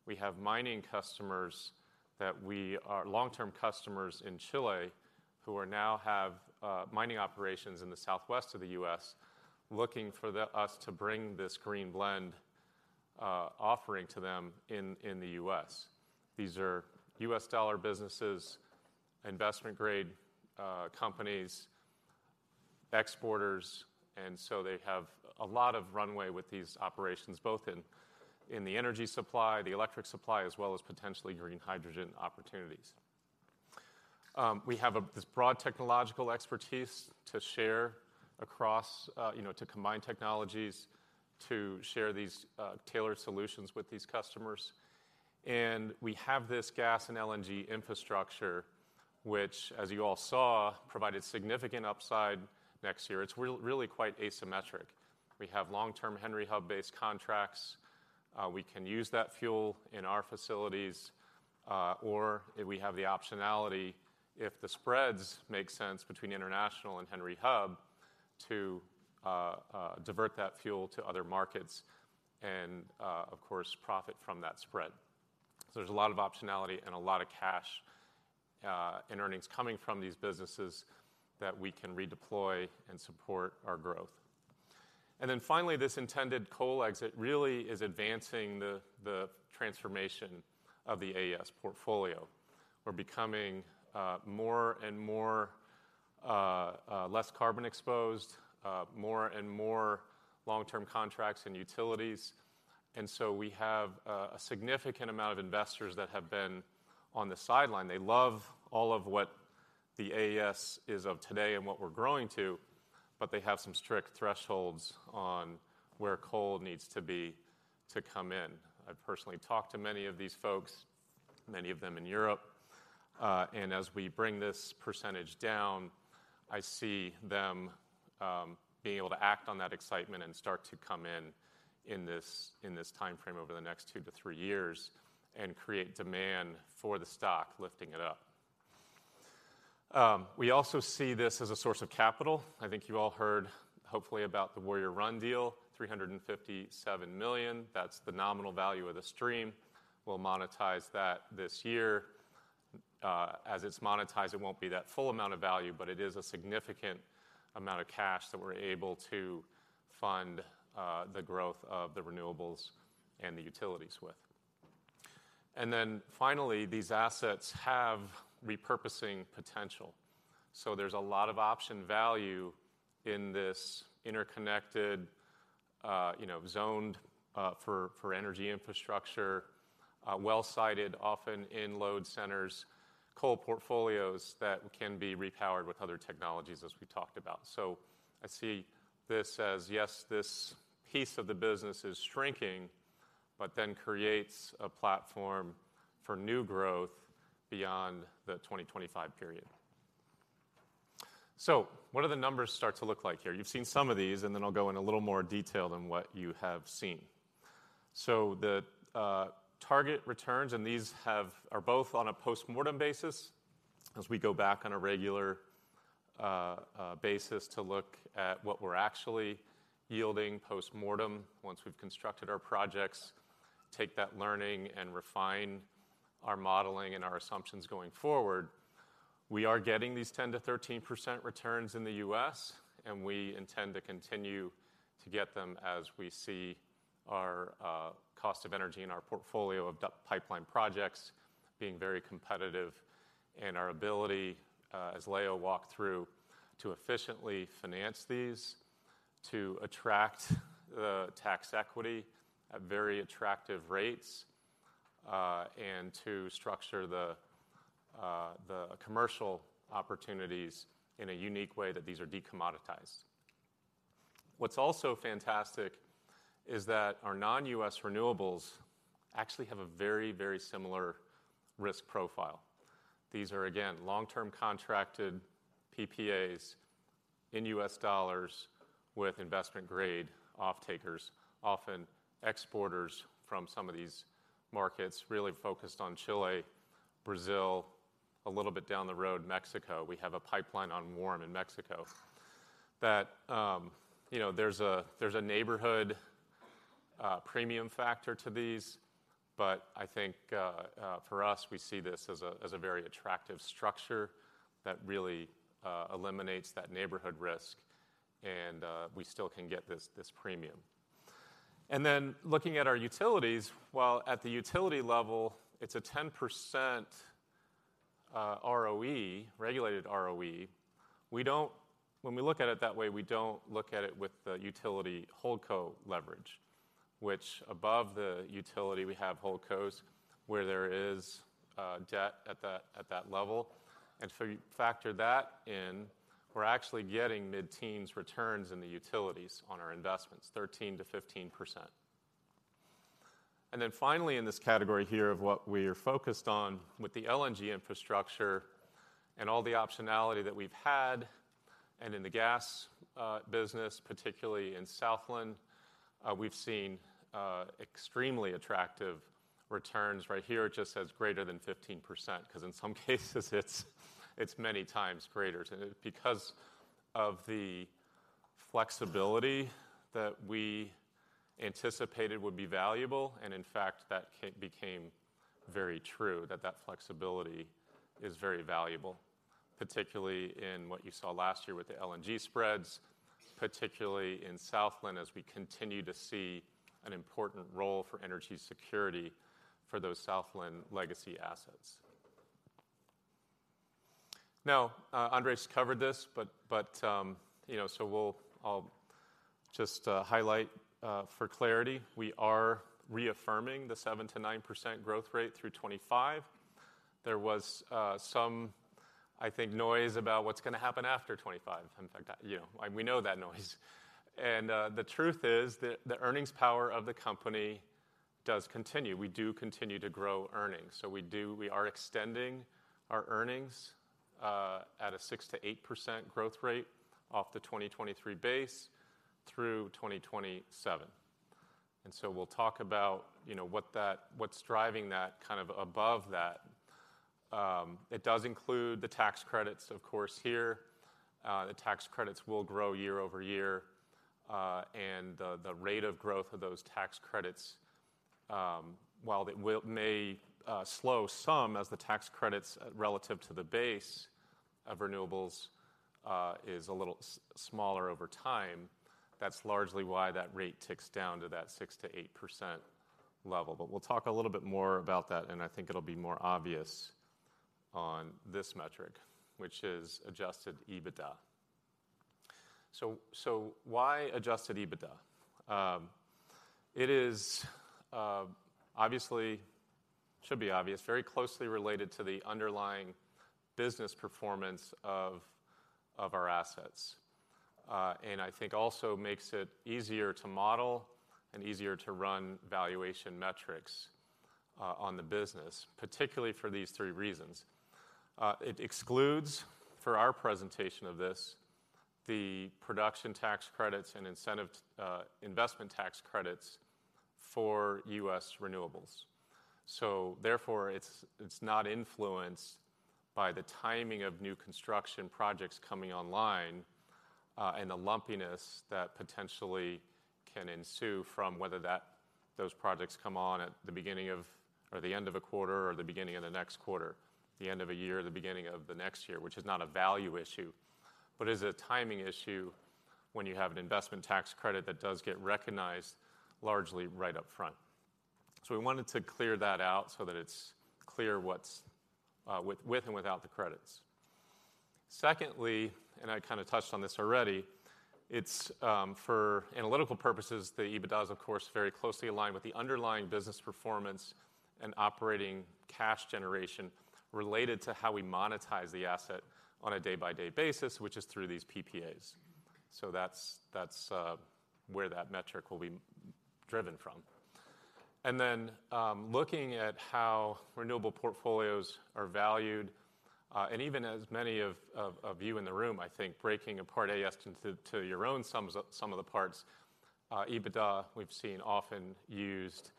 We have mining customers that we are long-term customers in Chile who are now have mining operations in the southwest of the U.S. looking for us to bring this Green Blend offering to them in the U.S. These are U.S. dollar businesses, investment grade companies, exporters. They have a lot of runway with these operations, both in the energy supply, the electric supply, as well as potentially green hydrogen opportunities. We have this broad technological expertise to share across, you know, to combine technologies to share these tailored solutions with these customers. We have this gas and LNG infrastructure, which as you all saw, provided significant upside next year. It's really quite asymmetric. We have long-term Henry Hub based contracts. We can use that fuel in our facilities, or we have the optionality if the spreads make sense between international and Henry Hub to divert that fuel to other markets and, of course, profit from that spread. There's a lot of optionality and a lot of cash, and earnings coming from these businesses that we can redeploy and support our growth. Then finally, this intended coal exit really is advancing the transformation of the AES portfolio. We're becoming more and more less carbon exposed, more and more long-term contracts and utilities. So we have a significant amount of investors that have been on the sideline. They love all of what the AES is of today and what we're growing to, but they have some strict thresholds on where coal needs to be to come in. I've personally talked to many of these folks, many of them in Europe. As we bring this percentage down, I see them being able to act on that excitement and start to come in this, in this timeframe over the next two-three years and create demand for the stock lifting it up. We also see this as a source of capital. I think you've all heard hopefully about the Warrior Run deal, $357 million. That's the nominal value of the stream. We'll monetize that this year. As it's monetized, it won't be that full amount of value, but it is a significant amount of cash that we're able to fund the growth of the renewables and the utilities with. Finally, these assets have repurposing potential. There's a lot of option value in this interconnected, you know, zoned, for energy infrastructure, well-sited, often in load centers, coal portfolios that can be repowered with other technologies as we talked about. I see this as, yes, this piece of the business is shrinking, creates a platform for new growth beyond the 2025 period. What do the numbers start to look like here? You've seen some of these, I'll go in a little more detail than what you have seen. The target returns are both on a postmortem basis as we go back on a regular basis to look at what we're actually yielding postmortem once we've constructed our projects, take that learning and refine our modeling and our assumptions going forward. We are getting these 10%-13% returns in the U.S. We intend to continue to get them as we see our cost of energy in our portfolio of pipeline projects being very competitive. Our ability, as Leo walked through, to efficiently finance these, to attract the tax equity at very attractive rates, and to structure the commercial opportunities in a unique way that these are de-commoditized. What's also fantastic is that our non-U.S. renewables actually have a very similar risk profile. These are, again, long-term contracted PPAs in U.S. dollars with investment grade off-takers, often exporters from some of these markets, really focused on Chile, Brazil, a little bit down the road, Mexico. We have a pipeline on warm in Mexico that, you know, there's a neighborhood premium factor to these. I think for us, we see this as a very attractive structure that really eliminates that neighborhood risk, and we still can get this premium. Looking at our utilities, while at the utility level, it's a 10% ROE, regulated ROE, we don't when we look at it that way, we don't look at it with the utility holdco leverage, which above the utility, we have holdcos where there is debt at that level. If you factor that in, we're actually getting mid-teens returns in the utilities on our investments, 13%-15%. Finally, in this category here of what we are focused on with the LNG infrastructure and all the optionality that we've had, and in the gas business, particularly in Southland, we've seen extremely attractive returns. Right here, it just says greater than 15%, 'cause in some cases it's many times greater than it. Because of the flexibility that we anticipated would be valuable, and in fact, that became very true, that that flexibility is very valuable, particularly in what you saw last year with the LNG spreads, particularly in Southland, as we continue to see an important role for energy security for those Southland legacy assets. Andrés covered this, you know, I'll just highlight for clarity. We are reaffirming the 7%-9% growth rate through 2025. There was some, I think, noise about what's gonna happen after 2025. In fact, you know, and we know that noise. The truth is the earnings power of the company does continue. We do continue to grow earnings. We are extending our earnings at a 6% to 8% growth rate off the 2023 base through 2027. We'll talk about, you know, what's driving that kind of above that. It does include the tax credits, of course, here. The tax credits will grow year over year, and the rate of growth of those tax credits, while they may slow some as the tax credits relative to the base of renewables, is a little smaller over time, that's largely why that rate ticks down to that 6%-8% level. We'll talk a little bit more about that, and I think it'll be more obvious on this metric, which is Adjusted EBITDA. Why Adjusted EBITDA? It is, obviously, should be obvious, very closely related to the underlying business performance of our assets. I think also makes it easier to model and easier to run valuation metrics, on the business, particularly for these three reasons. It excludes, for our presentation of this, the production tax credits and incentive investment tax credits for U.S. renewables. Therefore, it's not influenced by the timing of new construction projects coming online, and the lumpiness that potentially can ensue from whether that, those projects come on at the beginning of or the end of a quarter or the beginning of the next quarter, the end of a year, the beginning of the next year, which is not a value issue, but is a timing issue when you have an investment tax credit that does get recognized largely right up front. We wanted to clear that out so that it's clear what's with and without the credits. Secondly, I kinda touched on this already, it's for analytical purposes, the EBITDAs of course very closely align with the underlying business performance and operating cash generation related to how we monetize the asset on a day-by-day basis, which is through these PPAs. That's where that metric will be driven from. Then, looking at how renewable portfolios are valued, and even as many of you in the room, I think, breaking apart AES into your own sums of the parts, EBITDA we've seen often used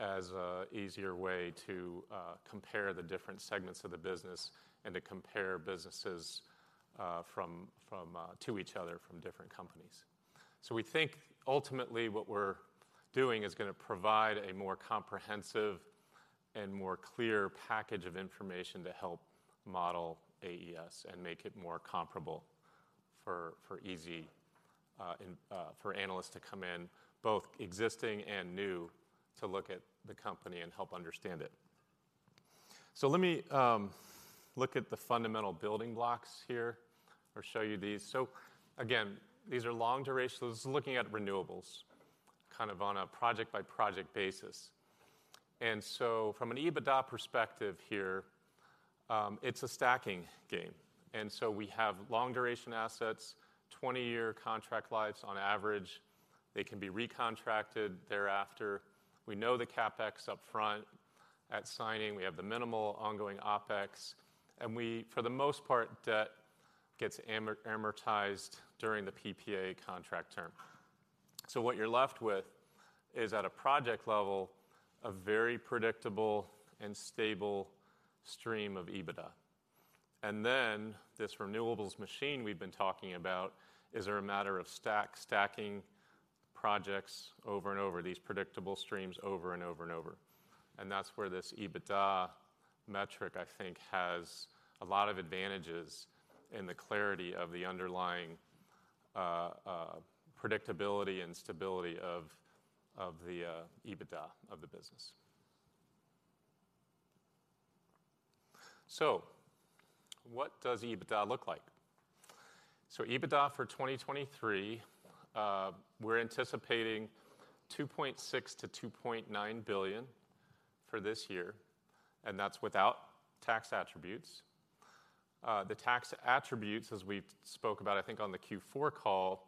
as a easier way to compare the different segments of the business and to compare businesses from to each other from different companies. We think ultimately what we're doing is going to provide a more comprehensive and more clear package of information to help model AES and make it more comparable for easy for analysts to come in, both existing and new, to look at the company and help understand it. Let me look at the fundamental building blocks here or show you these. Again, these are long duration. This is looking at renewables kind of on a project-by-project basis. From an EBITDA perspective here, it's a stacking game. We have long duration assets, 20-year contract lives on average. They can be recontracted thereafter. We know the CapEx upfront at signing. We have the minimal ongoing OpEx, and we, for the most part, debt gets amortized during the PPA contract term. What you're left with is at a project level, a very predictable and stable stream of EBITDA. And then this renewables machine we've been talking about is there a matter of stacking projects over and over, these predictable streams over and over and over. That's where this EBITDA metric, I think, has a lot of advantages in the clarity of the underlying predictability and stability of the EBITDA of the business. What does EBITDA look like? EBITDA for 2023, we're anticipating $2.6 billion-$2.9 billion for this year, and that's without tax attributes. The tax attributes, as we spoke about, I think, on the Q4 call,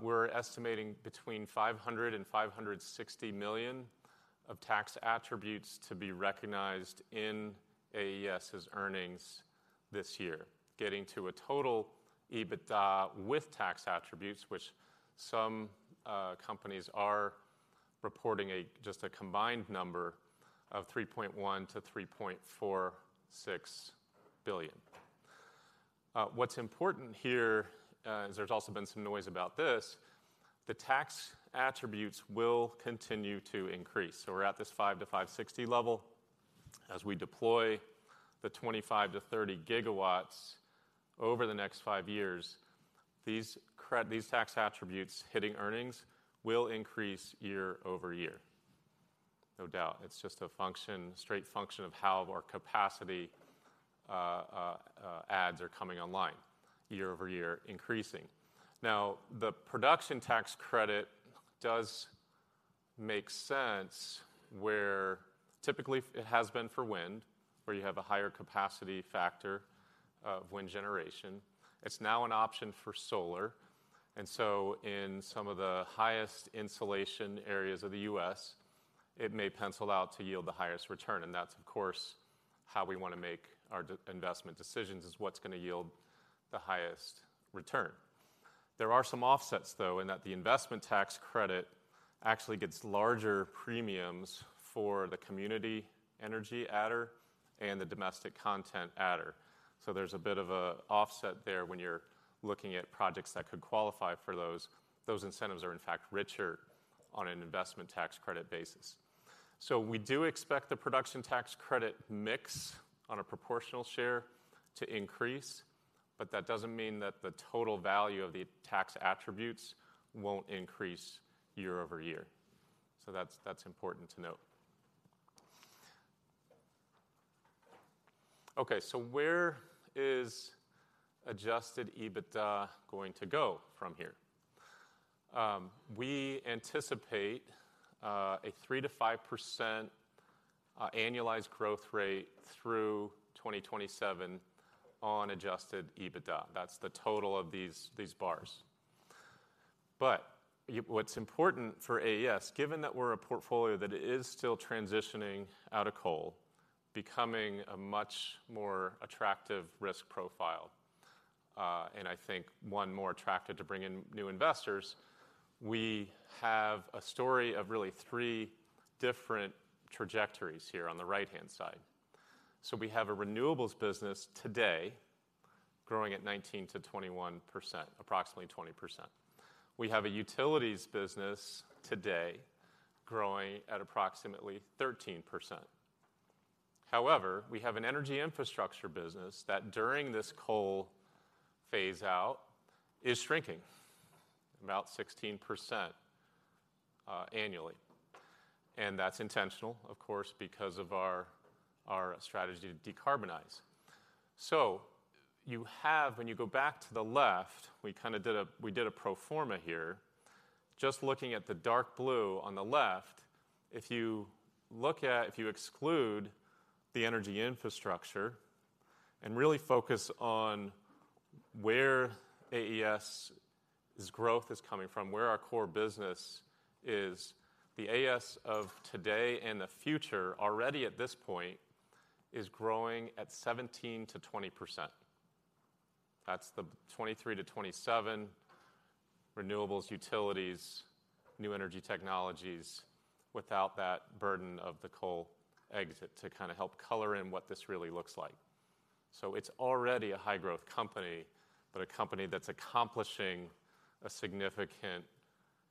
we're estimating between $500 million to $560 million of tax attributes to be recognized in AES's earnings this year, getting to a total EBITDA with tax attributes, which some companies are reporting just a combined number of $3.1 billion-$3.46 billion. What's important here, is there's also been some noise about this. The tax attributes will continue to increase. We're at this 5 to 560 level. As we deploy the 25-30 GW over the next five years, these tax attributes hitting earnings will increase year-over-year, no doubt. It's just a function, straight function of how our capacity adds are coming online year-over-year increasing. Now, the production tax credit does make sense where typically it has been for wind, where you have a higher capacity factor of wind generation. It's now an option for solar. In some of the highest insulation areas of the U.S., it may pencil out to yield the highest return. That's, of course, how we wanna make our investment decisions is what's gonna yield the highest return. There are some offsets, though, in that the investment tax credit actually gets larger premiums for the community energy adder and the domestic content adder. There's a bit of a offset there when you're looking at projects that could qualify for those. Those incentives are, in fact, richer on an investment tax credit basis. We do expect the production tax credit mix on a proportional share to increase, but that doesn't mean that the total value of the tax attributes won't increase year-over-year. That's important to note. Where is Adjusted EBITDA going to go from here? We anticipate a 3%-5% annualized growth rate through 2027 on Adjusted EBITDA. That's the total of these bars. What's important for AES, given that we're a portfolio that is still transitioning out of coal, becoming a much more attractive risk profile, and I think one more attractive to bring in new investors, we have a story of really three different trajectories here on the right-hand side. We have a renewables business today growing at 19%-21%, approximately 20%. We have a utilities business today growing at approximately 13%. However, we have an energy infrastructure business that during this coal phase out is shrinking about 16% annually. That's intentional, of course, because of our strategy to decarbonize. When you go back to the left, we kinda did a pro forma here, just looking at the dark blue on the left. If you exclude the energy infrastructure and really focus on where AES's growth is coming from, where our core business is, the AES of today and the future already at this point is growing at 17%-20%. That's the 23-27 renewables, utilities, new energy technologies without that burden of the coal exit to kinda help color in what this really looks like. It's already a high growth company, but a company that's accomplishing a significant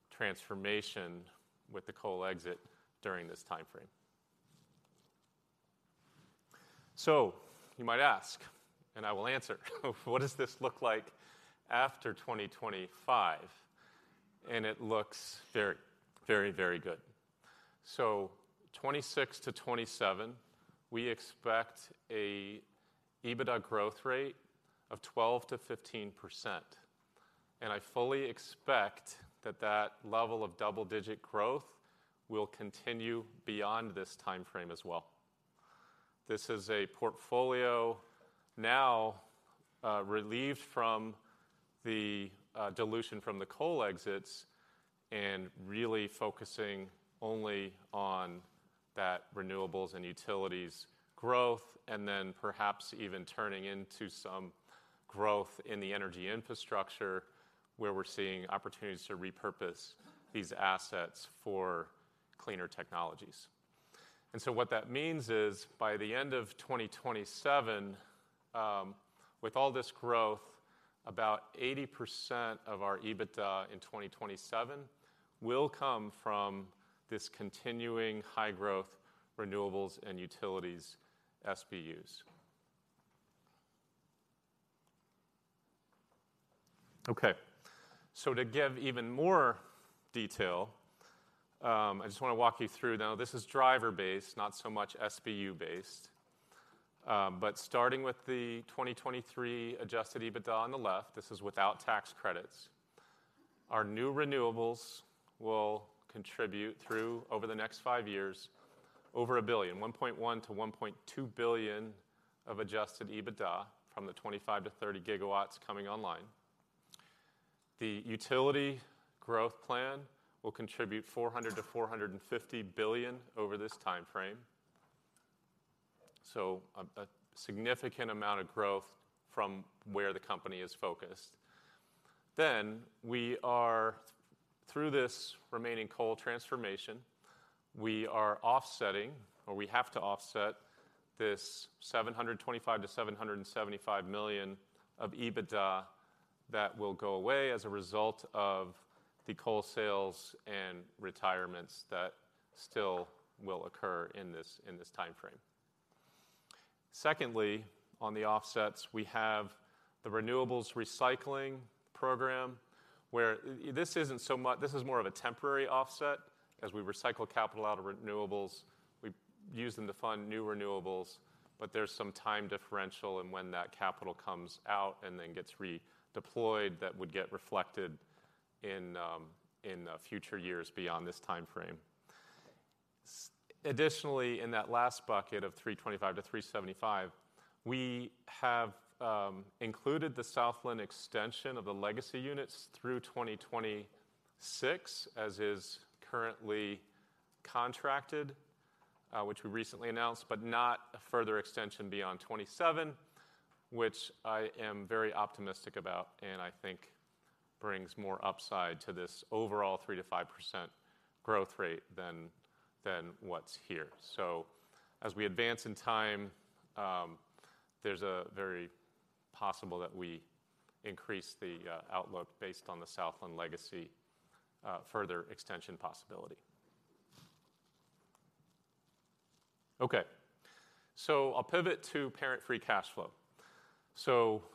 transformation with the coal exit during this timeframe. You might ask, and I will answer, what does this look like after 2025? It looks very, very, very good. 2026 to 2027, we expect a EBITDA growth rate of 12%-15%, and I fully expect that that level of double-digit growth will continue beyond this timeframe as well. This is a portfolio now, relieved from the dilution from the coal exits and really focusing only on that renewables and utilities growth, and then perhaps even turning into some growth in the energy infrastructure where we're seeing opportunities to repurpose these assets for cleaner technologies. What that means is by the end of 2027, with all this growth, about 80% of our EBITDA in 2027 will come from this continuing high growth renewables and utilities SBUs. Okay. To give even more detail, I just wanna walk you through. Now, this is driver-based, not so much SBU-based. Starting with the 2023 Adjusted EBITDA on the left, this is without tax credits, our new renewables will contribute through over the next five years over $1 billion, $1.1 billion-$1.2 billion of Adjusted EBITDA from the 25-30 GW coming online. The utility growth plan will contribute $400 billion-$450 billion over this time frame. A significant amount of growth from where the company is focused. We are, through this remaining coal transformation, we are offsetting, or we have to offset this $725 million to $775 million of EBITDA that will go away as a result of the coal sales and retirements that still will occur in this, in this time frame. Secondly, on the offsets, we have the renewables recycling program, where this isn't so much this is more of a temporary offset as we recycle capital out of renewables. We use them to fund new renewables, but there's some time differential in when that capital comes out and then gets redeployed that would get reflected in the future years beyond this time frame. additionally, in that last bucket of $325-$375, we have included the Southland extension of the legacy units through 2026, as is currently contracted, which we recently announced, but not a further extension beyond 2027, which I am very optimistic about and I think brings more upside to this overall 3%-5% growth rate than what's here. As we advance in time, there's a very possible that we increase the outlook based on the Southland legacy, further extension possibility. Okay. I'll pivot to parent free cash flow.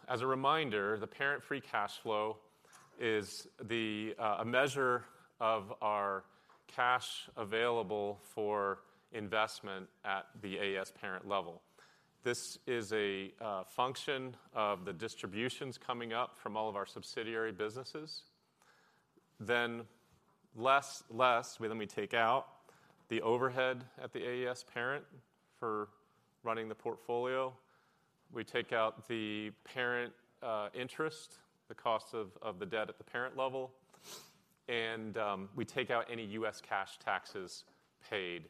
As a reminder, the parent free cash flow is the a measure of our cash available for investment at the AES parent level. This is a function of the distributions coming up from all of our subsidiary businesses. then take out the overhead at the AES parent for running the portfolio. We take out the parent interest, the cost of the debt at the parent level, and we take out any U.S. cash taxes paid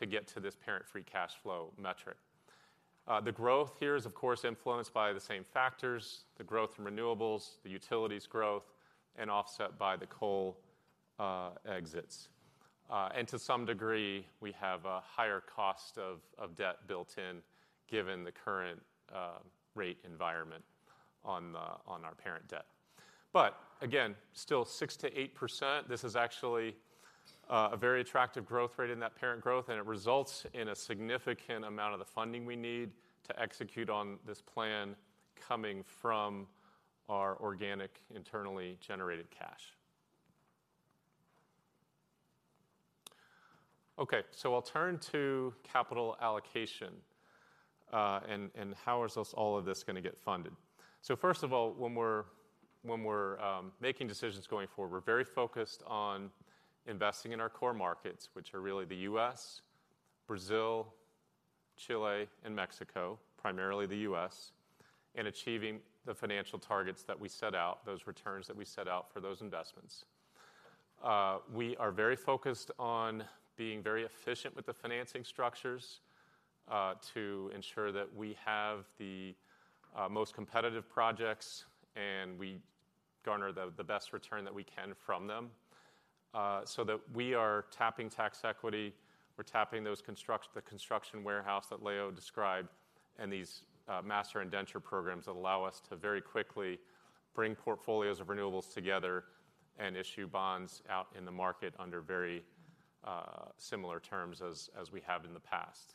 to get to this parent free cash flow metric. The growth here is of course influenced by the same factors, the growth in renewables, the utilities growth, and offset by the coal exits. And to some degree, we have a higher cost of debt built in given the current rate environment on our parent debt. Again, still 6%-8%. This is actually a very attractive growth rate in that parent growth, and it results in a significant amount of the funding we need to execute on this plan coming from our organic internally generated cash. I'll turn to capital allocation, and how is this, all of this gonna get funded. First of all, when we're making decisions going forward, we're very focused on investing in our core markets, which are really the U.S., Brazil, Chile, and Mexico, primarily the U.S., and achieving the financial targets that we set out, those returns that we set out for those investments. We are very focused on being very efficient with the financing structures, to ensure that we have the most competitive projects, and we garner the best return that we can from them, so that we are tapping tax equity, we're tapping those the construction warehouse that Leo described, and these master indenture programs that allow us to very quickly bring portfolios of renewables together and issue bonds out in the market under very similar terms as we have in the past.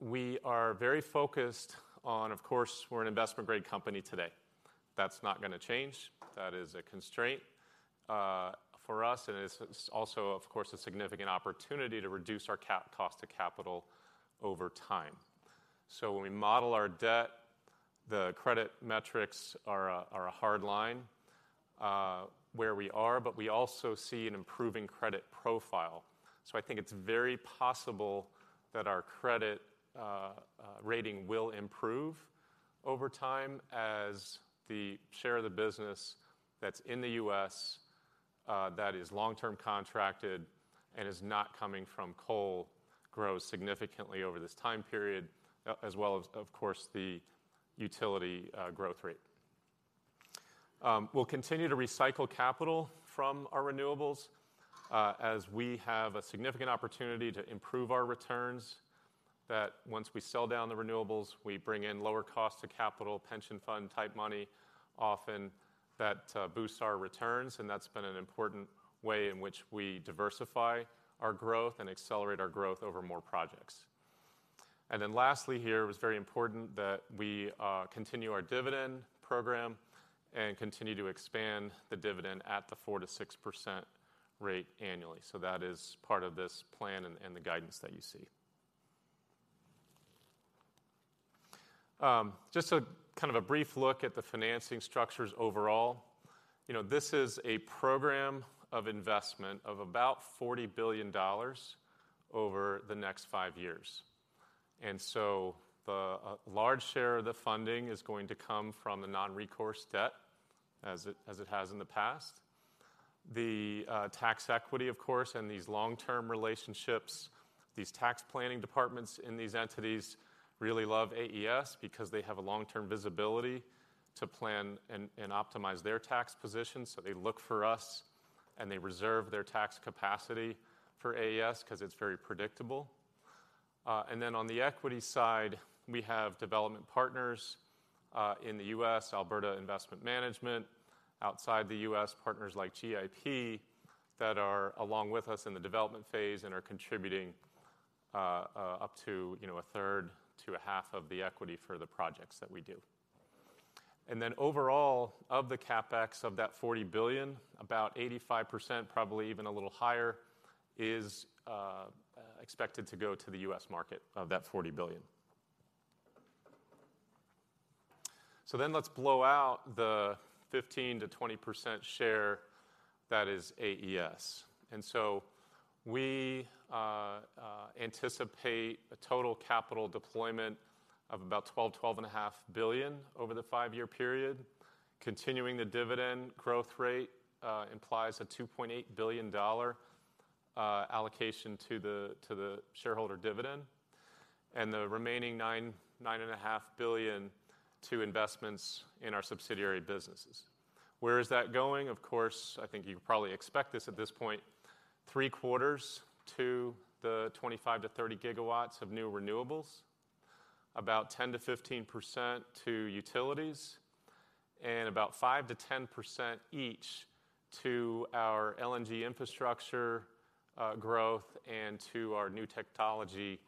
We are very focused on, of course, we're an investment-grade company today. That's not gonna change. That is a constraint for us, and it's also, of course, a significant opportunity to reduce our cost to capital over time. When we model our debt, the credit metrics are a hard line where we are, but we also see an improving credit profile. I think it's very possible that our credit rating will improve over time as the share of the business that's in the U.S. that is long-term contracted and is not coming from coal grows significantly over this time period, as well as, of course, the utility growth rate. We'll continue to recycle capital from our renewables as we have a significant opportunity to improve our returns, that once we sell down the renewables, we bring in lower cost to capital pension fund type money. Often that boosts our returns, and that's been an important way in which we diversify our growth and accelerate our growth over more projects. Lastly here, it was very important that we continue our dividend program and continue to expand the dividend at the 4%-6% rate annually. That is part of this plan and the guidance that you see. Just a brief look at the financing structures overall. You know, this is a program of investment of about $40 billion over the next five years. The large share of the funding is going to come from the non-recourse debt as it has in the past. The tax equity, of course, and these long-term relationships, these tax planning departments in these entities really love AES because they have a long-term visibility to plan and optimize their tax position. They look for us, and they reserve their tax capacity for AES 'cause it's very predictable. Then on the equity side, we have development partners in the U.S., Alberta Investment Management, outside the U.S., partners like GIP, that are along with us in the development phase and are contributing up to a third to a half of the equity for the projects that we do. Overall, of the CapEx of that $40 billion, about 85%, probably even a little higher, is expected to go to the U.S. market of that $40 billion. Let's blow out the 15%-20% share that is AES. We anticipate a total capital deployment of about $12 billion-$12.5 billion over the five year period. Continuing the dividend growth rate implies a $2.8 billion allocation to the shareholder dividend, and the remaining $9.5 billion to investments in our subsidiary businesses. Where is that going? Of course, I think you can probably expect this at this point, three-quarters to the 25-30 GW of new renewables, about 10%-15% to utilities, and about 5%-10% each to our LNG infrastructure growth and to our new technology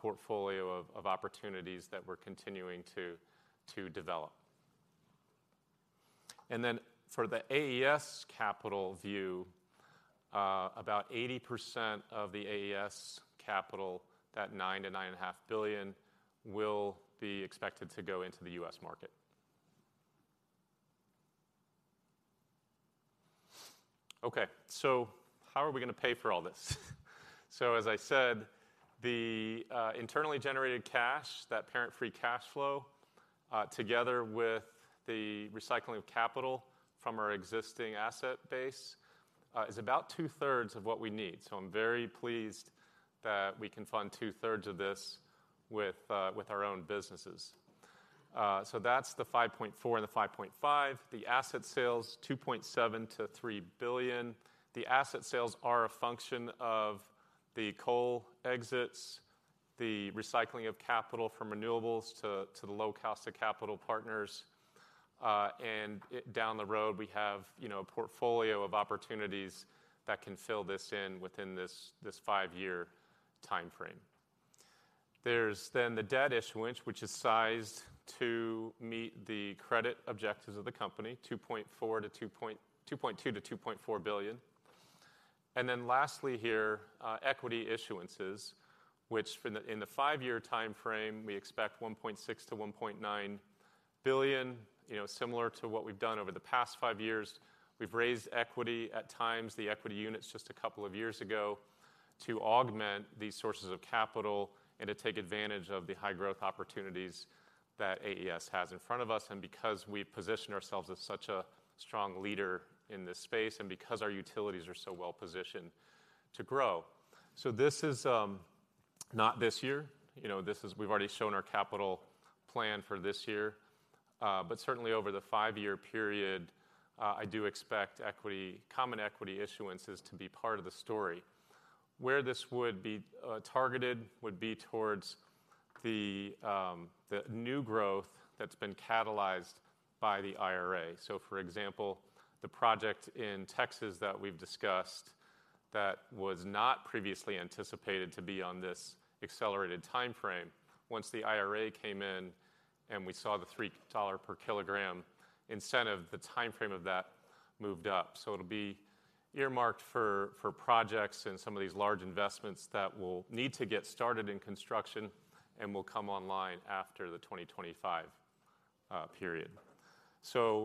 portfolio of opportunities that we're continuing to develop. For the AES capital view, about 80% of the AES capital, that $9 billion-$9.5 billion, will be expected to go into the U.S. market. How are we gonna pay for all this? As I said, the internally generated cash, that parent free cash flow, together with the recycling of capital from our existing asset base, is about two-thirds of what we need. I'm very pleased that we can fund two-thirds of this with our own businesses. That's the $5.4 billion and $5.5 billion. The asset sales, $2.7 billion-$3 billion. The asset sales are a function of the coal exits, the recycling of capital from renewables to the low cost of capital partners. Down the road, we have, you know, a portfolio of opportunities that can fill this in within this five year timeframe. There's then the debt issuance, which is sized to meet the credit objectives of the company, $2.2 billion-$2.4 billion. Lastly here, equity issuances, which for the, in the five year timeframe, we expect $1.6 billion-$1.9 billion. Similar to what we've done over the past five years, we've raised equity at times, the equity units just a couple of years ago, to augment these sources of capital and to take advantage of the high growth opportunities that AES has in front of us, and because we position ourselves as such a strong leader in this space, and because our utilities are so well-positioned to grow. This is not this year. We've already shown our capital plan for this year. Certainly over the five year period, I do expect equity, common equity issuances to be part of the story. Where this would be targeted would be towards the new growth that's been catalyzed by the IRA. For example, the project in Texas that we've discussed that was not previously anticipated to be on this accelerated timeframe. Once the IRA came in and we saw the $3 per kilogram incentive, the timeframe of that moved up. It'll be earmarked for projects and some of these large investments that will need to get started in construction and will come online after the 2025 period.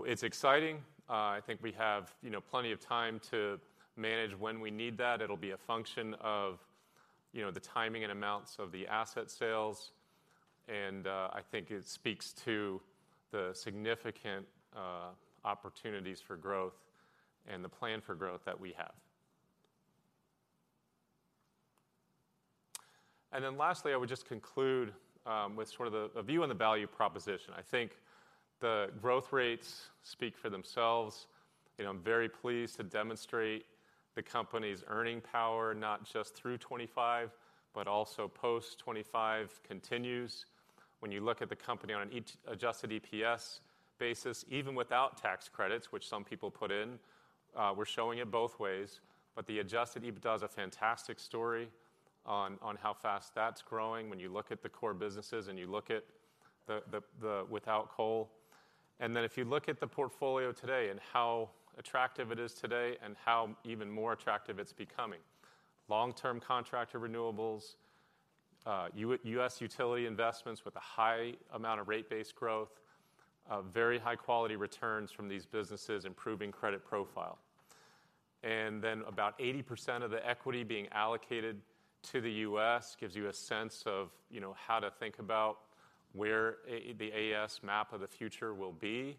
It's exciting. I think we have, you know, plenty of time to manage when we need that. It'll be a function of, you know, the timing and amounts of the asset sales. I think it speaks to the significant opportunities for growth and the plan for growth that we have. Lastly, I would just conclude with sort of a view on the value proposition. I think the growth rates speak for themselves. You know, I'm very pleased to demonstrate the company's earning power, not just through 25, but also post-25 continues. When you look at the company on an Adjusted EPS basis, even without tax credits, which some people put in, we're showing it both ways, but the Adjusted EBITDA is a fantastic story on how fast that's growing when you look at the core businesses and you look at the without coal. If you look at the portfolio today and how attractive it is today and how even more attractive it's becoming. Long-term contractor renewables, U.S. utility investments with a high amount of rate-based growth, very high quality returns from these businesses, improving credit profile. Then about 80% of the equity being allocated to the U.S. gives you a sense of, you know, how to think about where the AES map of the future will be.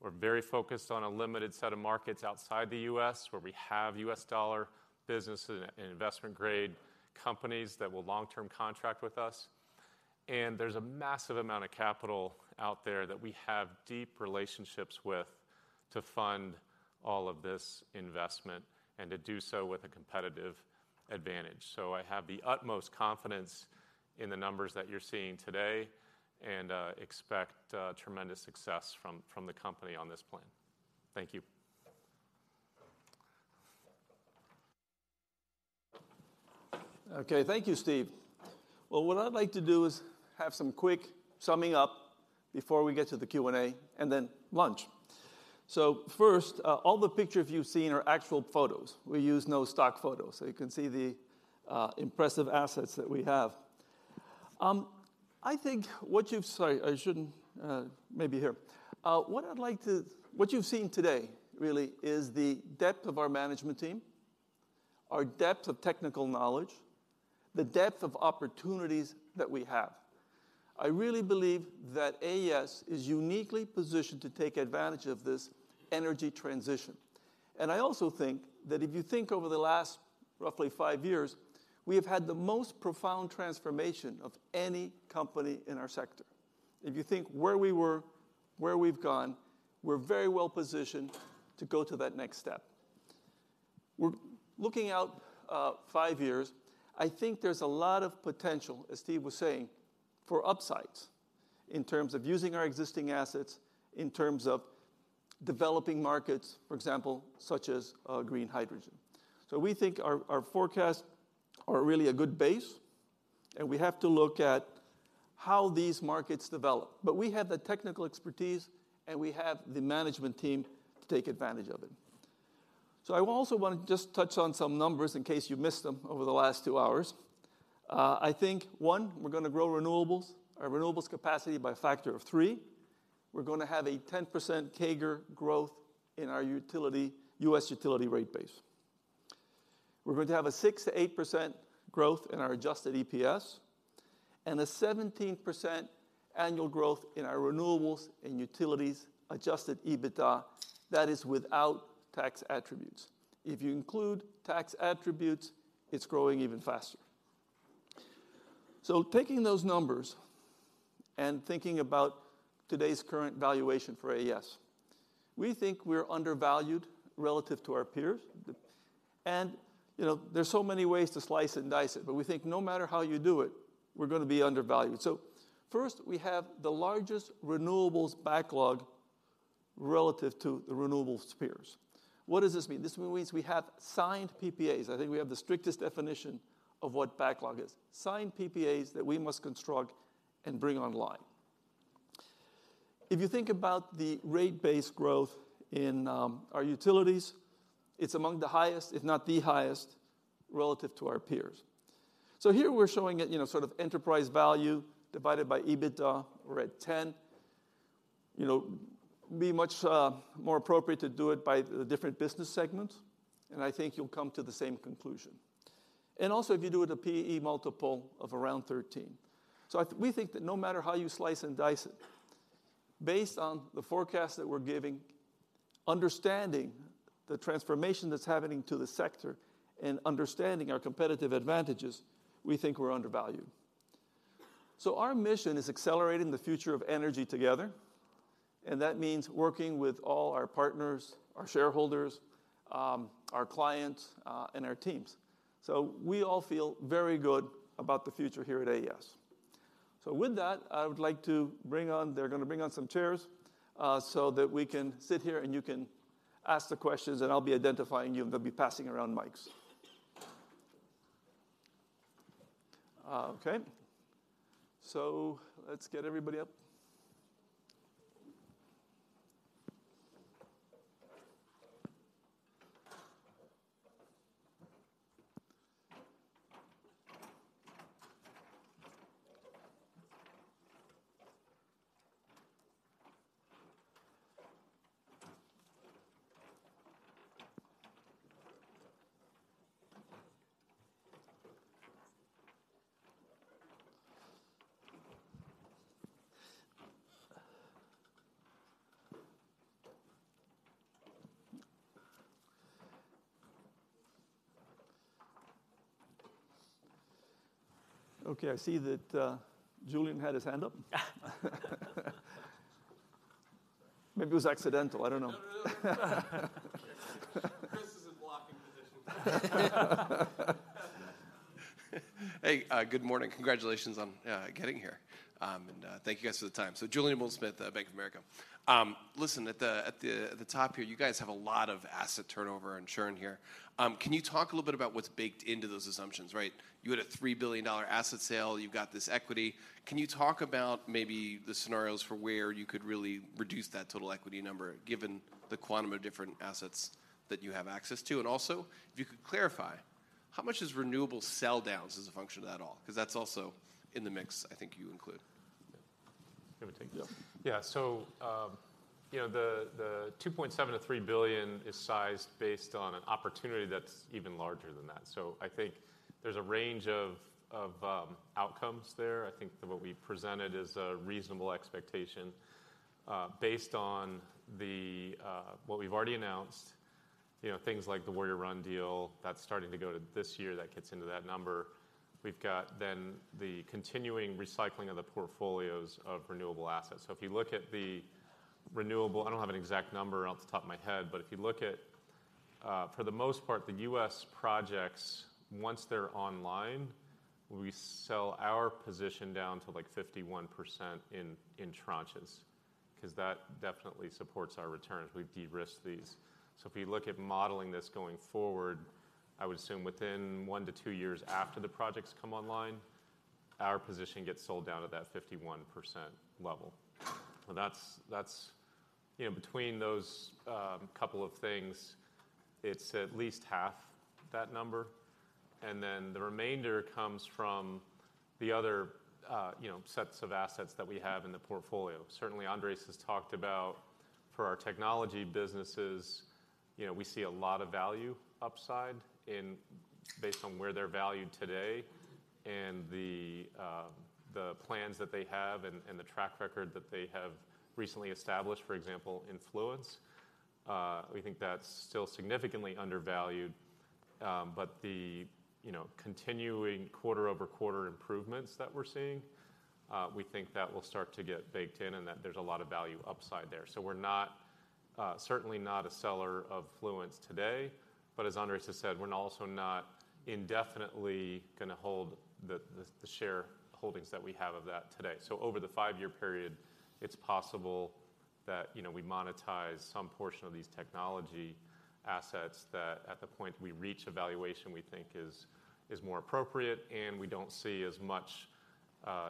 We're very focused on a limited set of markets outside the U.S. where we have U.S. dollar businesses and investment-grade companies that will long-term contract with us. There's a massive amount of capital out there that we have deep relationships with to fund all of this investment and to do so with a competitive advantage. I have the utmost confidence in the numbers that you're seeing today and expect tremendous success from the company on this plan. Thank you. Thank you, Steve. Well, what I'd like to do is have some quick summing up before we get to the Q&A and then lunch. First, all the pictures you've seen are actual photos. We use no stock photos, so you can see the impressive assets that we have. I think what you've seen today really is the depth of our management team, our depth of technical knowledge, the depth of opportunities that we have. I really believe that AES is uniquely positioned to take advantage of this energy transition. I also think that if you think over the last roughly five years, we have had the most profound transformation of any company in our sector. If you think where we were, where we've gone, we're very well positioned to go to that next step. We're looking out five years. I think there's a lot of potential, as Steve was saying, for upsides in terms of using our existing assets, in terms of developing markets, for example, such as green hydrogen. We think our forecasts are really a good base, and we have to look at how these markets develop. We have the technical expertise, and we have the management team to take advantage of it. I also wanna just touch on some numbers in case you missed them over the last two hours. I think, one, we're gonna grow renewables, our renewables capacity by a factor of three. We're gonna have a 10% CAGR growth in our utility, US utility rate base. We're going to have a 6%-8% growth in our Adjusted EPS and a 17% annual growth in our renewables and utilities Adjusted EBITDA. That is without tax attributes. If you include tax attributes, it's growing even faster. Taking those numbers and thinking about today's current valuation for AES, we think we're undervalued relative to our peers. You know, there's so many ways to slice and dice it, but we think no matter how you do it, we're gonna be undervalued. First, we have the largest renewables backlog relative to the renewables peers. What does this mean? This means we have signed PPAs. I think we have the strictest definition of what backlog is. Signed PPAs that we must construct and bring online. If you think about the rate-based growth in our utilities, it's among the highest, if not the highest, relative to our peers. Here we're showing it, you know, sort of enterprise value divided by EBITDA. We're at 10. You know, be much more appropriate to do it by the different business segments, and I think you'll come to the same conclusion. And also, if you do it a P/E multiple of around 13. We think that no matter how you slice and dice it, based on the forecast that we're giving, understanding the transformation that's happening to the sector and understanding our competitive advantages, we think we're undervalued. Our mission is accelerating the future of energy together, and that means working with all our partners, our shareholders, our clients, and our teams. We all feel very good about the future here at AES. With that, I would like to bring on, they're gonna bring on some chairs, so that we can sit here and you can ask the questions, and I'll be identifying you. They'll be passing around mics. Okay. Let's get everybody up. Okay, I see that, Julien had his hand up. Maybe it was accidental. I don't know. No, no. Chris is in blocking position. Hey. Good morning. Congratulations on getting here. And, thank you guys for the time. Julien Dumoulin-Smith, Bank of America. Listen, at the, at the, at the top here, you guys have a lot of asset turnover and churn here. Can you talk a little bit about what's baked into those assumptions, right? You had a $3 billion asset sale, you've got this equity. Can you talk about maybe the scenarios for where you could really reduce that total equity number, given the quantum of different assets that you have access to? And also, if you could clarify, how much is renewables sell downs as a function of that all? 'Cause that's also in the mix, I think you include. You want me to take this? Yeah. Yeah. You know, the $2.7 billion-$3 billion is sized based on an opportunity that's even larger than that. I think there's a range of outcomes there. I think that what we presented is a reasonable expectation, based on what we've already announced. You know, things like the Warrior Run deal, that's starting to go to this year, that gets into that number. We've got the continuing recycling of the portfolios of renewable assets. If you look at the renewable, I don't have an exact number off the top of my head, but if you look at, for the most part, the U.S. projects, once they're online, we sell our position down to, like, 51% in tranches, 'cause that definitely supports our returns. We de-risk these. If we look at modeling this going forward, I would assume within one-two years after the projects come online, our position gets sold down to that 51% level. That's, you know, between those couple of things, it's at least half that number. Then the remainder comes from the other, you know, sets of assets that we have in the portfolio. Certainly, Andrés has talked about for our technology businesses, you know, we see a lot of value upside in based on where they're valued today and the plans that they have and the track record that they have recently established, for example, in Fluence. We think that's still significantly undervalued, but the, you know, continuing quarter-over-quarter improvements that we're seeing, we think that will start to get baked in and that there's a lot of value upside there. We're not certainly not a seller of Fluence today, but as Andrés has said, we're also not indefinitely gonna hold the share holdings that we have of that today. Over the five-year period, it's possible that, you know, we monetize some portion of these technology assets that at the point we reach a valuation we think is more appropriate and we don't see as much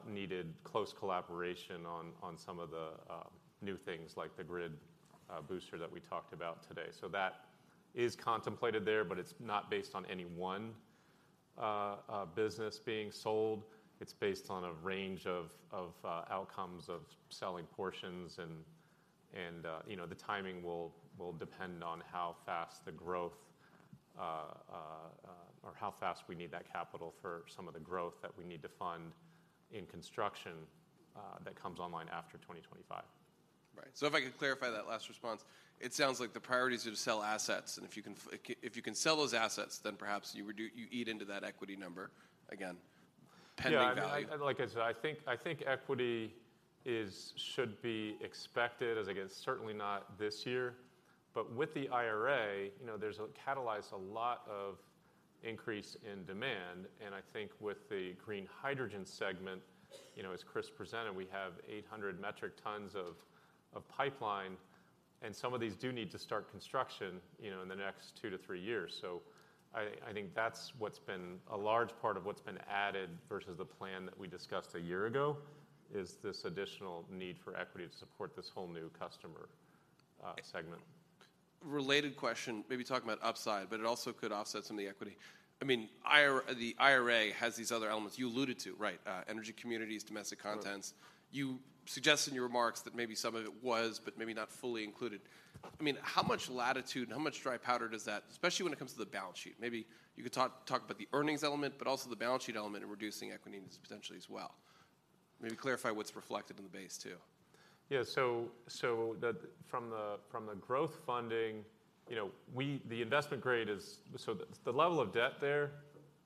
needed close collaboration on some of the new things like the grid booster that we talked about today. That is contemplated there, but it's not based on any one business being sold. It's based on a range of outcomes of selling portions and, you know, the timing will depend on how fast the growth or how fast we need that capital for some of the growth that we need to fund in construction that comes online after 2025. If I could clarify that last response, it sounds like the priority is to sell assets, and if you can sell those assets, then perhaps you eat into that equity number again, pending value. Yeah. Like I said, I think equity is, should be expected, as, again, certainly not this year. With the IRA, you know, there's catalyzed a lot of increase in demand, I think with the green hydrogen segment, you know, as Chris presented, we have 800 metric tons of pipeline, some of these do need to start construction, you know, in the next two-three years. I think that's what's been a large part of what's been added versus the plan that we discussed a year ago, is this additional need for equity to support this whole new customer segment. Related question, maybe talking about upside, but it also could offset some of the equity. I mean, the IRA has these other elements you alluded to, right? Energy communities, domestic contents. Sure. You suggest in your remarks that maybe some of it was, but maybe not fully included. I mean, how much latitude and how much dry powder does that, especially when it comes to the balance sheet? Maybe you could talk about the earnings element, but also the balance sheet element in reducing equity potentially as well. Maybe clarify what's reflected in the base too. From the growth funding, you know, the investment grade is, the level of debt there,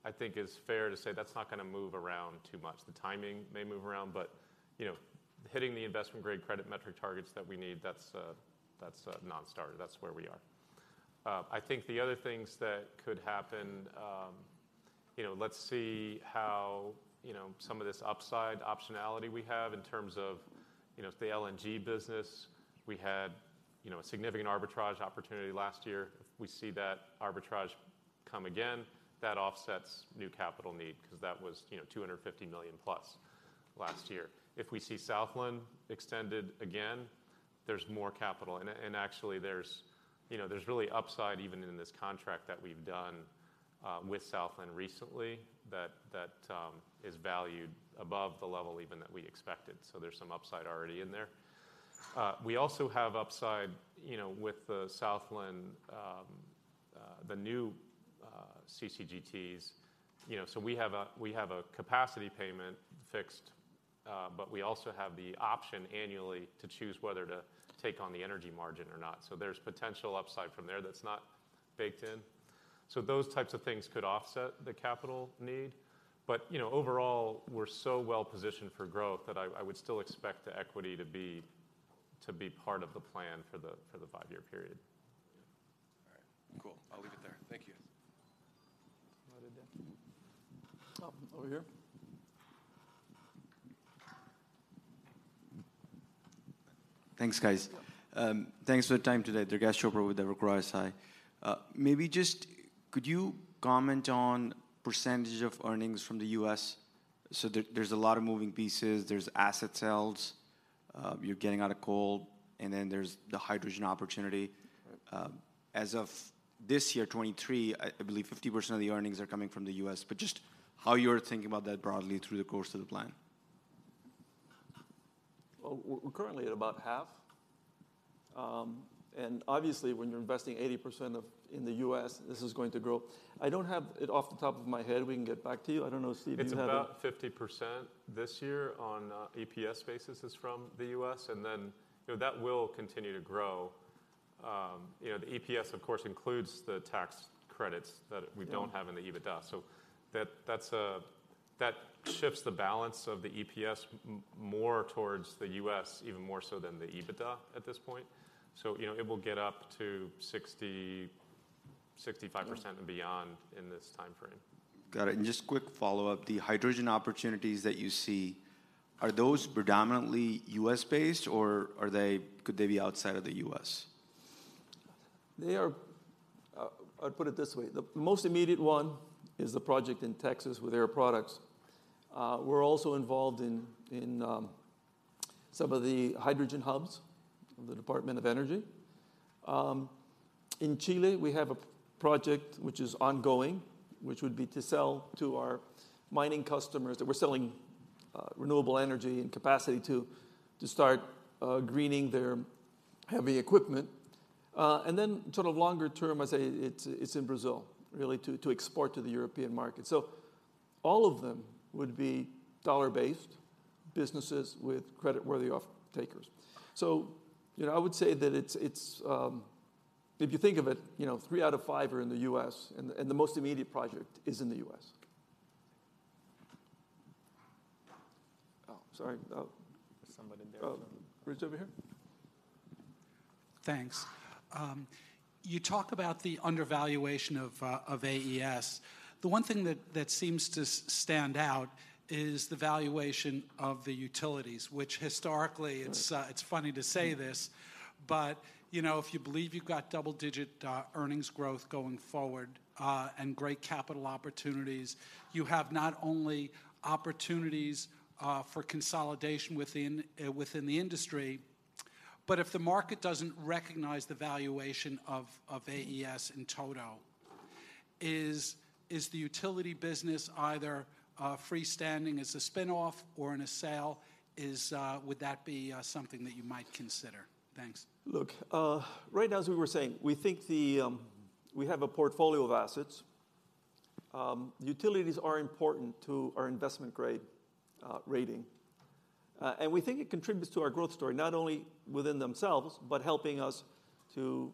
I think is fair to say that's not gonna move around too much. The timing may move around, but, you know, hitting the investment grade credit metric targets that we need, that's a non-starter. That's where we are. I think the other things that could happen, you know, let's see how, you know, some of this upside optionality we have in terms of, you know, the LNG business. We had, you know, a significant arbitrage opportunity last year. If we see that arbitrage come again, that offsets new capital need, 'cause that was, you know, $250 million+ last year. If we see Southland extended again, there's more capital. Actually there's, you know, there's really upside even in this contract that we've done with Southland recently that is valued above the level even that we expected, so there's some upside already in there. We also have upside, you know, with the Southland the new-CCGTs. We have a capacity payment fixed, but we also have the option annually to choose whether to take on the energy margin or not. There's potential upside from there that's not baked in. Those types of things could offset the capital need. You know, overall, we're so well-positioned for growth that I would still expect the equity to be part of the plan for the five year period. All right, cool. I'll leave it there. Thank you. Oh, over here. Thanks, guys. Thanks for the time today. Durgesh Chopra with Evercore ISI. Maybe just could you comment on percentage of earnings from the US? There's a lot of moving pieces. There's asset sales. You're getting out of coal, and then there's the hydrogen opportunity. As of this year, 2023, I believe 50% of the earnings are coming from the US, but just how you're thinking about that broadly through the course of the plan. Well, we're currently at about half. Obviously, when you're investing 80% of, in the US, this is going to grow. I don't have it off the top of my head. We can get back to you. I don't know, Steve, do you have it? It's about 50% this year on EPS basis is from the U.S., you know, that will continue to grow. You know, the EPS, of course, includes the tax credits that we don't have in the EBITDA. That, that's that shifts the balance of the EPS more towards the U.S. even more so than the EBITDA at this point. You know, it will get up to 60%-65% and beyond in this timeframe. Got it. Just quick follow-up, the hydrogen opportunities that you see, are those predominantly U.S.-based, or could they be outside of the U.S.? They are, I'd put it this way. The most immediate one is the project in Texas with Air Products. We're also involved in some of the hydrogen hubs of the Department of Energy. In Chile, we have a project which is ongoing, which would be to sell to our mining customers that we're selling renewable energy and capacity to start greening their heavy equipment. Sort of longer term, I'd say it's in Brazil, really to export to the European market. All of them would be dollar-based businesses with creditworthy off-takers. You know, I would say that it's, if you think of it, you know, 3 out of 5 are in the US, and the most immediate project is in the US. Oh, sorry. Oh. There's somebody there. Oh. Bridge over here. Thanks. You talk about the undervaluation of AES. The one thing that seems to stand out is the valuation of the utilities, which historically it's funny to say this, but, you know, if you believe you've got double-digit earnings growth going forward, and great capital opportunities, you have not only opportunities for consolidation within the industry, but if the market doesn't recognize the valuation of AES in toto, is the utility business either freestanding as a spinoff or in a sale, would that be something that you might consider? Thanks. Look, right now, as we were saying, we think the, we have a portfolio of assets. Utilities are important to our investment grade rating. We think it contributes to our growth story, not only within themselves, but helping us to,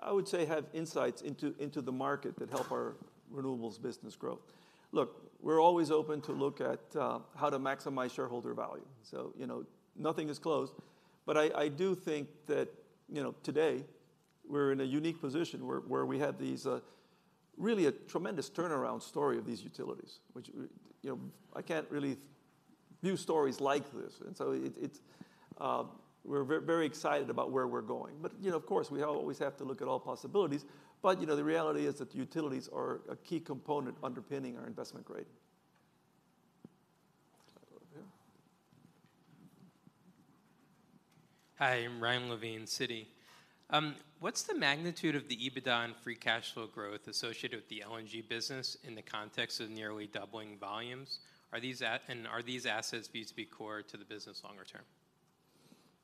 I would say, have insights into the market that help our renewables business growth. Look, we're always open to look at how to maximize shareholder value. You know, nothing is closed. I do think that, you know, today we're in a unique position where we have these, really a tremendous turnaround story of these utilities, which, you know, I can't really view stories like this. It, we're very excited about where we're going. You know, of course, we always have to look at all possibilities. You know, the reality is that utilities are a key component underpinning our investment grade. Over here. Hi, I'm Ryan Levine, Citi. What's the magnitude of the EBITDA and free cash flow growth associated with the LNG business in the context of nearly doubling volumes? Are these assets vis-a-vis core to the business longer term?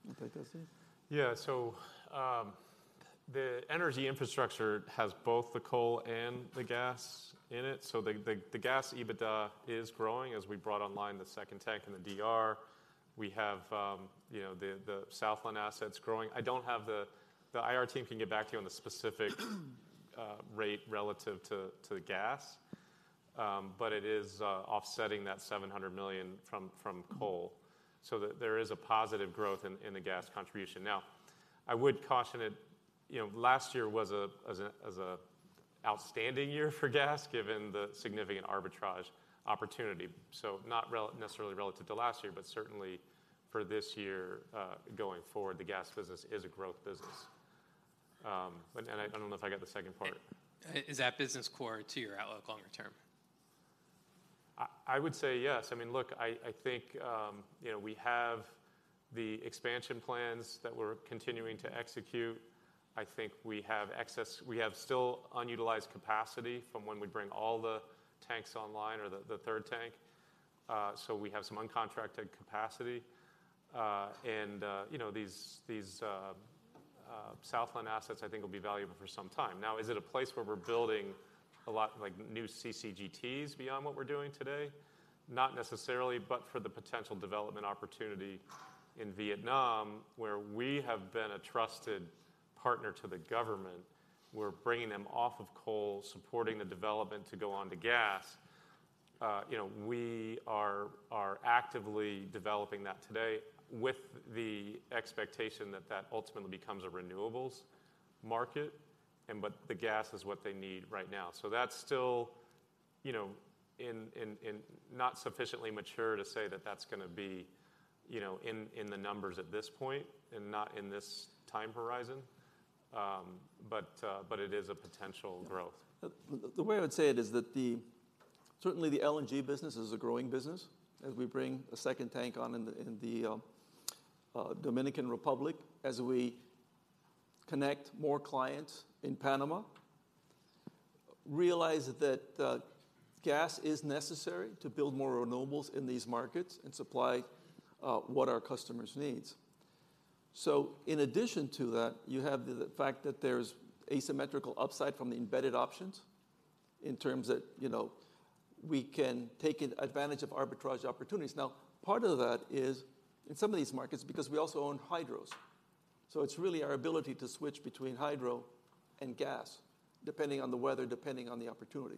You want to take this, Steve? The energy infrastructure has both the coal and the gas in it. The gas EBITDA is growing as we brought online the second tank in the DR. We have, you know, the Southland assets growing. I don't have The IR team can get back to you on the specific rate relative to the gas. It is offsetting that $700 million from coal, there is a positive growth in the gas contribution. I would caution it, you know, last year was a outstanding year for gas given the significant arbitrage opportunity. Not necessarily relative to last year, certainly for this year, going forward, the gas business is a growth business. I don't know if I got the second part. Is that business core to your outlook longer term? I would say yes. I mean, look, I think, you know, we have the expansion plans that we're continuing to execute. I think we have still unutilized capacity from when we bring all the tanks online or the third tank. We have some uncontracted capacity. You know, these Southland assets I think will be valuable for some time. Is it a place where we're building a lot, like new CCGTs beyond what we're doing today? Not necessarily, but for the potential development opportunity in Vietnam, where we have been a trusted partner to the government, we're bringing them off of coal, supporting the development to go onto gas. You know, we are actively developing that today with the expectation that that ultimately becomes a renewables market but the gas is what they need right now. That's still, you know, not sufficiently mature to say that that's gonna be, you know, the numbers at this point and not in this time horizon. But it is a potential growth. The way I would say it is that certainly, the LNG business is a growing business as we bring a second tank on in the Dominican Republic, as we connect more clients in Panama. Realize that gas is necessary to build more renewables in these markets and supply what are customers' needs. In addition to that, you have the fact that there's asymmetrical upside from the embedded options in terms that, you know, we can take advantage of arbitrage opportunities. Part of that is, in some of these markets because we also own hydros, it's really our ability to switch between hydro and gas depending on the weather, depending on the opportunity.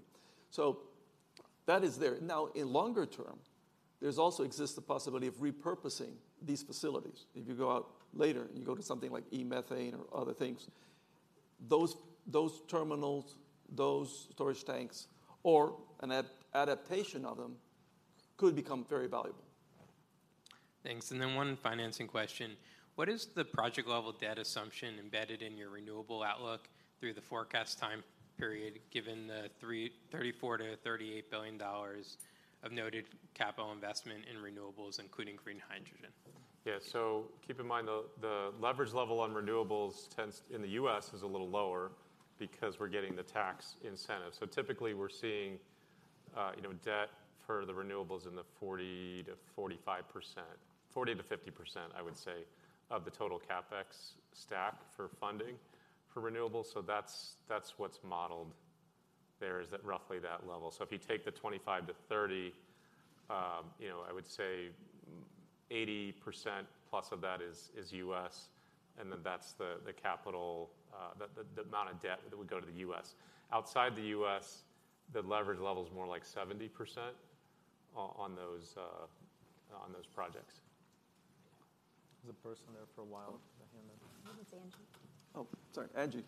That is there. In longer term, there's also exists the possibility of repurposing these facilities. If you go out later and you go to something like e-methane or other things, those terminals, those storage tanks, or an adaptation of them could become very valuable. Thanks. Then one financing question. What is the project-level debt assumption embedded in your renewable outlook through the forecast time period, given the $34 billion-$38 billion of noted capital investment in renewables, including green hydrogen? Keep in mind though, the leverage level on renewables tends in the US is a little lower because we're getting the tax incentive. Typically we're seeing, you know, debt for the renewables in the 40%-45%. 40%-50%, I would say, of the total CapEx stack for funding for renewables. That's, that's what's modeled there, is at roughly that level. If you take the 25-30, you know, I would say 80%+ of that is US, and then that's the capital, the amount of debt that would go to the US. Outside the US, the leverage level is more like 70% on those projects. There's a person there for a while with a hand up. I think it's Angie. Oh, sorry. Angie.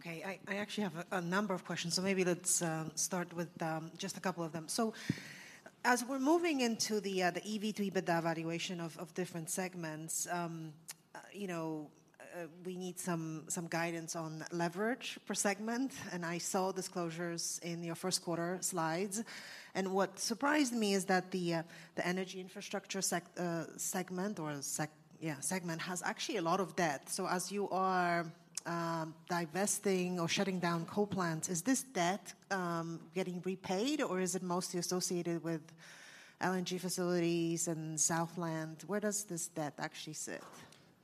Okay. I actually have a number of questions, so maybe let's start with just a couple of them. As we're moving into the EV to EBITDA valuation of different segments, you know, we need some guidance on leverage per segment, and I saw disclosures in your first quarter slides. What surprised me is that the Energy Infrastructure segment has actually a lot of debt. As you are divesting or shutting down coal plants, is this debt getting repaid, or is it mostly associated with LNG facilities and Southland? Where does this debt actually sit?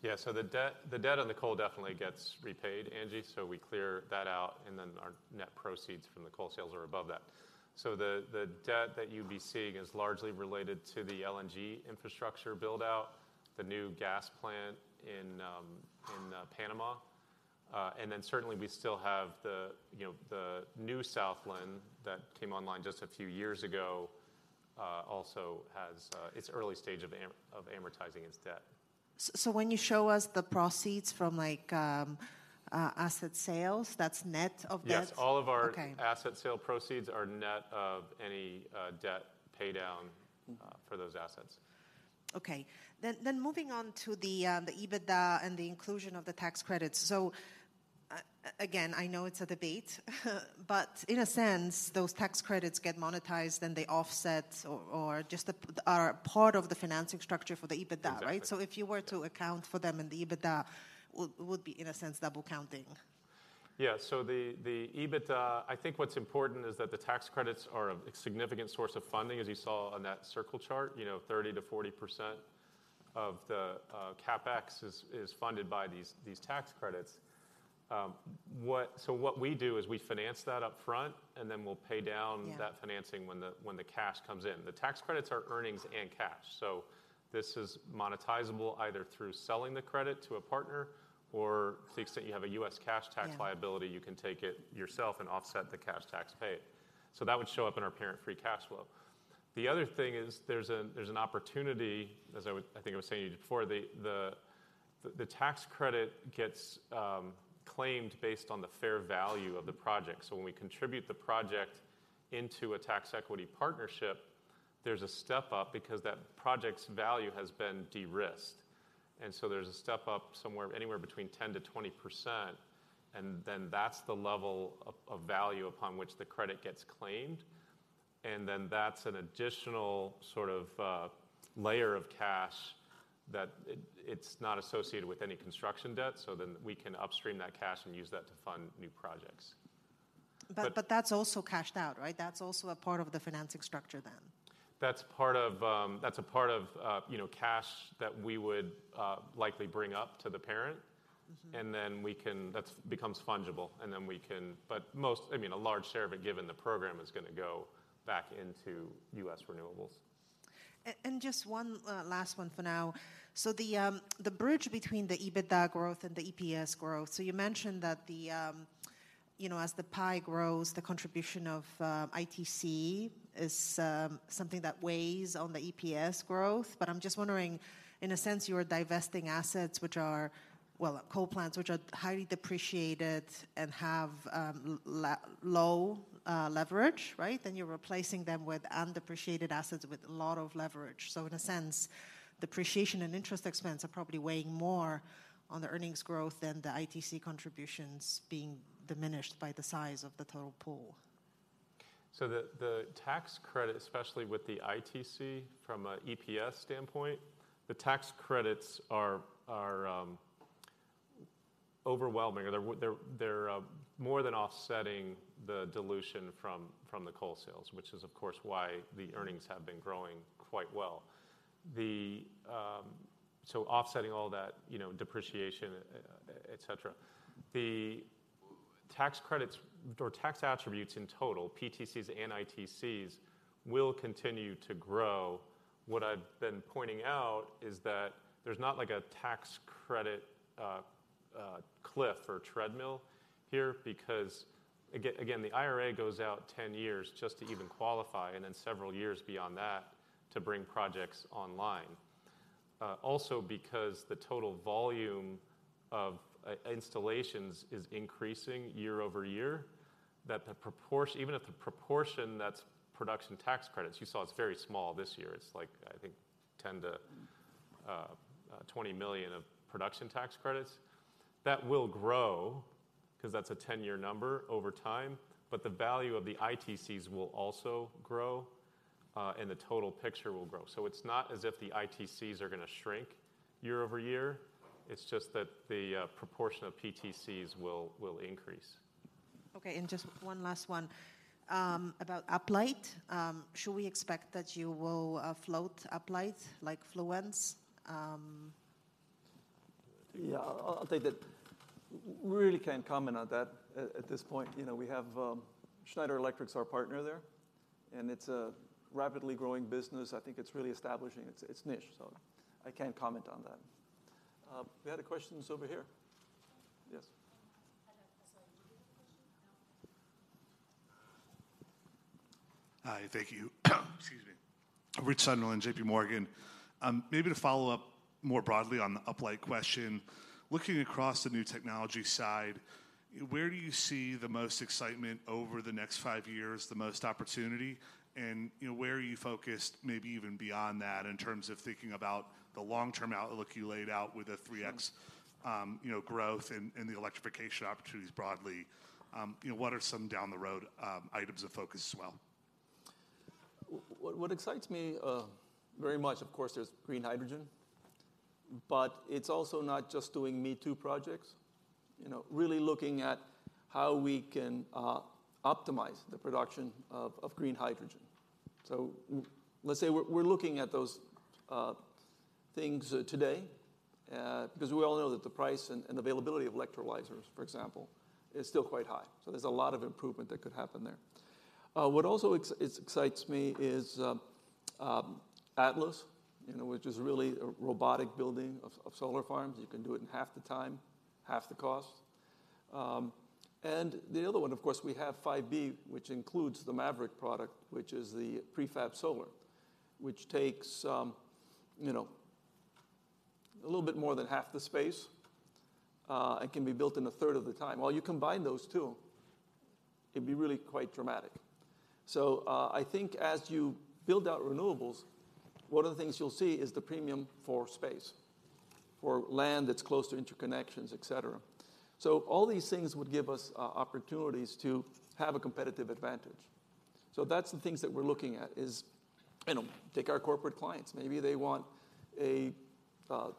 The debt on the coal definitely gets repaid, Angie. We clear that out, and then our net proceeds from the coal sales are above that. The debt that you'd be seeing is largely related to the LNG infrastructure build-out, the new gas plant in Panama. Certainly we still have the, you know, the new Southland that came online just a few years ago, also has its early stage of amortizing its debt. When you show us the proceeds from like, asset sales, that's net of debt? Yes. Okay. All of our asset sale proceeds are net of any debt pay down for those assets. Okay. Moving on to the EBITDA and the inclusion of the tax credits. Again, I know it's a debate, but in a sense, those tax credits get monetized and they offset or just are a part of the financing structure for the EBITDA, right? Exactly. If you were to account for them in the EBITDA, would be in a sense double counting. Yeah. The EBITDA, I think what's important is that the tax credits are a significant source of funding, as you saw on that circle chart. You know, 30%-40% of the CapEx is funded by these tax credits. What we do is we finance that up front, and then we'll pay down. Yeah That financing when the cash comes in. The tax credits are earnings and cash. This is monetizable either through selling the credit to a partner, or to the extent you have a U.S. cash tax liability Yeah you can take it yourself and offset the cash tax paid. That would show up in our parent free cash flow. The other thing is there's an opportunity, as I think I was saying to you before, the tax credit gets claimed based on the fair value of the project. When we contribute the project into a tax equity partnership, there's a step up because that project's value has been de-risked. There's a step up somewhere, anywhere between 10%-20%, and that's the level of value upon which the credit gets claimed. That's an additional sort of layer of cash. It's not associated with any construction debt, we can upstream that cash and use that to fund new projects. That's also cashed out, right? That's also a part of the financing structure then. That's a part of, you know, cash that we would likely bring up to the parent. Mm-hmm. that's becomes fungible. Most, I mean, a large share of it, given the program, is going to go back into U.S. renewables. Just one last one for now. The bridge between the EBITDA growth and the EPS growth, you mentioned that, you know, as the pie grows, the contribution of ITC is something that weighs on the EPS growth. I'm just wondering, in a sense, you are divesting assets which are, well, coal plants, which are highly depreciated and have low leverage, right? You're replacing them with undepreciated assets with a lot of leverage. In a sense, depreciation and interest expense are probably weighing more on the earnings growth than the ITC contributions being diminished by the size of the total pool. The tax credit, especially with the ITC from an EPS standpoint, the tax credits are overwhelming, or they're more than offsetting the dilution from the coal sales, which is of course why the earnings have been growing quite well. Offsetting all that, you know, depreciation, et cetera. The tax credits or tax attributes in total, PTCs and ITCs, will continue to grow. What I've been pointing out is that there's not like a tax credit cliff or treadmill here because again, the IRA goes out 10 years just to even qualify and then several years beyond that to bring projects online. Also because the total volume of installations is increasing year over year, that even if the proportion that's production tax credits, you saw it's very small this year. It's $10 million to $20 million of production tax credits. That will grow, 'cause that's a 10-year number, over time, the value of the ITCs will also grow, and the total picture will grow. It's not as if the ITCs are gonna shrink year-over-year. It's just that the proportion of PTCs will increase. Okay, just one last one. About Uplight. Should we expect that you will float Uplight like Fluence? Yeah, I'll take that. Really can't comment on that at this point. You know, we have Schneider Electric's our partner there, and it's a rapidly growing business. I think it's really establishing its niche. I can't comment on that. We had a questions over here. Yes. Hi, thank you. Excuse me. Richard Sunderland, JP Morgan. Maybe to follow up more broadly on the Uplight question, looking across the new technology side, where do you see the most excitement over the next five years, the most opportunity? You know, where are you focused maybe even beyond that in terms of thinking about the long-term outlook you laid out with the 3X, you know, growth and the electrification opportunities broadly? You know, what are some down the road, items of focus as well? What excites me very much, of course, there's green hydrogen, but it's also not just doing me-too projects. You know, really looking at how we can optimize the production of green hydrogen. let's say we're looking at those things today because we all know that the price and availability of electrolyzers, for example, is still quite high. There's a lot of improvement that could happen there. What also excites me is Atlas, you know, which is really a robotic building of solar farms. You can do it in half the time, half the cost. The other one, of course, we have 5B, which includes the MAVERICK product, which is the prefab solar, which takes, you know, a little bit more than half the space, and can be built in a third of the time. You combine those 2, it'd be really quite dramatic. I think as you build out renewables, one of the things you'll see is the premium for space, for land that's close to interconnections, et cetera. All these things would give us opportunities to have a competitive advantage. That's the things that we're looking at is, you know, take our corporate clients. Maybe they want a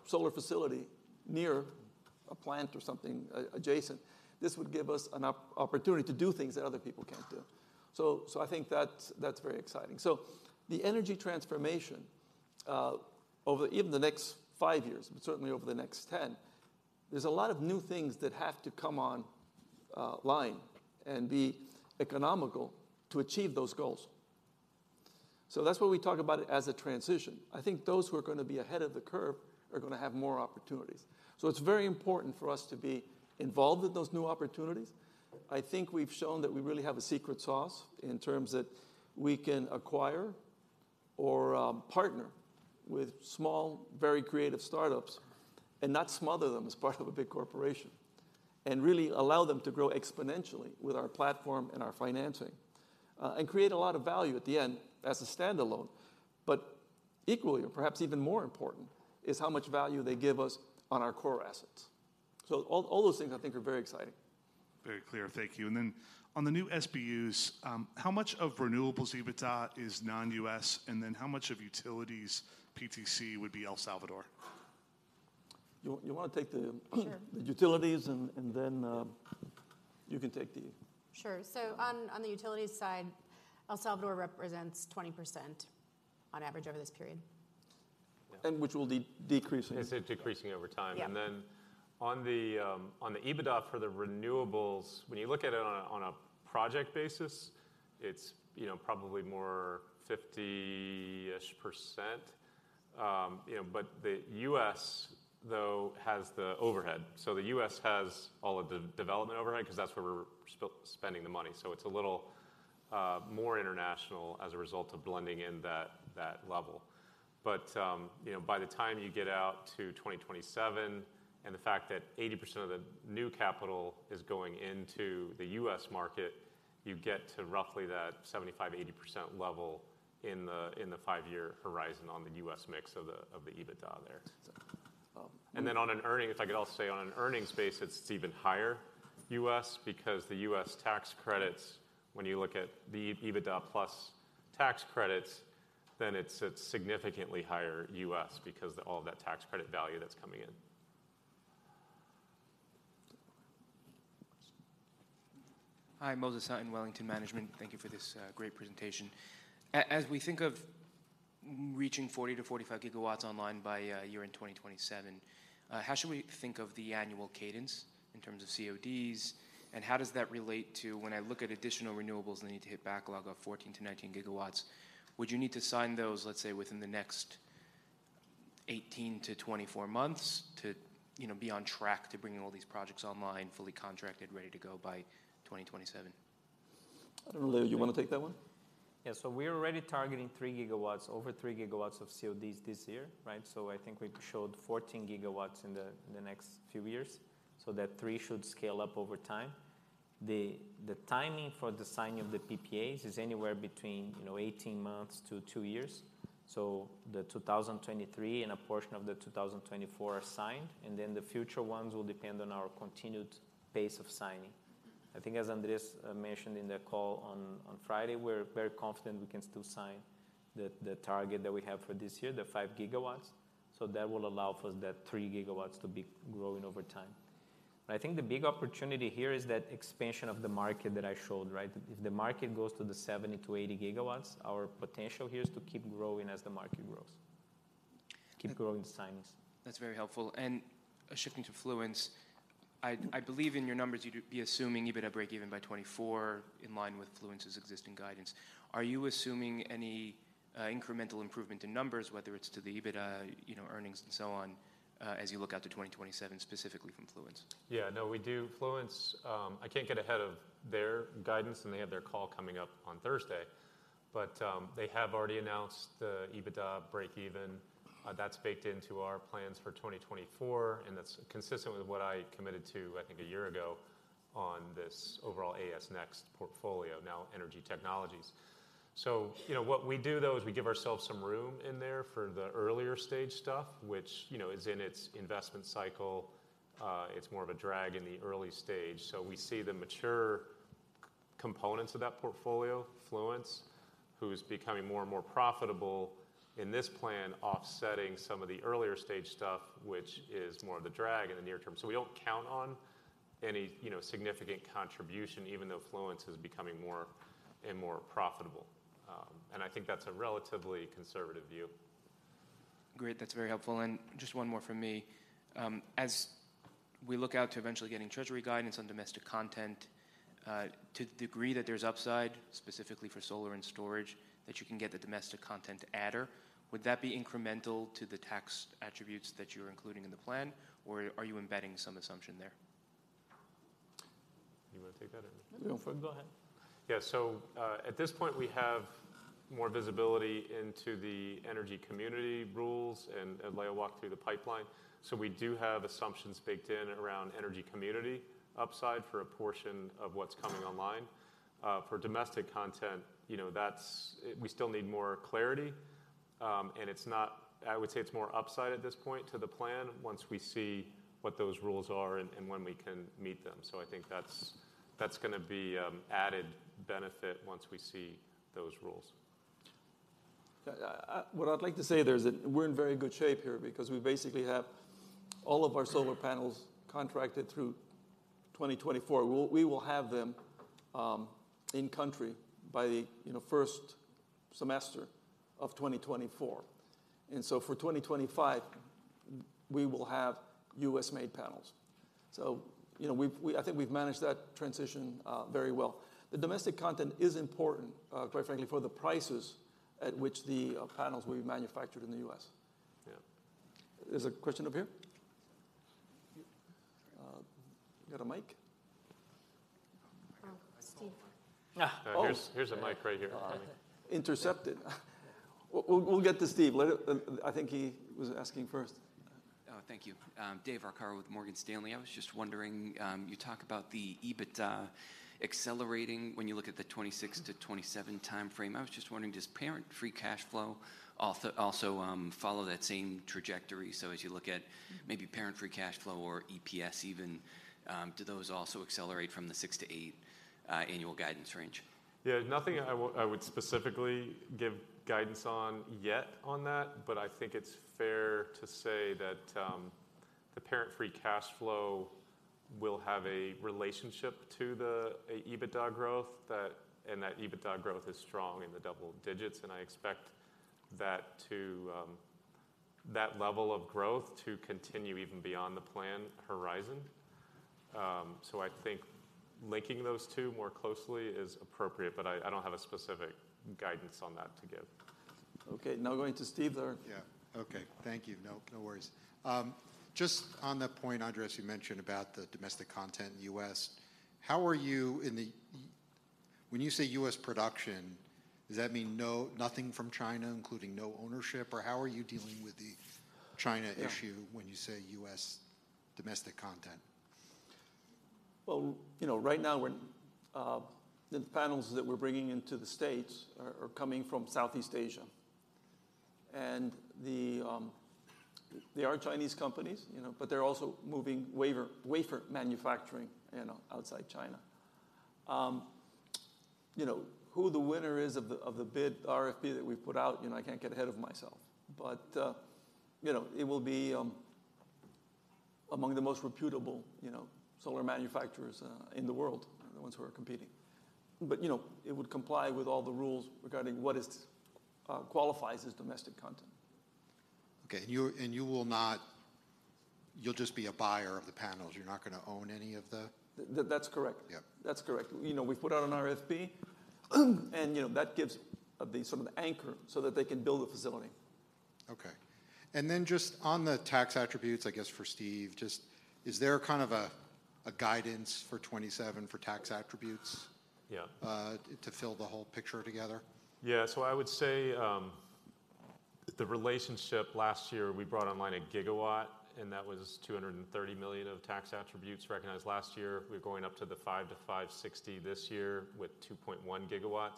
solar facility near a plant or something adjacent. This would give us an opportunity to do things that other people can't do. I think that's very exciting. The energy transformation, over even the next five years, but certainly over the next 10, there's a lot of new things that have to come online and be economical to achieve those goals. That's why we talk about it as a transition. I think those who are gonna be ahead of the curve are gonna have more opportunities. It's very important for us to be involved with those new opportunities. I think we've shown that we really have a secret sauce in terms that we can acquire or partner with small, very creative startups and not smother them as part of a big corporation, and really allow them to grow exponentially with our platform and our financing, and create a lot of value at the end as a standalone. Equally, or perhaps even more important, is how much value they give us on our core assets. All those things I think are very exciting. Very clear. Thank you. Then on the new SBUs, how much of renewables EBITDA is non-US, and then how much of utilities PTC would be El Salvador? You wanna take. Sure The utilities and then you can take. Sure. On the utilities side, El Salvador represents 20% on average over this period. which will decrease in. Is it decreasing over time? Yeah. Then on the EBITDA for the renewables, when you look at it on a, on a project basis, it's, you know, probably more 50%-ish. You know, the U.S. though has the overhead. The U.S. has all of the development overhead 'cause that's where we're spending the money. It's a little more international as a result of blending in that level. You know, by the time you get out to 2027, and the fact that 80% of the new capital is going into the U.S. market, you get to roughly that 75%-80% level in the, in the five year horizon on the U.S. mix of the, of the EBITDA there. So. On an earning, if I could also say on an earnings base, it's even higher US because the US tax credits, when you look at the EBITDA plus tax credits, then it's a significantly higher US because of all that tax credit value that's coming in. Next. Hi. Moses Sutton, Wellington Management. Thank you for this great presentation. As we think of reaching 40 to 45 GW online by year-end 2027, how should we think of the annual cadence in terms of CODs, and how does that relate to when I look at additional renewables that need to hit backlog of 14 to 19 GW? Would you need to sign those, let's say, within the next 18 to 24 months to, you know, be on track to bringing all these projects online, fully contracted, ready to go by 2027? I don't know. Leo, do you wanna take that one? Yeah. We're already targeting 3 GW, over 3 GW of CODs this year, right? I think we showed 14 GW in the next few years, that three should scale up over time. The timing for the signing of the PPAs is anywhere between, you know, 18 months to two years. The 2023 and a portion of the 2024 are signed, and then the future ones will depend on our continued pace of signing. I think as Andrés mentioned in the call on Friday, we're very confident we can still sign the target that we have for this year, the 5 GW. That will allow for that 3 GW to be growing over time. I think the big opportunity here is that expansion of the market that I showed, right? If the market goes to the 70-80 GW, our potential here is to keep growing as the market grows. Keep growing the signings. That's very helpful. Shifting to Fluence, I believe in your numbers you'd be assuming EBITDA breakeven by 2024 in line with Fluence's existing guidance. Are you assuming any incremental improvement in numbers, whether it's to the EBITDA, you know, earnings and so on, as you look out to 2027 specifically from Fluence? Yeah. No, we do. Fluence, I can't get ahead of their guidance, they have their call coming up on Thursday. They have already announced the EBITDA breakeven. That's baked into our plans for 2024, and that's consistent with what I committed to, I think, a year ago on this overall AES Next portfolio, now Energy Technologies. You know, what we do though is we give ourselves some room in there for the earlier stage stuff, which, you know, is in its investment cycle. It's more of a drag in the early stage. We see the mature components of that portfolio, Fluence, who's becoming more and more profitable in this plan, offsetting some of the earlier stage stuff, which is more of the drag in the near term. We don't count on any, you know, significant contribution, even though Fluence is becoming more and more profitable. I think that's a relatively conservative view. Great. That's very helpful. Just one more from me. As we look out to eventually getting Treasury guidance on domestic content, to the degree that there's upside, specifically for solar and storage, that you can get the domestic content adder, would that be incremental to the tax attributes that you're including in the plan, or are you embedding some assumption there? You wanna take that or. Go for it. Go ahead. Yeah. At this point, we have more visibility into the energy community rules, and Leo walked through the pipeline. We do have assumptions baked in around energy community upside for a portion of what's coming online. For domestic content, you know, that's We still need more clarity, and it's not I would say it's more upside at this point to the plan once we see what those rules are and when we can meet them. I think that's gonna be added benefit once we see those rules. What I'd like to say there is that we're in very good shape here because we basically have all of our solar panels contracted through 2024. We will have them in country by the, you know, first semester of 2024. For 2025, we will have U.S.-made panels. You know, we've managed that transition very well. The domestic content is important, quite frankly, for the prices at which the panels will be manufactured in the U.S. Yeah. There's a question over here. You got a mic? Steve. Oh. Here's a mic right here. Intercepted. We'll get to Steve. I think he was asking first. Oh, thank you. David Arcaro with Morgan Stanley. I was just wondering, you talk about the EBITDA accelerating when you look at the 2026-2027 timeframe. I was just wondering, does parent free cash flow also follow that same trajectory? As you look at. Maybe parent free cash flow or EPS even, do those also accelerate from the six to eight annual guidance range? Yeah, nothing I would specifically give guidance on yet on that, but I think it's fair to say that the parent free cash flow will have a relationship to a EBITDA growth that, and that EBITDA growth is strong in the double digits, and I expect that to that level of growth to continue even beyond the planned horizon. I think linking those two more closely is appropriate, but I don't have a specific guidance on that to give. Now going to Steve there. Yeah. Okay. Thank you. No, no worries. Just on that point, Andrés, you mentioned about the domestic content in the U.S. How are you When you say U.S. production, does that mean nothing from China, including no ownership? Or how are you dealing with the China issue? Yeah. when you say U.S. domestic content? Well, you know, right now we're the panels that we're bringing into the States are coming from Southeast Asia. The, they are Chinese companies, you know, but they're also moving waiver, wafer manufacturing, you know, outside China. You know, who the winner is of the bid RFP that we've put out, you know, I can't get ahead of myself. You know, it will be among the most reputable, you know, solar manufacturers in the world, the ones who are competing. You know, it would comply with all the rules regarding what is qualifies as domestic content. Okay. You will not you'll just be a buyer of the panels. You're not going to own any of the. That's correct. Yeah. That's correct. You know, we've put out an RFP, and, you know, that gives the sort of anchor so that they can build a facility. Okay. Then just on the tax attributes, I guess for Steve, just is there kind of a guidance for 2027 for tax attributes? Yeah. to fill the whole picture together? I would say, the relationship last year, we brought online 1 gigawatt, and that was $230 million of tax attributes recognized last year. We're going up to the $500 million to $560 million this year with 2.1 GW.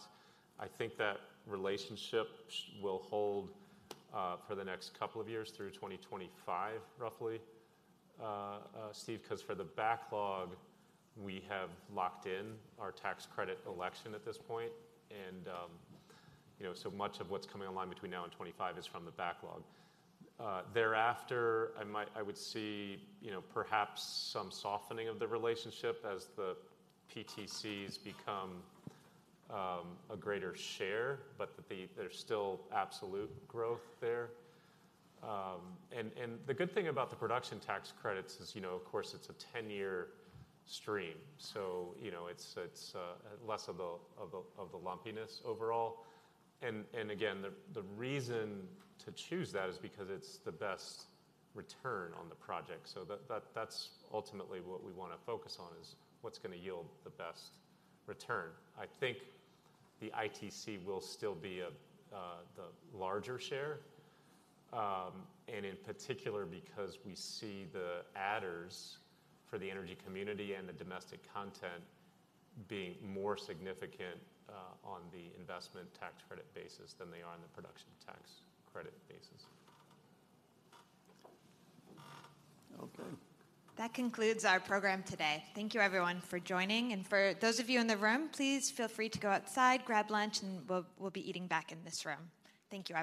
I think that relationship will hold for the next couple of years through 2025 roughly, Steve, 'cause for the backlog, we have locked in our tax credit election at this point. You know, so much of what's coming online between now and 2025 is from the backlog. Thereafter, I would see, you know, perhaps some softening of the relationship as the PTCs become a greater share, but there's still absolute growth there. And the good thing about the production tax credits is, you know, of course, it's a 10-year stream. You know, it's less of the lumpiness overall. Again, the reason to choose that is because it's the best return on the project. That's ultimately what we wanna focus on is what's gonna yield the best return. I think the ITC will still be the larger share, and in particular because we see the adders for the energy community and the domestic content being more significant on the investment tax credit basis than they are on the production tax credit basis. Okay. That concludes our program today. Thank you everyone for joining. For those of you in the room, please feel free to go outside, grab lunch, and we'll be eating back in this room. Thank you everyone.